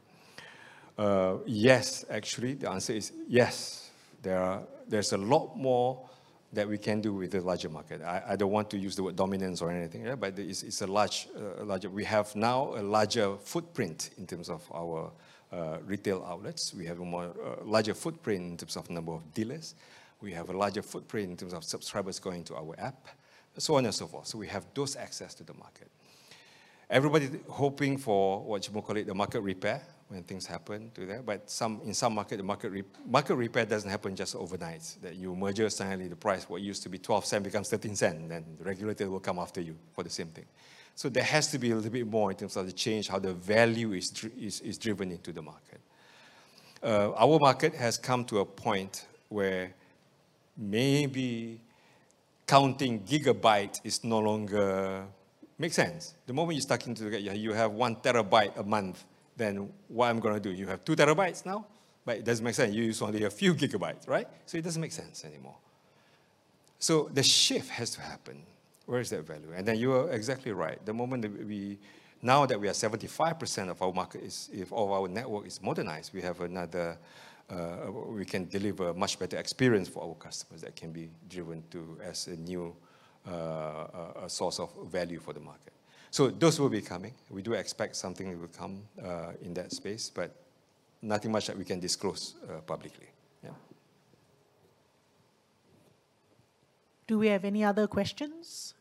Yes, actually, the answer is yes. There's a lot more that we can do with the larger market. I don't want to use the word dominance or anything, but it's larger, we have now a larger footprint in terms of our retail outlets. We have a larger footprint in terms of number of dealers. We have a larger footprint in terms of subscribers going to our app, so on and so forth. So we have those access to the market. Everybody's hoping for what you might call it, the market repair, when things happen to their. But in some markets, the market repair doesn't happen just overnight. That you merge suddenly the price, what used to be 0.12 becomes 0.13, and then the regulator will come after you for the same thing. So there has to be a little bit more in terms of the change, how the value is driven into the market. Our market has come to a point where maybe counting GB is no longer makes sense. The moment you start to look at, you have one terabyte a month, then what am I going to do? You have two terabytes now, but it doesn't make sense. You use only a few GB, right? So it doesn't make sense anymore. So the shift has to happen. Where is that value? You are exactly right. Now that we are 75% of our market, if all our network is modernized, we can deliver a much better experience for our customers that can be driven to as a new source of value for the market. Those will be coming. We do expect something will come in that space, but nothing much that we can disclose publicly. Yeah. Do we have any other questions?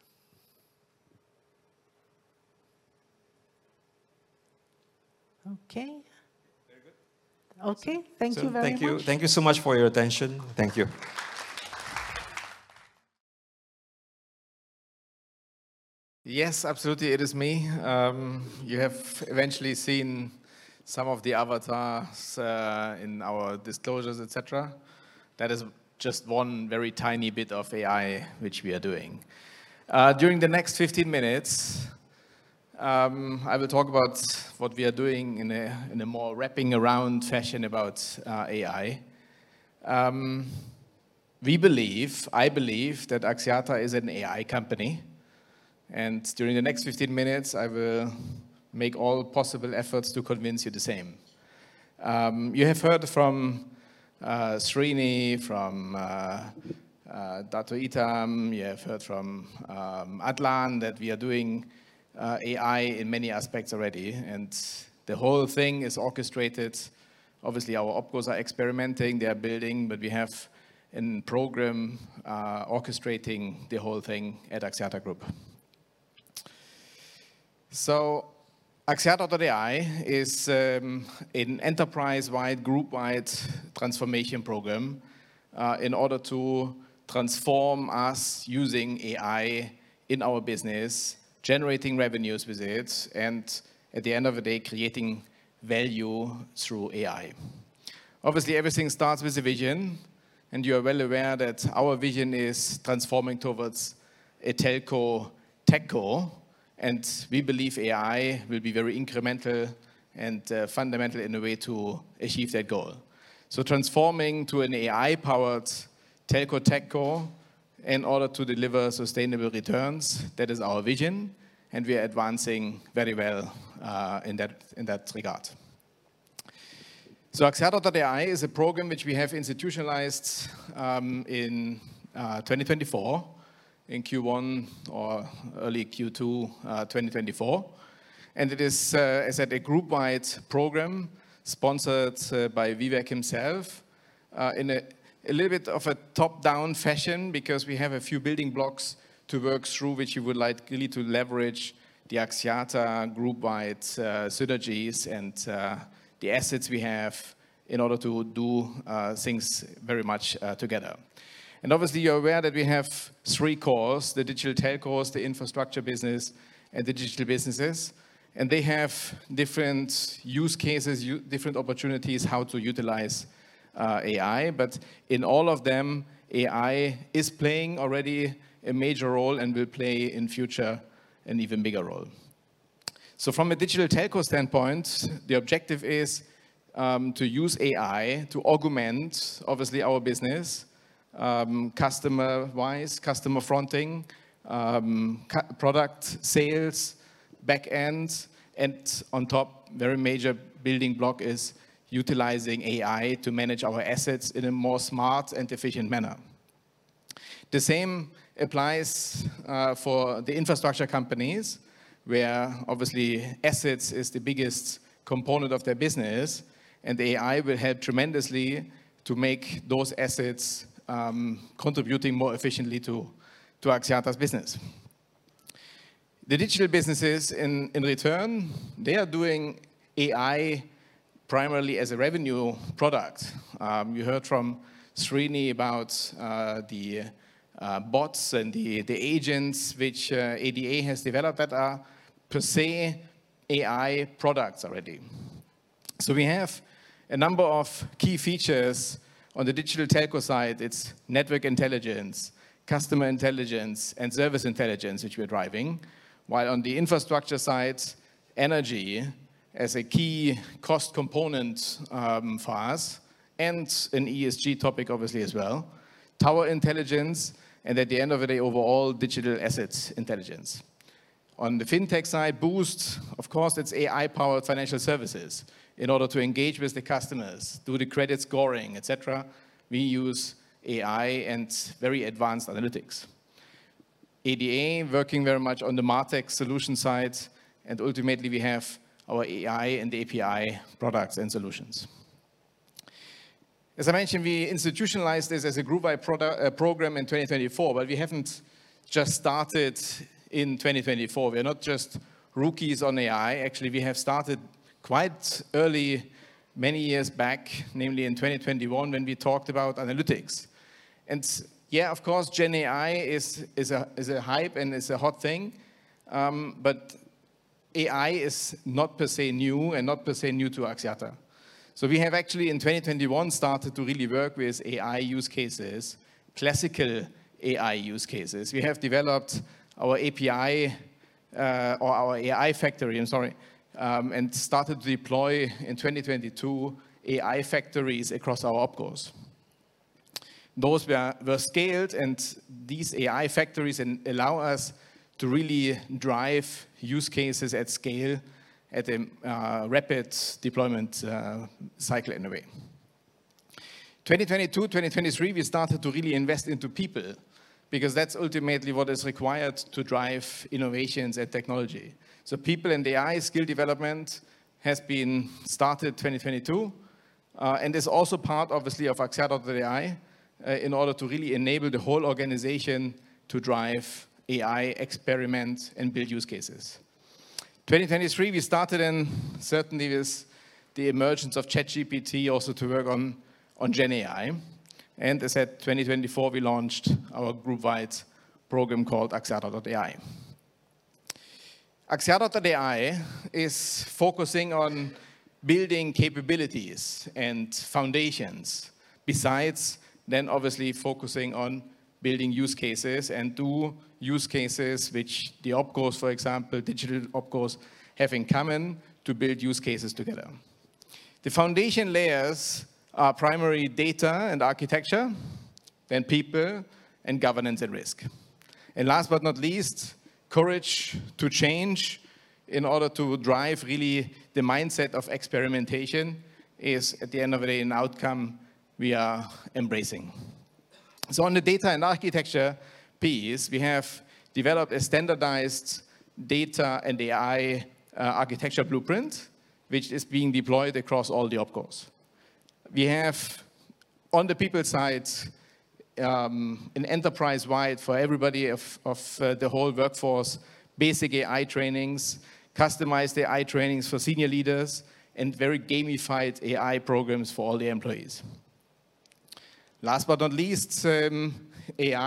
Okay. Very good. Okay, thank you very much. Thank you. Thank you so much for your attention. Thank you. Yes, absolutely. It is me. You have eventually seen some of the avatars in our disclosures, etc. That is just one very tiny bit of AI which we are doing. During the next 15 minutes, I will talk about what we are doing in a more wrapping-around fashion about AI. We believe, I believe that Axiata is an AI company, and during the next 15 minutes, I will make all possible efforts to convince you the same. You have heard from Srini, from Datuk Idham, you have heard from Adlan that we are doing AI in many aspects already, and the whole thing is orchestrated. Obviously, our OpCos are experimenting, they are building, but we have a program orchestrating the whole thing at Axiata Group. Axiata.AI is an enterprise-wide, group-wide transformation program in order to transform us using AI in our business, generating revenues with it, and at the end of the day, creating value through AI. Obviously, everything starts with a vision. And you are well aware that our vision is transforming towards a Telco-TechCo. And we believe AI will be very incremental and fundamental in a way to achieve that goal. So transforming to an AI-powered Telco-TechCo in order to deliver sustainable returns, that is our vision. And we are advancing very well in that regard. So Axiata.AI is a program which we have institutionalized in 2024, in Q1 or early Q2 2024. It is, as I said, a group-wide program sponsored by Vivek himself in a little bit of a top-down fashion because we have a few building blocks to work through which you would likely to leverage the Axiata group-wide synergies and the assets we have in order to do things very much together. Obviously, you're aware that we have three cores: the digital telcos, the infrastructure business, and the digital businesses. They have different use cases, different opportunities how to utilize AI. In all of them, AI is playing already a major role and will play in future an even bigger role. From a digital telco standpoint, the objective is to use AI to augment, obviously, our business, customer-wise, customer fronting, product sales, back-end. And on top, a very major building block is utilizing AI to manage our assets in a more smart and efficient manner. The same applies for the infrastructure companies where obviously assets is the biggest component of their business. And the AI will help tremendously to make those assets contributing more efficiently to Axiata's business. The digital businesses, in return, they are doing AI primarily as a revenue product. You heard from Srini about the bots and the agents which ADA has developed that are per se AI products already. So we have a number of key features on the digital telco side. It's network intelligence, customer intelligence, and service intelligence which we are driving. While on the infrastructure side, energy as a key cost component for us and an ESG topic obviously as well, tower intelligence, and at the end of the day, overall digital assets intelligence. On the fintech side, Boost, of course, it's AI-powered financial services. In order to engage with the customers, do the credit scoring, etc., we use AI and very advanced analytics. ADA working very much on the MarTech solution side, and ultimately, we have our AI and API products and solutions. As I mentioned, we institutionalized this as a group-wide program in 2024, but we haven't just started in 2024. We are not just rookies on AI. Actually, we have started quite early many years back, namely in 2021 when we talked about analytics, and yeah, of course, GenAI is a hype and it's a hot thing, but AI is not per se new and not per se new to Axiata, so we have actually in 2021 started to really work with AI use cases, classical AI use cases. We have developed our API or our AI Factory, I'm sorry, and started to deploy in 2022 AI factories across our OpCos. Those were scaled, and these AI factories allow us to really drive use cases at scale at a rapid deployment cycle in a way. In 2022, 2023, we started to really invest into people because that's ultimately what is required to drive innovations and technology. So people and AI skill development has been started 2022. It's also part, obviously, of Axiata.AI in order to really enable the whole organization to drive AI experiments and build use cases. In 2023, we started, certainly with the emergence of ChatGPT, also to work on GenAI. As I said, in 2024, we launched our group-wide program called Axiata.AI. Axiata.AI is focusing on building capabilities and foundations besides then obviously focusing on building use cases and do use cases which the OpCos, for example, digital OpCos have in common to build use cases together. The foundation layers are primary data and architecture, then people and governance and risk. And last but not least, courage to change in order to drive really the mindset of experimentation is at the end of the day an outcome we are embracing. So on the data and architecture piece, we have developed a standardized data and AI architecture blueprint which is being deployed across all the OpCos. We have on the people side an enterprise-wide for everybody of the whole workforce, basic AI trainings, customized AI trainings for senior leaders, and very gamified AI programs for all the employees. Last but not least, AI,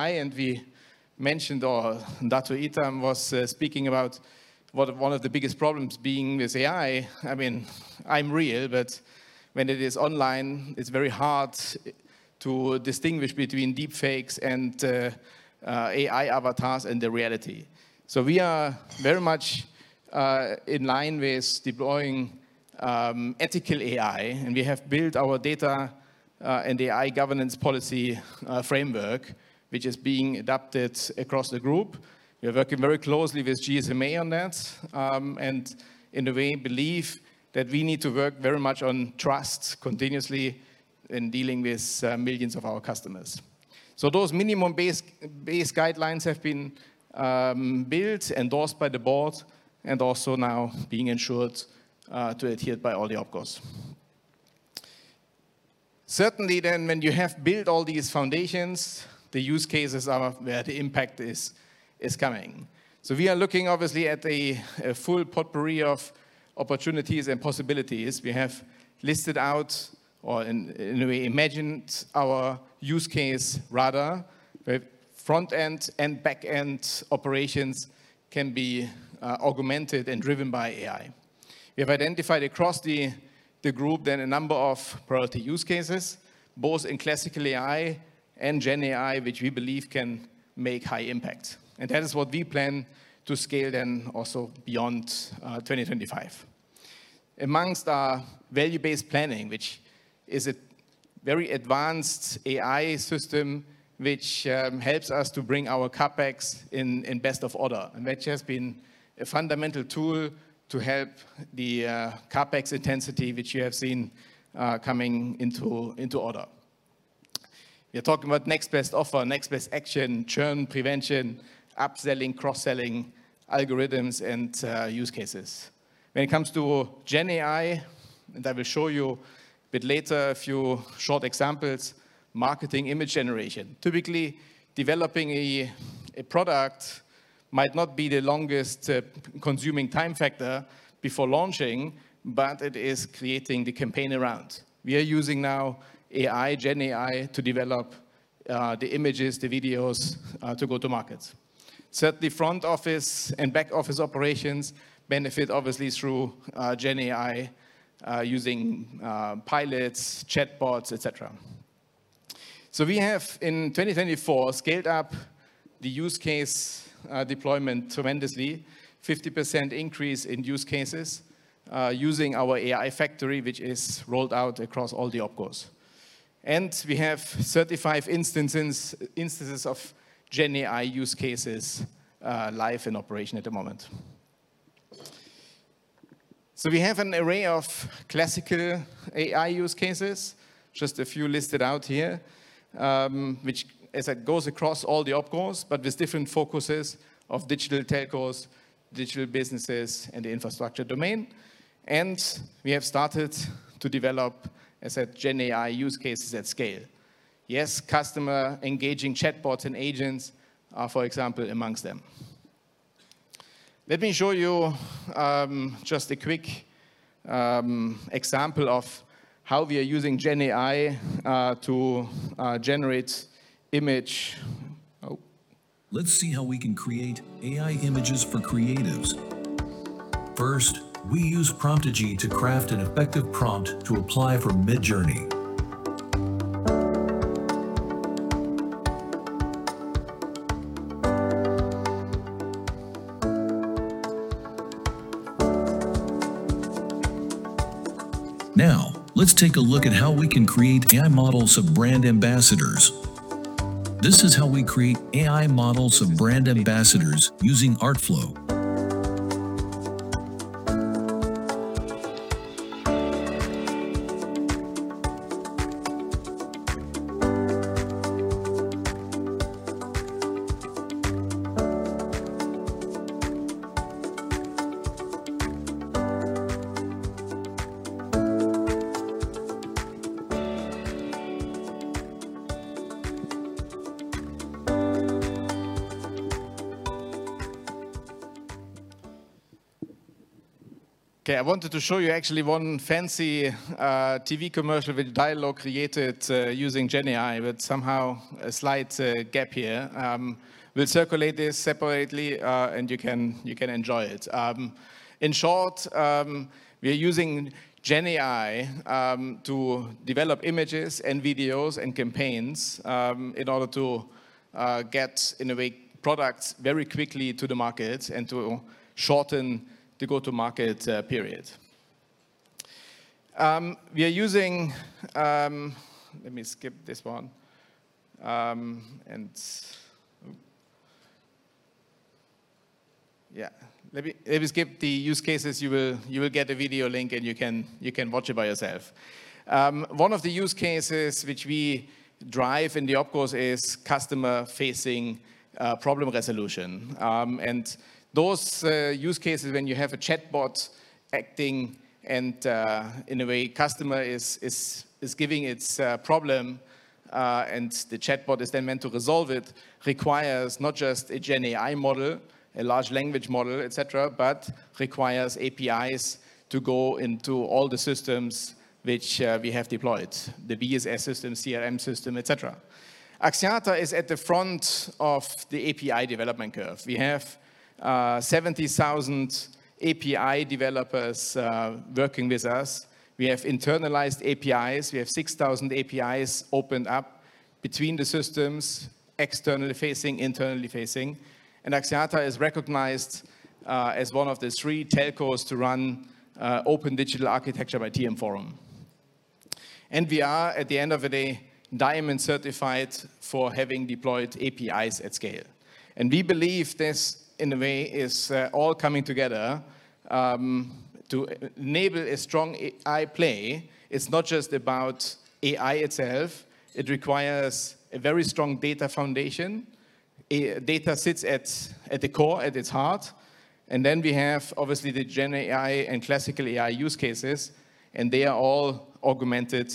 and we mentioned or Datuk Idham was speaking about one of the biggest problems being with AI. I mean, I'm real, but when it is online, it's very hard to distinguish between deepfakes and AI avatars and the reality. So we are very much in line with deploying ethical AI. And we have built our Data and AI Governance Policy Framework which is being adopted across the group. We are working very closely with GSMA on that. And in a way, believe that we need to work very much on trust continuously in dealing with millions of our customers. So those minimum-based guidelines have been built, endorsed by the board, and also now being ensured to adhere by all the OpCos. Certainly then when you have built all these foundations, the use cases are where the impact is coming. So we are looking obviously at a full potpourri of opportunities and possibilities. We have listed out or in a way imagined our use case rather, where front-end and back-end operations can be augmented and driven by AI. We have identified across the group then a number of priority use cases, both in classical AI and GenAI, which we believe can make high impact. And that is what we plan to scale then also beyond 2025. Amongst our Value-Based Planning, which is a very advanced AI system which helps us to bring our CapEx in best of order, and which has been a fundamental tool to help the CapEx intensity which you have seen coming into order. We are talking about next best offer, next best action, churn prevention, upselling, cross-selling algorithms and use cases. When it comes to GenAI, and I will show you a bit later a few short examples, marketing image generation. Typically, developing a product might not be the longest consuming time factor before launching, but it is creating the campaign around. We are using now AI, GenAI, to develop the images, the videos to go to market. Certainly, front office and back office operations benefit obviously through GenAI using pilots, chatbots, etc. So we have in 2024 scaled up the use case deployment tremendously, 50% increase in use cases using our AI Factory which is rolled out across all the OpCos. And we have 35 instances of GenAI use cases live in operation at the moment. We have an array of classical AI use cases, just a few listed out here, which as I said goes across all the OpCos, but with different focuses of digital telcos, digital businesses, and the infrastructure domain. We have started to develop, as I said, GenAI use cases at scale. Yes, customer engaging chatbots and agents are, for example, amongst them. Let me show you just a quick example of how we are using GenAI to generate image. Let's see how we can create AI images for creatives. First, we use Prompt Genie to craft an effective prompt to apply for Midjourney. Now, let's take a look at how we can create AI models of brand ambassadors. This is how we create AI models of brand ambassadors using Artflow. Okay, I wanted to show you actually one fancy TV commercial with dialogue created using GenAI, but somehow a slight gap here. We'll circulate this separately and you can enjoy it. In short, we are using GenAI to develop images and videos and campaigns in order to get in a way products very quickly to the market and to shorten the go-to-market period. We are using, let me skip this one. And yeah, let me skip the use cases. You will get a video link and you can watch it by yourself. One of the use cases which we drive in the OpCos is customer-facing problem resolution. And those use cases when you have a chatbot acting and in a way customer is giving its problem and the chatbot is then meant to resolve it requires not just a GenAI model, a large language model, etc., but requires APIs to go into all the systems which we have deployed, the BSS system, CRM system, etc. Axiata is at the front of the API development curve. We have 70,000 API developers working with us. We have internalized APIs. We have 6,000 APIs opened up between the systems, externally facing, internally facing. And Axiata is recognized as one of the three telcos to run open digital architecture by TM Forum. And we are at the end of the day Diamond Certified for having deployed APIs at scale. And we believe this in a way is all coming together to enable a strong AI play. It's not just about AI itself. It requires a very strong data foundation. Data sits at the core, at its heart. And then we have obviously the GenAI and classical AI use cases, and they are all augmented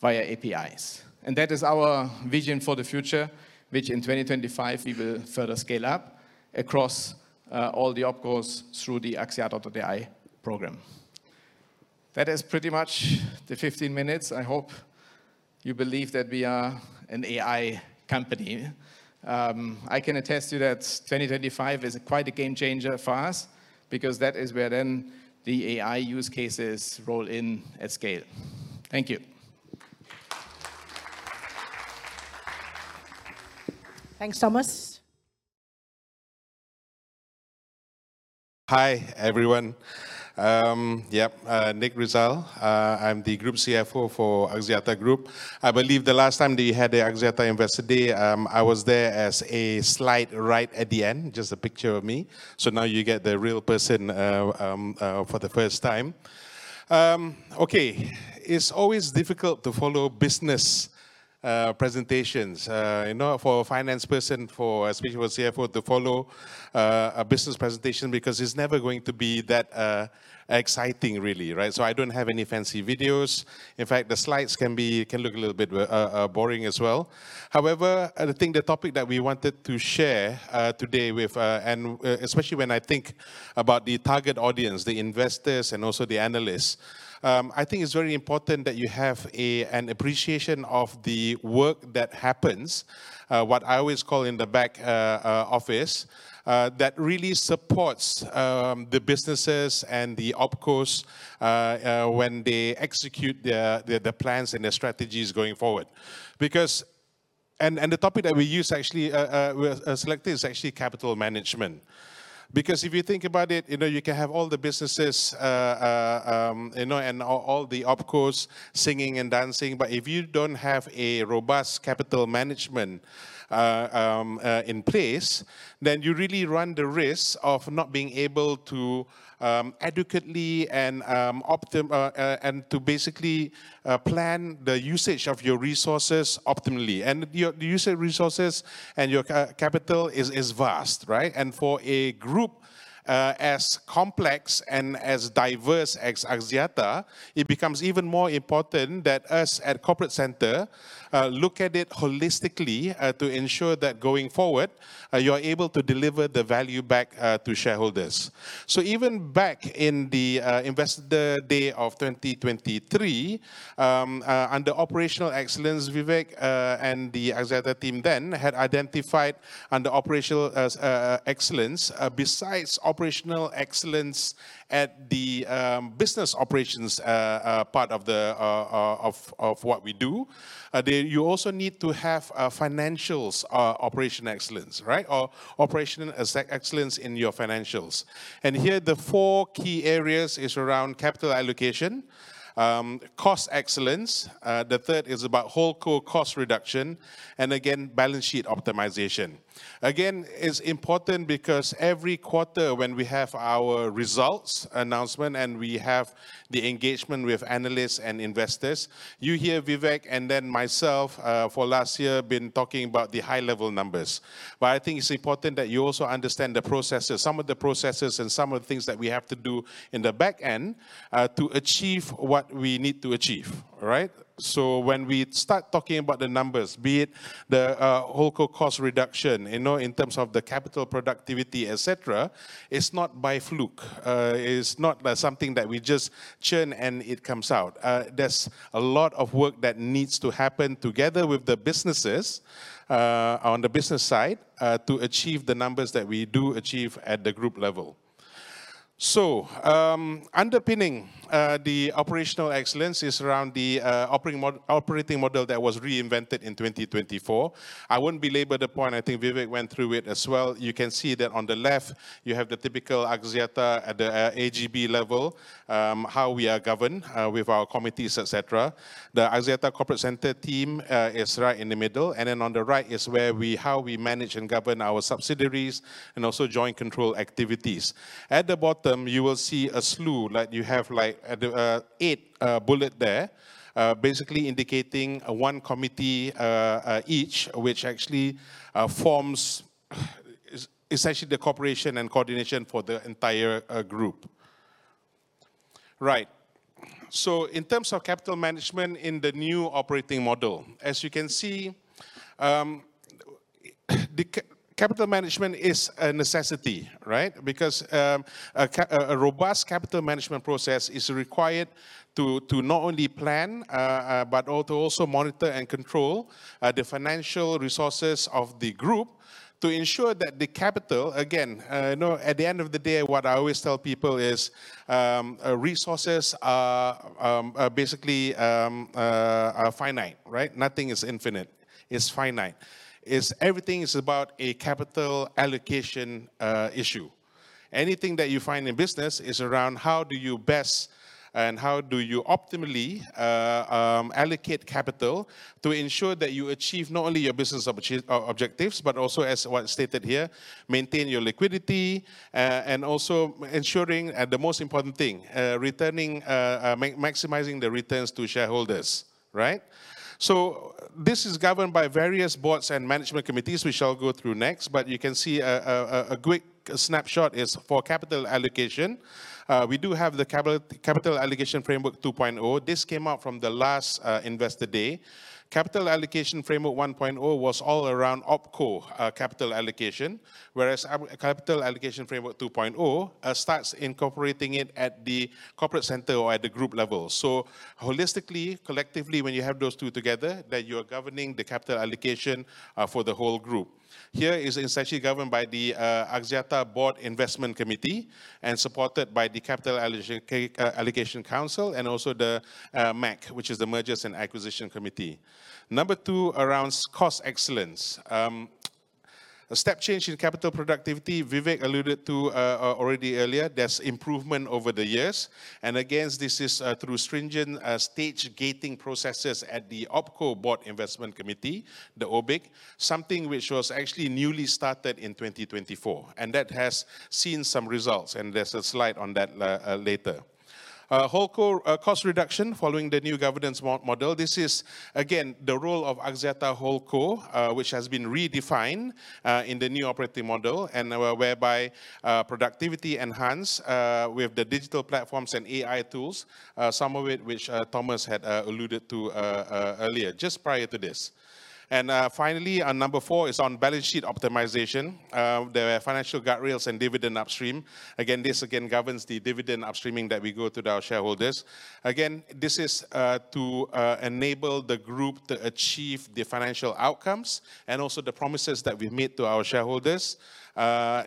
via APIs. And that is our vision for the future, which in 2025 we will further scale up across all the OpCos through the Axiata.AI program. That is pretty much the 15 minutes. I hope you believe that we are an AI company. I can attest to you that 2025 is quite a game changer for us because that is where then the AI use cases roll in at scale. Thank you. Thanks, Thomas. Hi everyone. Yeah, Nik Rizal. I'm the Group CFO for Axiata Group. I believe the last time they had the Axiata Investor Day, I was there as a slide right at the end, just a picture of me. So now you get the real person for the first time. Okay, it's always difficult to follow business presentations. You know, for a finance person, for a special CFO to follow a business presentation because it's never going to be that exciting really, right? So I don't have any fancy videos. In fact, the slides can look a little bit boring as well. However, I think the topic that we wanted to share today with, and especially when I think about the target audience, the investors and also the analysts, I think it's very important that you have an appreciation of the work that happens, what I always call in the back office, that really supports the businesses and the OpCos when they execute their plans and their strategies going forward. Because and the topic that we use actually selected is actually capital management. Because if you think about it, you know, you can have all the businesses, you know, and all the OpCos singing and dancing, but if you don't have a robust capital management in place, then you really run the risk of not being able to adequately and to basically plan the usage of your resources optimally, and the use of resources and your capital is vast, right? For a group as complex and as diverse as Axiata, it becomes even more important that us at Corporate Center look at it holistically to ensure that going forward you are able to deliver the value back to shareholders. So even back in the investor day of 2023, under operational excellence, Vivek and the Axiata team then had identified under operational excellence, besides operational excellence at the business operations part of what we do, you also need to have financials operational excellence, right? Or operational excellence in your financials. And here the four key areas are around capital allocation, cost excellence, the third is about HoldCo cost reduction, and again, balance sheet optimization. Again, it's important because every quarter when we have our results announcement and we have the engagement with analysts and investors, you hear Vivek and then myself for last year been talking about the high-level numbers. But I think it's important that you also understand the processes, some of the processes and some of the things that we have to do in the back end to achieve what we need to achieve, right? So when we start talking about the numbers, be it the HoldCo cost reduction, you know, in terms of the capital productivity, etc., it's not by fluke. It's not something that we just churn and it comes out. There's a lot of work that needs to happen together with the businesses on the business side to achieve the numbers that we do achieve at the group level. Underpinning the operational excellence is around the operating model that was reinvented in 2024. I won't belabor the point. I think Vivek went through it as well. You can see that on the left, you have the typical Axiata at the AGB level, how we are governed with our committees, etc. The Axiata Corporate Center team is right in the middle. And then on the right is where we, how we manage and govern our subsidiaries and also joint control activities. At the bottom, you will see a slew, like you have like eight bullets there, basically indicating one committee each, which actually forms essentially the cooperation and coordination for the entire group. Right. So in terms of capital management in the new operating model, as you can see, capital management is a necessity, right? Because a robust capital management process is required to not only plan, but also monitor and control the financial resources of the group to ensure that the capital, again, you know, at the end of the day, what I always tell people is resources are basically finite, right? Nothing is infinite. It's finite. Everything is about a capital allocation issue. Anything that you find in business is around how do you best and how do you optimally allocate capital to ensure that you achieve not only your business objectives, but also, as what's stated here, maintain your liquidity and also ensuring the most important thing, maximizing the returns to shareholders, right? So this is governed by various boards and management committees, which I'll go through next, but you can see a quick snapshot is for capital allocation. We do have the Capital Allocation Framework 2.0. This came out from the last investor day. Capital Allocation Framework 1.0 was all around OpCo capital allocation, whereas Capital Allocation Framework 2.0 starts incorporating it at the Corporate Center or at the group level. So holistically, collectively, when you have those two together, then you are governing the capital allocation for the whole group. This is essentially governed by the Axiata Board Investment Committee and supported by the Capital Allocation Council and also the MAC, which is the Mergers and Acquisition Committee. Number two around cost excellence. A step change in capital productivity, Vivek alluded to already earlier, there's improvement over the years and again, this is through stringent stage gating processes at the OpCo Board Investment Committee, the OBIC, something which was actually newly started in 2024 and that has seen some results, and there's a slide on that later. HoldCo cost reduction following the new governance model. This is again the role of Axiata HoldCo, which has been redefined in the new operating model and whereby productivity enhanced with the digital platforms and AI tools, some of it which Thomas had alluded to earlier, just prior to this, and finally, number four is on balance sheet optimization, the financial guardrails and dividend upstream. Again, this again governs the dividend upstreaming that we go to our shareholders. Again, this is to enable the group to achieve the financial outcomes and also the promises that we've made to our shareholders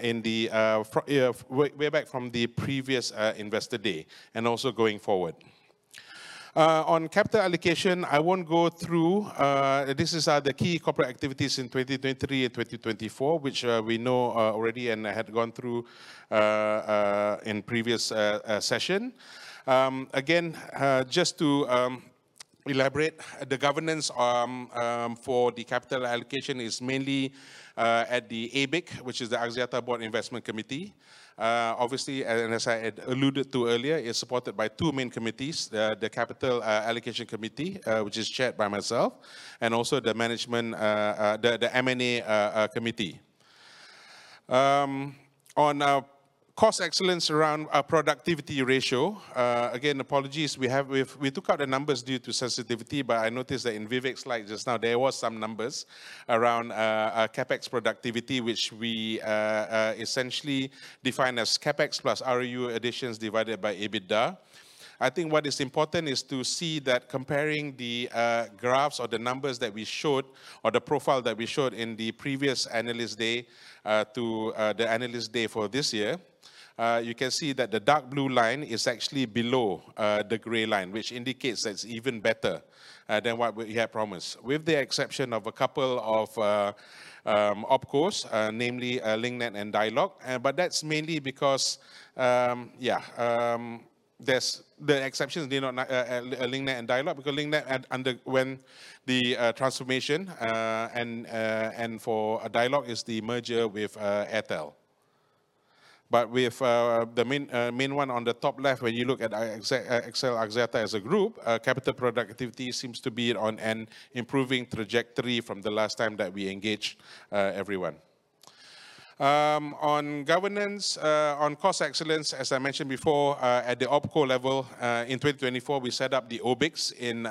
in the way back from the previous investor day and also going forward. On capital allocation, I won't go through. This is the key corporate activities in 2023 and 2024, which we know already and I had gone through in previous session. Again, just to elaborate, the governance for the capital allocation is mainly at the ABIC, which is the Axiata Board Investment Committee. Obviously, as I had alluded to earlier, it's supported by two main committees, the Capital Allocation Committee, which is chaired by myself, and also the Management, the M&A Committee. On cost excellence around productivity ratio, again, apologies, we took out the numbers due to sensitivity, but I noticed that in Vivek's slide just now, there were some numbers around CapEx productivity, which we essentially define as CapEx plus ROU additions divided by EBITDA. I think what is important is to see that comparing the graphs or the numbers that we showed or the profile that we showed in the previous Analyst Day to the Analyst Day for this year, you can see that the dark blue line is actually below the gray line, which indicates that it's even better than what we had promised, with the exception of a couple of OpCos, namely Link Net and Dialog. But that's mainly because, yeah, the exceptions did not Link Net and Dialog, because Link Net underwent the transformation, and for Dialog is the merger with Airtel. But with the main one on the top left, when you look at XL Axiata as a group, capital productivity seems to be on an improving trajectory from the last time that we engaged everyone. On governance, on cost excellence, as I mentioned before, at the OpCo level, in 2024, we set up the OBICs in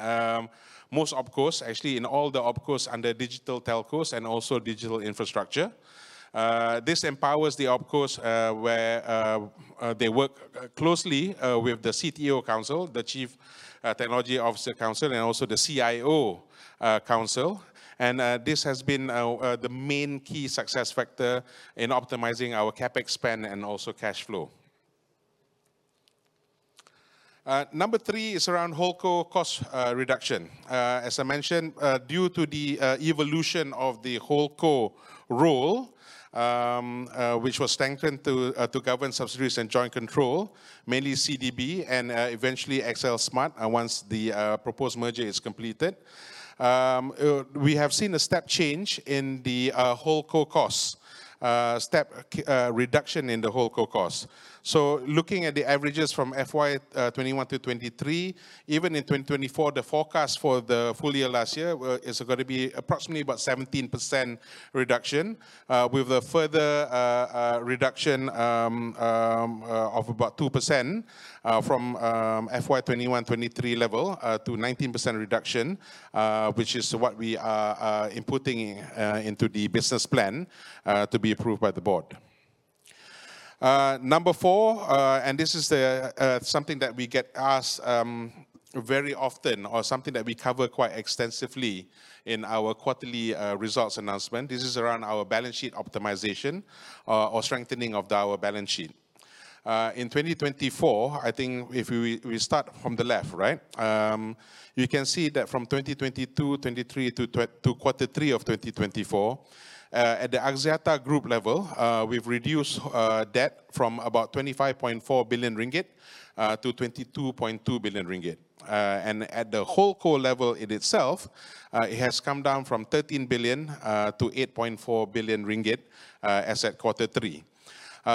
most OpCos, actually in all the OpCos under digital telcos and also digital infrastructure. This empowers the OpCos where they work closely with the CTO Council, the Chief Technology Officer Council, and also the CIO Council. This has been the main key success factor in optimizing our CapEx spend and also cash flow. Number three is around HoldCo cost reduction. As I mentioned, due to the evolution of the HoldCo role, which was strengthened to govern subsidiaries and joint control, mainly CelcomDigi and eventually XL Smartfren once the proposed merger is completed, we have seen a step change in the HoldCo cost, step reduction in the HoldCo cost. Looking at the averages from FY21 to 23, even in 2024, the forecast for the full year last year is going to be approximately about 17% reduction with a further reduction of about 2% from FY21-23 level to 19% reduction, which is what we are inputting into the business plan to be approved by the board. Number four, and this is something that we get asked very often or something that we cover quite extensively in our quarterly results announcement. This is around our balance sheet optimization or strengthening of our balance sheet. In 2024, I think if we start from the left, right, you can see that from 2022-2023 to quarter three of 2024, at the Axiata Group level, we've reduced debt from about 25.4 billion-22.2 billion ringgit. At the HoldCo level in itself, it has come down from 13 billion-8.4 billion ringgit as at quarter three.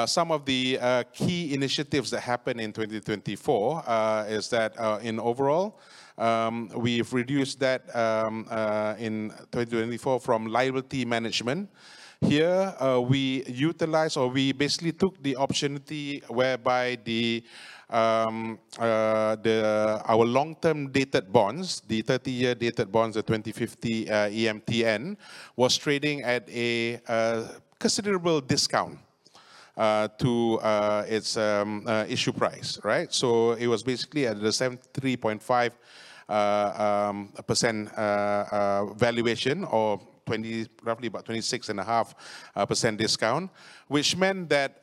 Some of the key initiatives that happened in 2024 is that in overall, we've reduced debt in 2024 from liability management. Here, we utilize or we basically took the opportunity whereby our long-term dated bonds, the 30-year dated bonds of 2050 EMTN, was trading at a considerable discount to its issue price, right? So it was basically at the 73.5% valuation or roughly about 26.5% discount, which meant that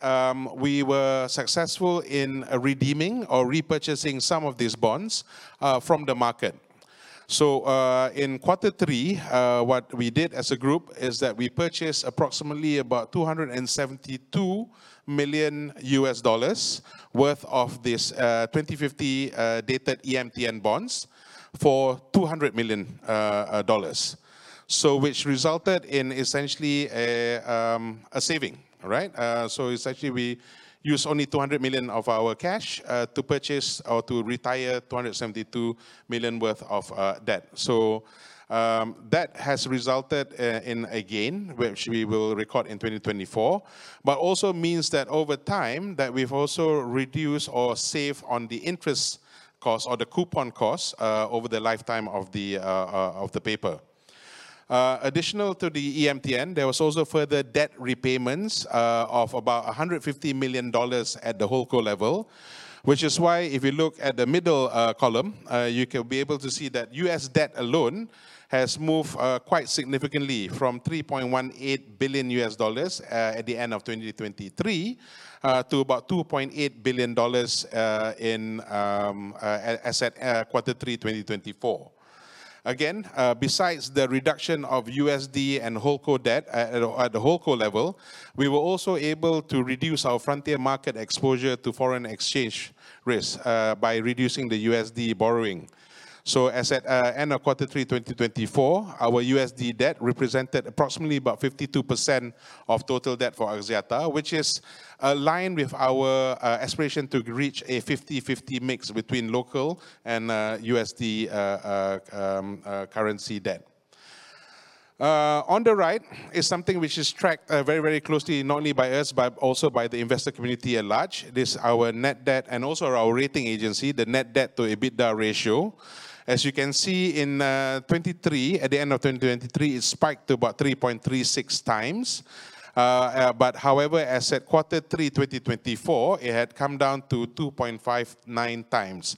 we were successful in redeeming or repurchasing some of these bonds from the market. So in quarter three, what we did as a group is that we purchased approximately about $272 million worth of these 2050 dated EMTN bonds for $200 million, which resulted in essentially a saving, right? Essentially we used only $200 million of our cash to purchase or to retire $272 million worth of debt. So that has resulted in a gain, which we will record in 2024, but also means that over time that we've also reduced or saved on the interest cost or the coupon cost over the lifetime of the paper. Additional to the EMTN, there was also further debt repayments of about $150 million at the whole Group level, which is why if you look at the middle column, you can be able to see that US debt alone has moved quite significantly from $3.18 billion at the end of 2023 to about $2.8 billion as at quarter three 2024. Again, besides the reduction of USD and HoldCo debt at the HoldCo level, we were also able to reduce our frontier market exposure to foreign exchange risk by reducing the USD borrowing. So as at end of quarter three 2024, our USD debt represented approximately about 52% of total debt for Axiata, which is aligned with our aspiration to reach a 50-50 mix between local and USD currency debt. On the right is something which is tracked very, very closely, not only by us, but also by the investor community at large. This is our net debt and also our rating agency, the net debt to EBITDA ratio. As you can see in 2023, at the end of 2023, it spiked to about 3.36x. But however, as at quarter three 2024, it had come down to 2.59x,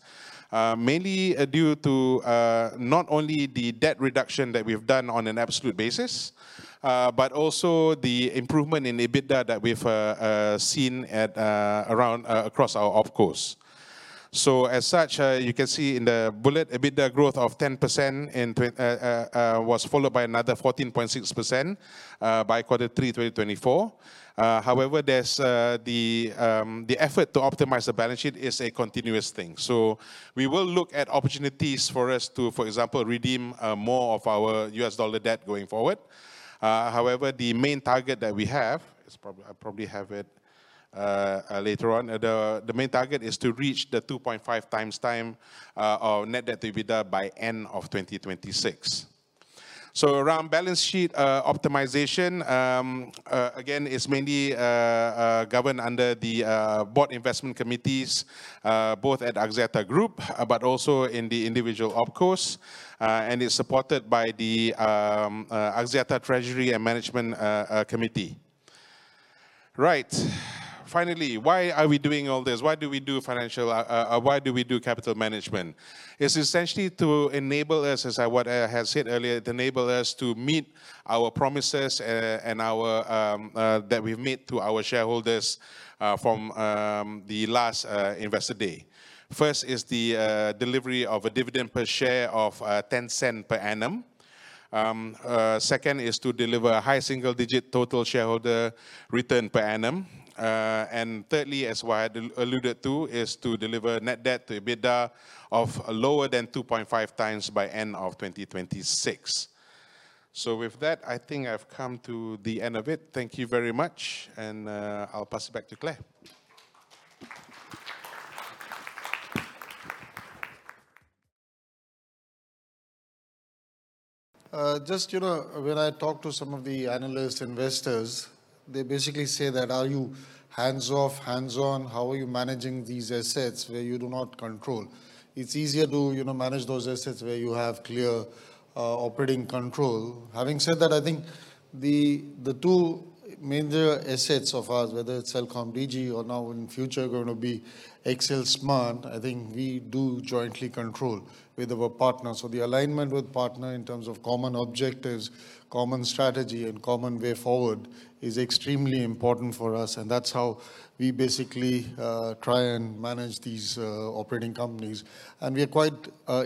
mainly due to not only the debt reduction that we've done on an absolute basis, but also the improvement in EBITDA that we've seen across our OpCos. So as such, you can see in the bullet, EBITDA growth of 10% was followed by another 14.6% by quarter three 2024. However, the effort to optimize the balance sheet is a continuous thing. So we will look at opportunities for us to, for example, redeem more of our U.S. dollar debt going forward. However, the main target that we have, I probably have it later on, the main target is to reach the 2.5x time of net debt to EBITDA by end of 2026. So around balance sheet optimization, again, it's mainly governed under the Board Investment Committees, both at Axiata Group, but also in the individual OpCos, and it's supported by the Axiata Treasury and Management Committee. Right. Finally, why are we doing all this? Why do we do financial? Why do we do capital management? It's essentially to enable us, as I what I had said earlier, to enable us to meet our promises and our that we've made to our shareholders from the last investor day. First is the delivery of a dividend per share of 0.10 per annum. Second is to deliver a high single digit total shareholder return per annum. And thirdly, as what I alluded to, is to deliver net debt to EBITDA of lower than 2.5x by end of 2026. So with that, I think I've come to the end of it. Thank you very much, and I'll pass it back to Clare. Just, you know, when I talk to some of the analyst investors, they basically say that, are you hands-off, hands-on? How are you managing these assets where you do not control? It's easier to, you know, manage those assets where you have clear operating control. Having said that, I think the two major assets of ours, whether it's CelcomDigi or now in future going to be XL Smartfren, I think we do jointly control with our partners. So the alignment with partners in terms of common objectives, common strategy, and common way forward is extremely important for us. And that's how we basically try and manage these operating companies. And we are quite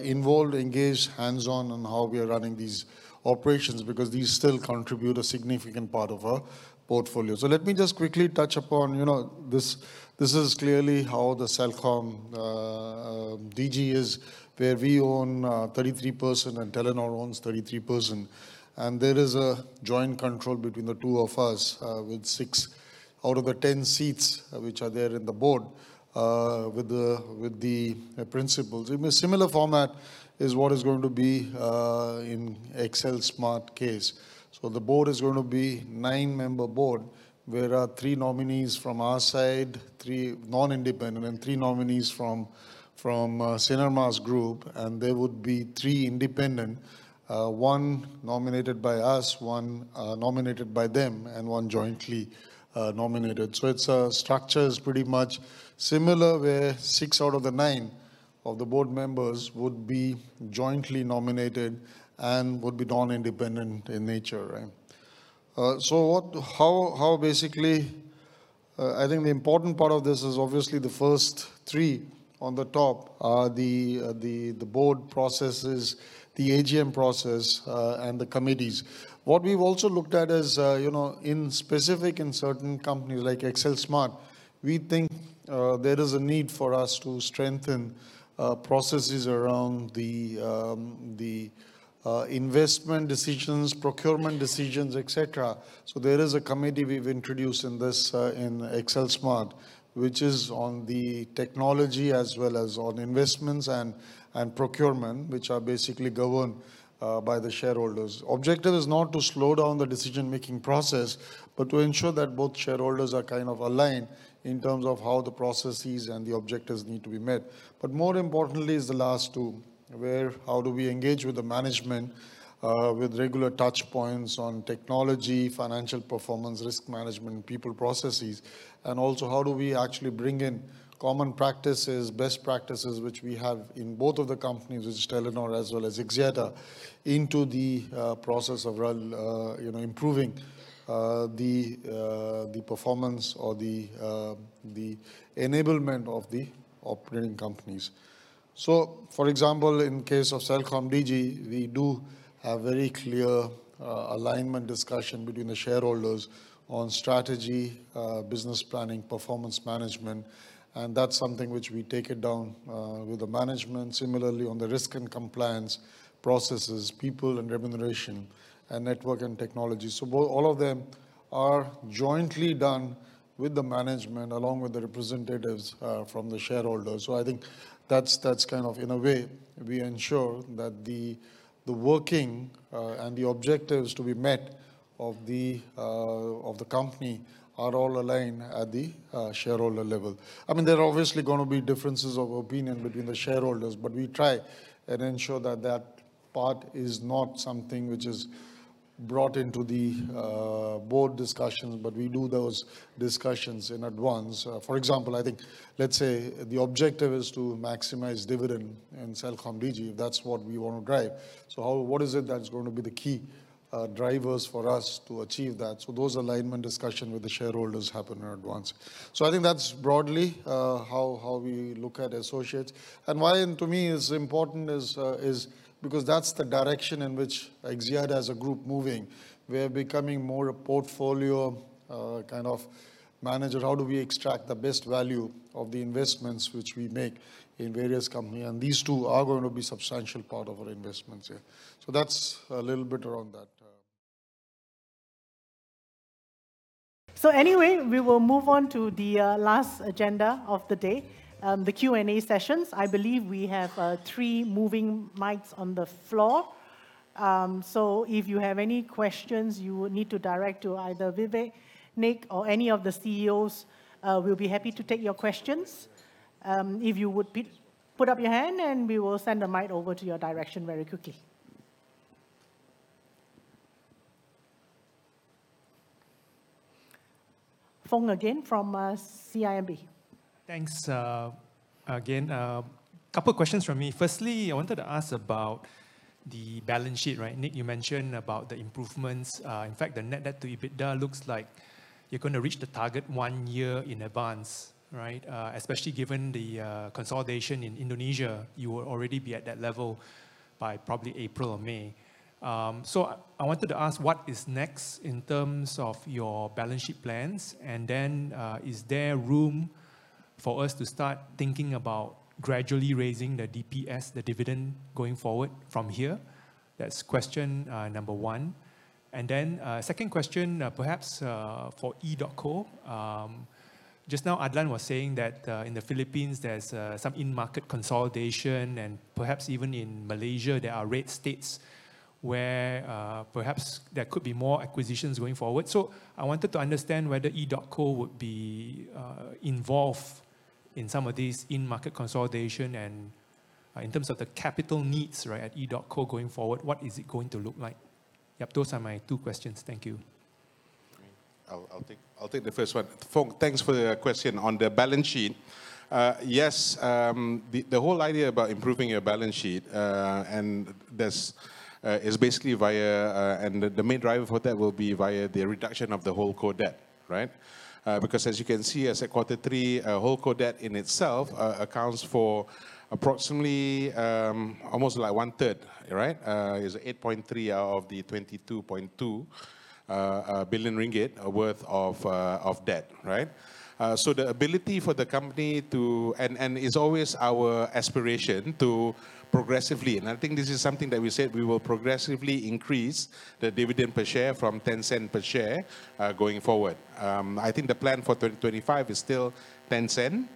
involved, engaged, hands-on on how we are running these operations because these still contribute a significant part of our portfolio. So let me just quickly touch upon, you know, this is clearly how the CelcomDigi is, where we own 33% and Telenor owns 33%. And there is a joint control between the two of us with six out of the 10 seats which are there in the board with the principals. In a similar format is what is going to be in XL Smartfren case. So the board is going to be a nine-member board where there are three nominees from our side, three non-independent, and three nominees from Sinar Mas Group. And there would be three independent, one nominated by us, one nominated by them, and one jointly nominated. So it's a structure that is pretty much similar where six out of the nine of the board members would be jointly nominated and would be non-independent in nature. So how basically I think the important part of this is obviously the first three on the top are the board processes, the AGM process, and the committees. What we've also looked at is, you know, in specific in certain companies like XL Smartfren, we think there is a need for us to strengthen processes around the investment decisions, procurement decisions, et cetera. So there is a committee we've introduced in this in XL Smartfren, which is on the technology as well as on investments and procurement, which are basically governed by the shareholders. The objective is not to slow down the decision-making process, but to ensure that both shareholders are kind of aligned in terms of how the processes and the objectives need to be met. But more importantly is the last two, where how do we engage with the management with regular touch points on technology, financial performance, risk management, and people processes, and also how do we actually bring in common practices, best practices, which we have in both of the companies, which is Telenor as well as Axiata, into the process of improving the performance or the enablement of the operating companies. So, for example, in the case of CelcomDigi, we do have very clear alignment discussion between the shareholders on strategy, business planning, performance management, and that's something which we take it down with the management. Similarly, on the risk and compliance processes, people and remuneration, and network and technology. So all of them are jointly done with the management along with the representatives from the shareholders. So I think that's kind of in a way we ensure that the working and the objectives to be met of the company are all aligned at the shareholder level. I mean, there are obviously going to be differences of opinion between the shareholders, but we try and ensure that that part is not something which is brought into the board discussions, but we do those discussions in advance. For example, I think, let's say the objective is to maximize dividend in CelcomDigi, if that's what we want to drive. So what is it that's going to be the key drivers for us to achieve that? So those alignment discussions with the shareholders happen in advance. So I think that's broadly how we look at associates. And why to me is important is because that's the direction in which Axiata as a group moving. We're becoming more a portfolio kind of manager. How do we extract the best value of the investments which we make in various companies? And these two are going to be a substantial part of our investments here. So that's a little bit around that. So anyway, we will move on to the last agenda of the day, the Q&A sessions. I believe we have three moving mics on the floor. So if you have any questions you would need to direct to either Vivek, Nik, or any of the CEOs, we'll be happy to take your questions. If you would put up your hand and we will send a mic over to your direction very quickly. Foong again from CIMB. Thanks again. A couple of questions from me. Firstly, I wanted to ask about the balance sheet, right? Nik, you mentioned about the improvements. In fact, the net debt to EBITDA looks like you're going to reach the target one year in advance, right? Especially given the consolidation in Indonesia, you will already be at that level by probably April or May. So I wanted to ask what is next in terms of your balance sheet plans? And then is there room for us to start thinking about gradually raising the DPS, the dividend going forward from here? That's question number one, and then second question, perhaps for EDOTCO. Just now, Adlan was saying that in the Philippines, there's some in-market consolidation, and perhaps even in Malaysia, there are Red States where perhaps there could be more acquisitions going forward. I wanted to understand whether EDOTCO would be involved in some of these in-market consolidations and in terms of the capital needs, right, at EDOTCO going forward, what is it going to look like? Yep, those are my two questions. Thank you. I'll take the first one. Foong, thanks for the question on the balance sheet. Yes, the whole idea about improving your balance sheet and this is basically via and the main driver for that will be via the reduction of the HoldCo debt, right? Because as you can see, as at quarter three, HoldCo debt in itself accounts for approximately almost like one third, right? It's 8.3 billion out of the 22.2 billion ringgit worth of debt, right? The ability for the company to—it's always our aspiration to progressively, and I think this is something that we said we will progressively increase the dividend per share from 0.10 per share going forward. I think the plan for 2025 is still 0.10,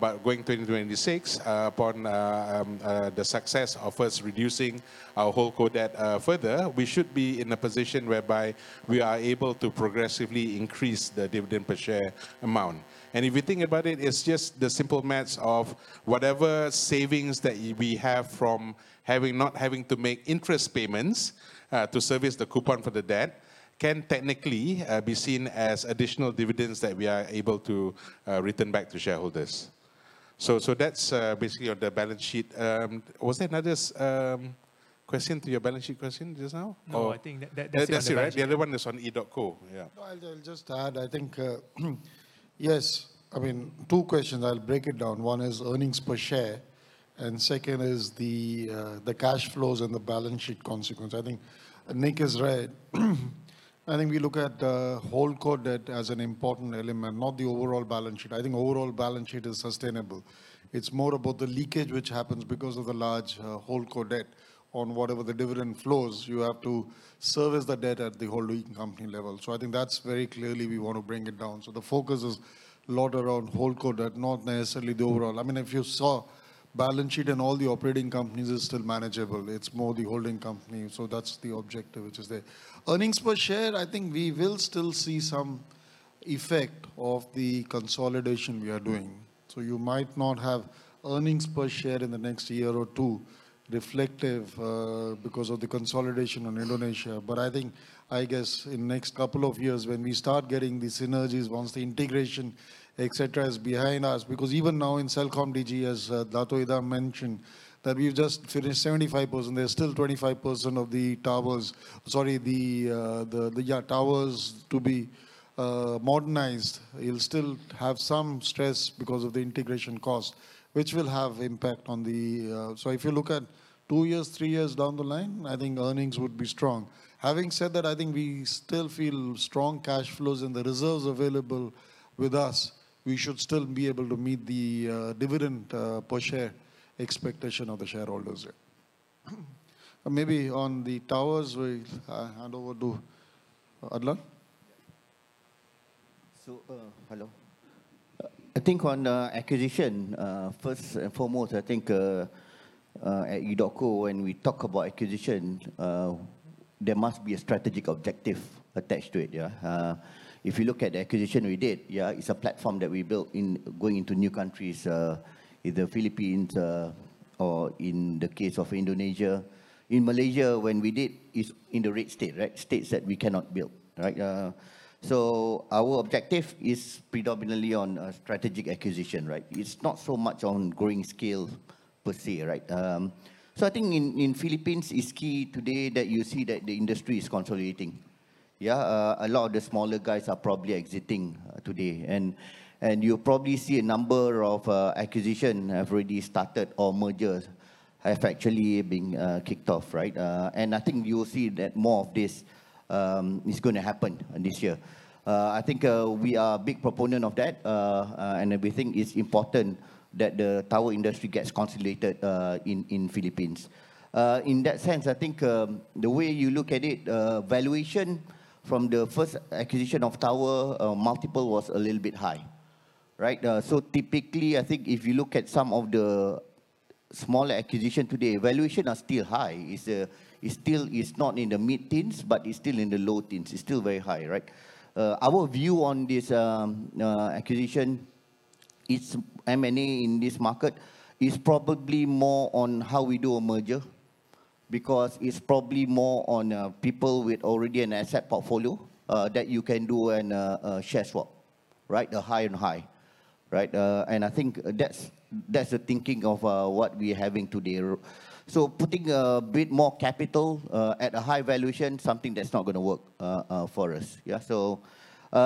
but going 2026, upon the success of us reducing our HoldCo debt further, we should be in a position whereby we are able to progressively increase the dividend per share amount. And if you think about it, it's just the simple math of whatever savings that we have from not having to make interest payments to service the coupon for the debt can technically be seen as additional dividends that we are able to return back to shareholders. That's basically on the balance sheet. Was there another question to your balance sheet question just now? No, I think that's it, right? The other one is on EDOTCO. Yeah. I'll just add, I think, yes, I mean, two questions. I'll break it down. One is earnings per share, and second is the cash flows and the balance sheet consequence. I think Nik is right. I think we look at the HoldCo debt as an important element, not the overall balance sheet. I think overall balance sheet is sustainable. It's more about the leakage which happens because of the large HoldCo debt on whatever the dividend flows. You have to service the debt at the holding company level. So I think that's very clearly we want to bring it down. So the focus is a lot around HoldCo debt, not necessarily the overall. I mean, if you saw balance sheet and all the operating companies is still manageable. It's more the holding company. So that's the objective which is there. Earnings per share, I think we will still see some effect of the consolidation we are doing. So you might not have earnings per share in the next year or two reflective because of the consolidation in Indonesia. But I think, I guess, in the next couple of years when we start getting the synergies, once the integration, et cetera, is behind us, because even now in CelcomDigi, as Datuk Idham mentioned, that we've just finished 75%, there's still 25% of the towers, sorry, the towers to be modernized, it'll still have some stress because of the integration cost, which will have impact on the. So if you look at two years, three years down the line, I think earnings would be strong. Having said that, I think we still feel strong cash flows and the reserves available with us. We should still be able to meet the dividend per share expectation of the shareholders. Maybe on the towers, we hand over to Adlan. So, hello. I think on acquisition, first and foremost, I think at EDOTCO, when we talk about acquisition, there must be a strategic objective attached to it. If you look at the acquisition we did, yeah, it's a platform that we built in going into new countries, either Philippines or in the case of Indonesia. In Malaysia, when we did, it's in the Red State, right? States that we cannot build, right? So our objective is predominantly on strategic acquisition, right? It's not so much on growing scale per se, right? So I think in the Philippines, it's key today that you see that the industry is consolidating. Yeah, a lot of the smaller guys are probably exiting today. And you'll probably see a number of acquisitions have already started or mergers have actually been kicked off, right? And I think you'll see that more of this is going to happen this year. I think we are a big proponent of that, and we think it's important that the tower industry gets consolidated in the Philippines. In that sense, I think the way you look at it, valuation from the first acquisition of tower multiple was a little bit high, right? So typically, I think if you look at some of the smaller acquisitions today, valuations are still high. It's still, it's not in the mid-teens, but it's still in the low-teens. It's still very high, right? Our view on this acquisition, M&A in this market is probably more on how we do a merger because it's probably more on people with already an asset portfolio that you can do and share swap, right? The high and high, right? And I think that's the thinking of what we're having today. So putting a bit more capital at a high valuation, something that's not going to work for us. Yeah, so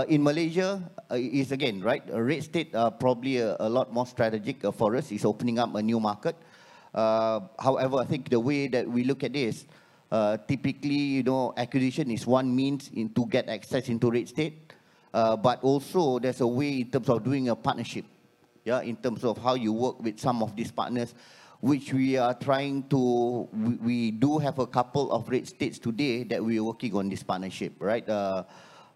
in Malaysia, it's again, right? Red State probably a lot more strategic for us. It's opening up a new market. However, I think the way that we look at this, typically, you know, acquisition is one means to get access into Red State, but also there's a way in terms of doing a partnership, yeah, in terms of how you work with some of these partners, which we are trying to, we do have a couple of Red States today that we are working on this partnership, right?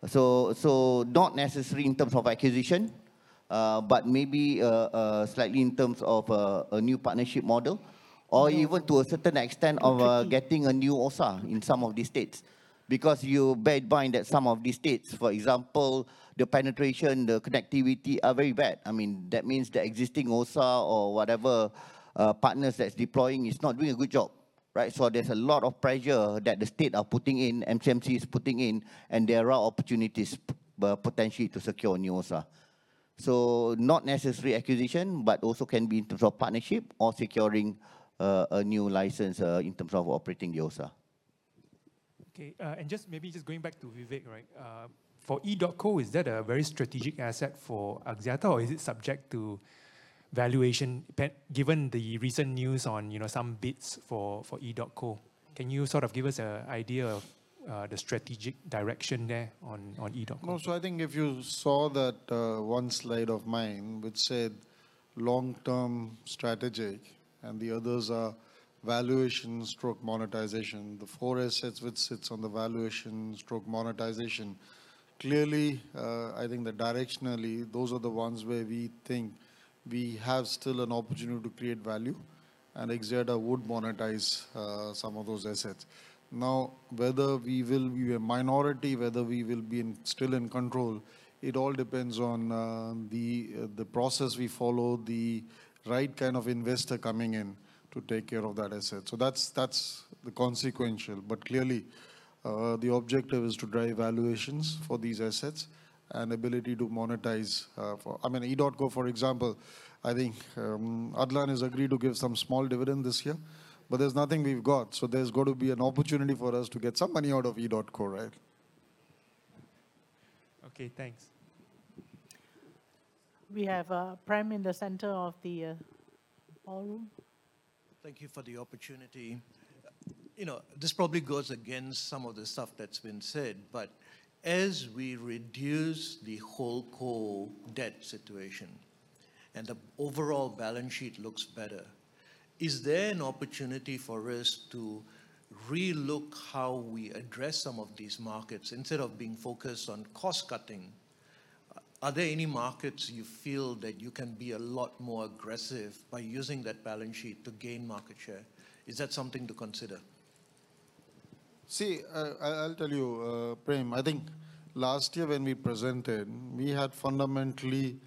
So not necessary in terms of acquisition, but maybe slightly in terms of a new partnership model or even to a certain extent of getting a new OSA in some of these states because you bear in mind that some of these states, for example, the penetration, the connectivity are very bad. I mean, that means the existing OSA or whatever partners that's deploying is not doing a good job, right? There's a lot of pressure that the states are putting in. MCMC is putting in, and there are opportunities potentially to secure new OSA. Not necessarily acquisition, but also can be in terms of partnership or securing a new license in terms of operating the OSA. Okay, and just maybe just going back to Vivek, right? For EDOTCO, is that a very strategic asset for Axiata, or is it subject to valuation given the recent news on some bids for EDOTCO? Can you sort of give us an idea of the strategic direction there on EDOTCO? So I think if you saw that one slide of mine which said long-term strategic and the others are valuation stroke monetization, the four assets which sit on the valuation stroke monetization. Clearly I think that directionally those are the ones where we think we have still an opportunity to create value and EDOTCO would monetize some of those assets. Now, whether we will be a minority, whether we will be still in control, it all depends on the process we follow, the right kind of investor coming in to take care of that asset. So that's the consequential, but clearly the objective is to drive valuations for these assets and ability to monetize. I mean, EDOTCO, for example, I think Adlan has agreed to give some small dividend this year, but there's nothing we've got. So there's got to be an opportunity for us to get some money out of EDOTCO, right? Okay, thanks. We have a Prem in the center of the ballroom. Thank you for the opportunity. You know, this probably goes against some of the stuff that's been said, but as we reduce the HoldCo debt situation and the overall balance sheet looks better, is there an opportunity for us to re-look how we address some of these markets instead of being focused on cost cutting? Are there any markets you feel that you can be a lot more aggressive by using that balance sheet to gain market share? Is that something to consider? See, I'll tell you, Prem, I think last year when we presented, we had fundamentally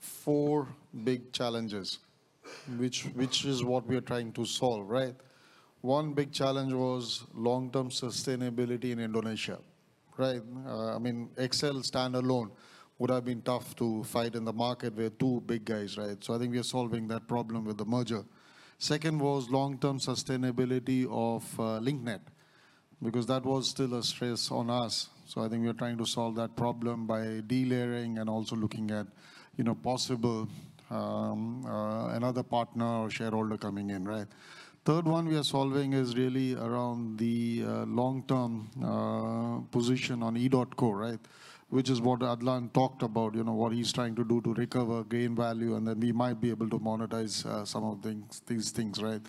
four big challenges, which is what we are trying to solve, right? One big challenge was long-term sustainability in Indonesia, right? I mean, XL standalone would have been tough to fight in the market. We are two big guys, right? So I think we are solving that problem with the merger. Second was long-term sustainability of Link Net because that was still a stress on us. So I think we are trying to solve that problem by delayering and also looking at, you know, possible another partner or shareholder coming in, right? Third one we are solving is really around the long-term position on EDOTCO, right? Which is what Adlan talked about, you know, what he's trying to do to recover, gain value, and then we might be able to monetize some of these things, right?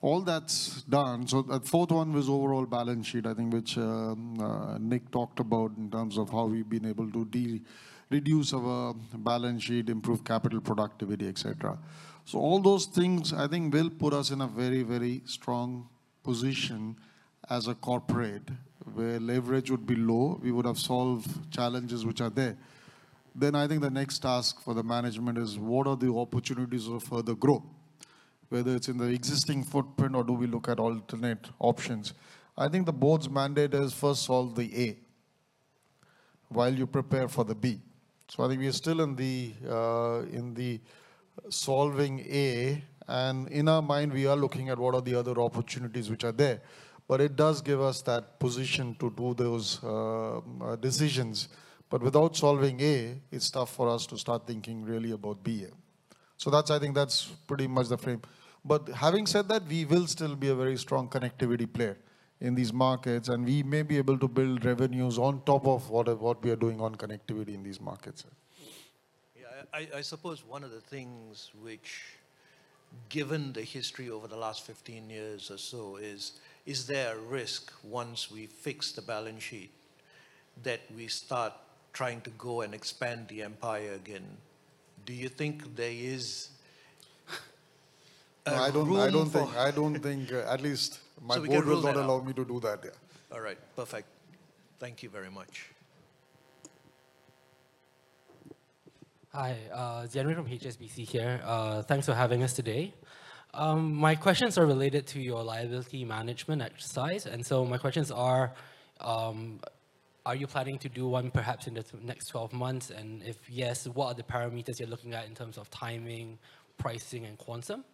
All that's done. So the fourth one was overall balance sheet, I think, which Nik talked about in terms of how we've been able to reduce our balance sheet, improve capital productivity, et cetera. So all those things I think will put us in a very, very strong position as a corporate where leverage would be low. We would have solved challenges which are there. Then I think the next task for the management is what are the opportunities of further growth, whether it's in the existing footprint or do we look at alternate options. I think the board's mandate is first solve the A while you prepare for the B. So I think we are still in the solving A, and in our mind, we are looking at what are the other opportunities which are there, but it does give us that position to do those decisions. But without solving A, it's tough for us to start thinking really about BA. So that's, I think that's pretty much the frame. But having said that, we will still be a very strong connectivity player in these markets, and we may be able to build revenues on top of what we are doing on connectivity in these markets. Yeah, I suppose one of the things which, given the history over the last 15 years or so, is there a risk once we fix the balance sheet that we start trying to go and expand the empire again? Do you think there is? I don't think, at least my board will not allow me to do that. Yeah. All right, perfect. Thank you very much. Hi, Ziyad from HSBC here. Thanks for having us today. My questions are related to your liability management exercise, and so my questions are, are you planning to do one perhaps in the next 12 months? And if yes, what are the parameters you're looking at in terms of timing, pricing, and quantum?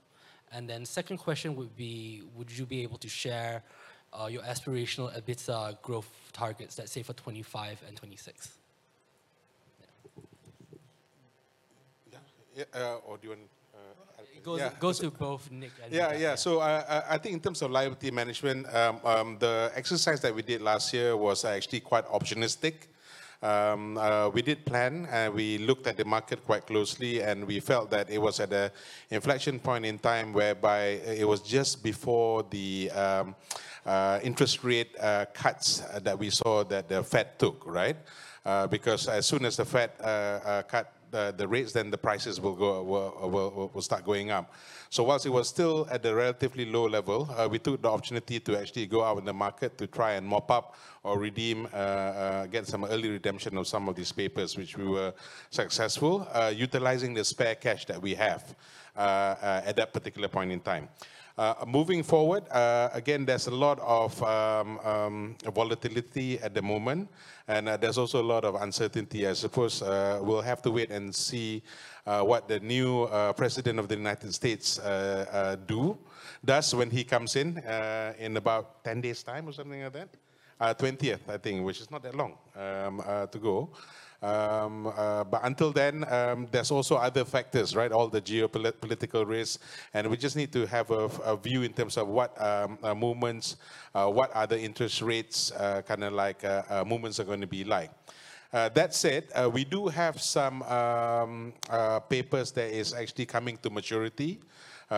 And then second question would be, would you be able to share your aspirational EBITDA growth targets that say for 2025 and 2026? Yeah, or do you want to? Goes to both Nik and. Yeah, yeah. So I think in terms of liability management, the exercise that we did last year was actually quite optimistic. We did plan, and we looked at the market quite closely, and we felt that it was at an inflection point in time whereby it was just before the interest rate cuts that we saw that the Fed took, right? Because as soon as the Fed cut the rates, then the prices will start going up. So while it was still at a relatively low level, we took the opportunity to actually go out in the market to try and mop up or redeem, get some early redemption of some of these papers, which we were successful utilizing the spare cash that we have at that particular point in time. Moving forward, again, there's a lot of volatility at the moment, and there's also a lot of uncertainty. I suppose we'll have to wait and see what the new president of the United States does. When he comes in, in about 10 days' time or something like that, 20th, I think, which is not that long to go. But until then, there's also other factors, right? All the geopolitical risks, and we just need to have a view in terms of what movements, what other interest rates kind of like movements are going to be like. That said, we do have some papers that are actually coming to maturity.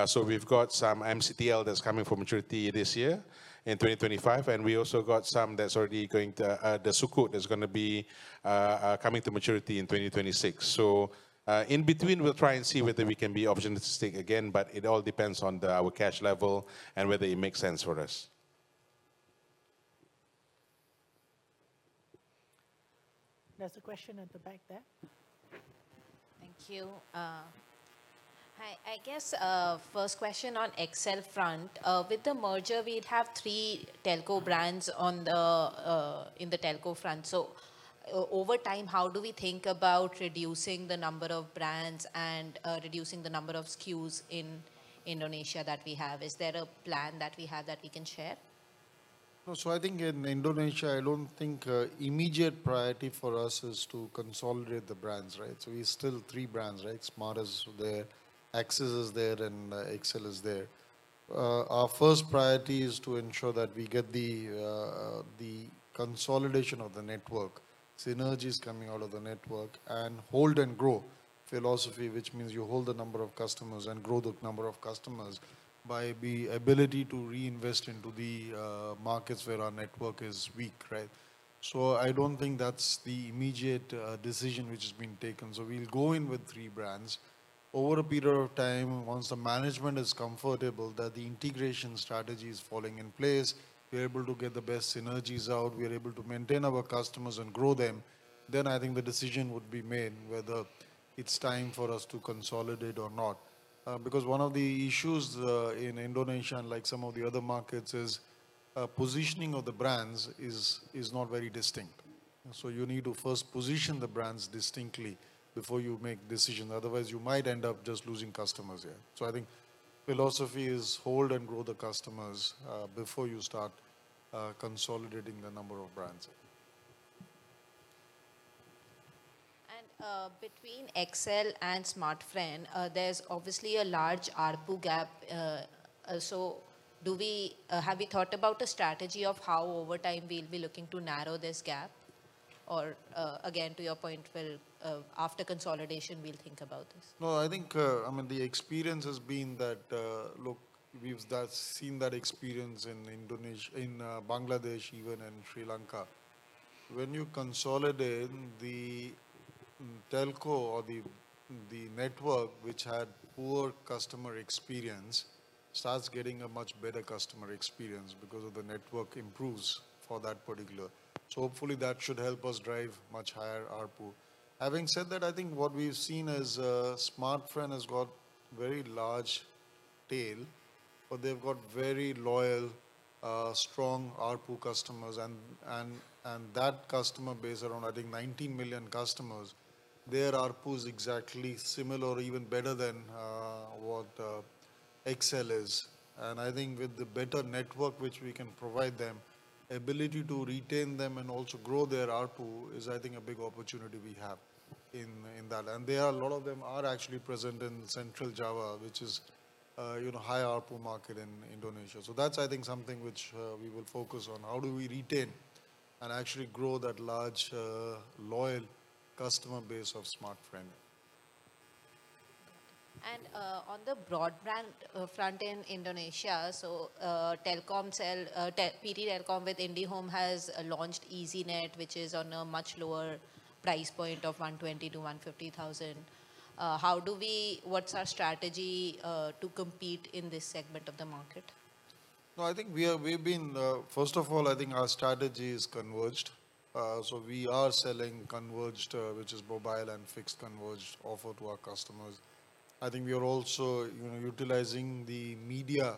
So we've got some MCTL that's coming to maturity this year in 2025, and we also got some that's already going to, the Sukuk that's going to be coming to maturity in 2026. So in between, we'll try and see whether we can be optimistic again, but it all depends on our cash level and whether it makes sense for us. There's a question at the back there. Thank you. Hi, I guess first question on XL front, with the merger, we'd have three telco brands in the telco front. So over time, how do we think about reducing the number of brands and reducing the number of SKUs in Indonesia that we have? Is there a plan that we have that we can share? So I think in Indonesia, I don't think immediate priority for us is to consolidate the brands, right? So we still have three brands, right? Smartfren's there, Axis is there, and XL is there. Our first priority is to ensure that we get the consolidation of the network, synergies coming out of the network, and hold and grow philosophy, which means you hold the number of customers and grow the number of customers by the ability to reinvest into the markets where our network is weak, right? So I don't think that's the immediate decision which has been taken. So we'll go in with three brands. Over a period of time, once the management is comfortable that the integration strategy is falling in place, we're able to get the best synergies out, we're able to maintain our customers and grow them, then I think the decision would be made whether it's time for us to consolidate or not. Because one of the issues in Indonesia and like some of the other markets is positioning of the brands is not very distinct. So you need to first position the brands distinctly before you make decisions, otherwise you might end up just losing customers here. So I think philosophy is hold and grow the customers before you start consolidating the number of brands. and between XL and Smartfren, there's obviously a large ARPU gap. So have we thought about a strategy of how over time we'll be looking to narrow this gap? Or again, to your point, after consolidation, we'll think about this. No, I think, I mean, the experience has been that, look, we've seen that experience in Bangladesh, even, and Sri Lanka. When you consolidate the telco or the network which had poor customer experience, it starts getting a much better customer experience because the network improves for that particular. So hopefully that should help us drive much higher ARPU. Having said that, I think what we've seen is Smartfren has got very large tail, but they've got very loyal, strong ARPU customers, and that customer base around, I think, 19 million customers, their ARPU is exactly similar or even better than what XL is. I think with the better network which we can provide them, the ability to retain them and also grow their ARPU is, I think, a big opportunity we have in that. A lot of them are actually present in Central Java, which is a high ARPU market in Indonesia. That's, I think, something which we will focus on. How do we retain and actually grow that large loyal customer base of Smartfren? On the broadband front in Indonesia, PT Telkom with IndiHome has launched Eznet, which is on a much lower price point of 120,000-150,000. How do we, what's our strategy to compete in this segment of the market? No, I think we have been, first of all, I think our strategy is converged. We are selling converged, which is mobile and fixed converged offer to our customers. I think we are also utilizing the media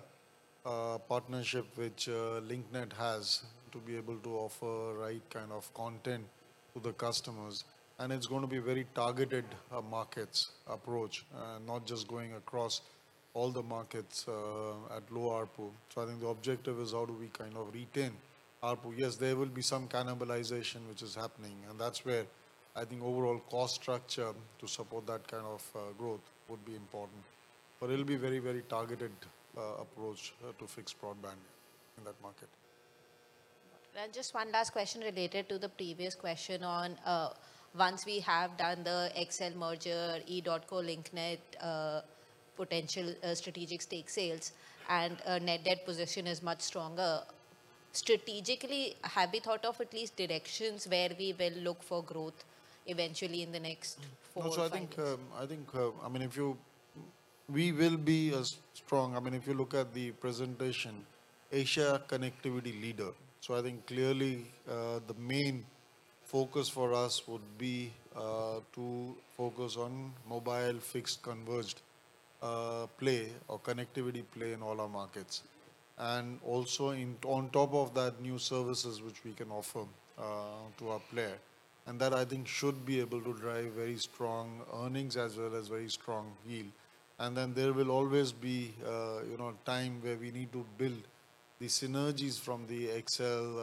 partnership which Link Net has to be able to offer the right kind of content to the customers. And it's going to be a very targeted markets approach, not just going across all the markets at low ARPU. So I think the objective is how do we kind of retain ARPU. Yes, there will be some cannibalization which is happening, and that's where I think overall cost structure to support that kind of growth would be important. But it'll be a very, very targeted approach to fixed broadband in that market. And just one last question related to the previous question on once we have done the XL merger, EDOTCO, Link Net, potential strategic stake sales, and net debt position is much stronger. Strategically, have we thought of at least directions where we will look for growth eventually in the next four years? No, so I think, I mean, if you, we will be as strong. I mean, if you look at the presentation, Asia connectivity leader. So I think clearly the main focus for us would be to focus on mobile, fixed, converged play or connectivity play in all our markets. And also on top of that, new services which we can offer to our players. And that I think should be able to drive very strong earnings as well as very strong yield. And then there will always be a time where we need to build the synergies from the XL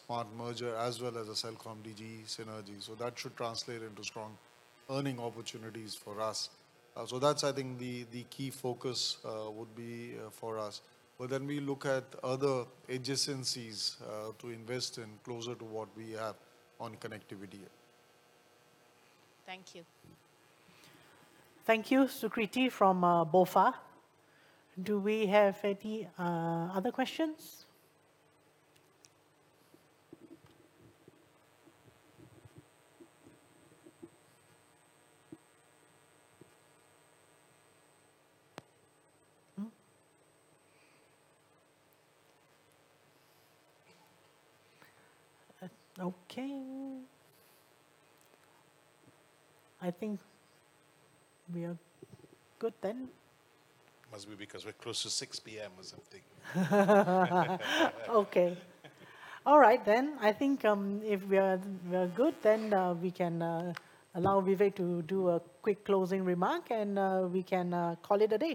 Smartfren merger as well as a CelcomDigi synergy. So that should translate into strong earning opportunities for us. So that's, I think, the key focus would be for us. But then we look at other adjacencies to invest in closer to what we have on connectivity. Thank you. Thank you, Sukriti from BofA. Do we have any other questions? Okay. I think we are good then. Must be because we're close to 6:00 P.M. or something. Okay. All right then. I think if we are good, then we can allow Vivek to do a quick closing remark, and we can call it a day.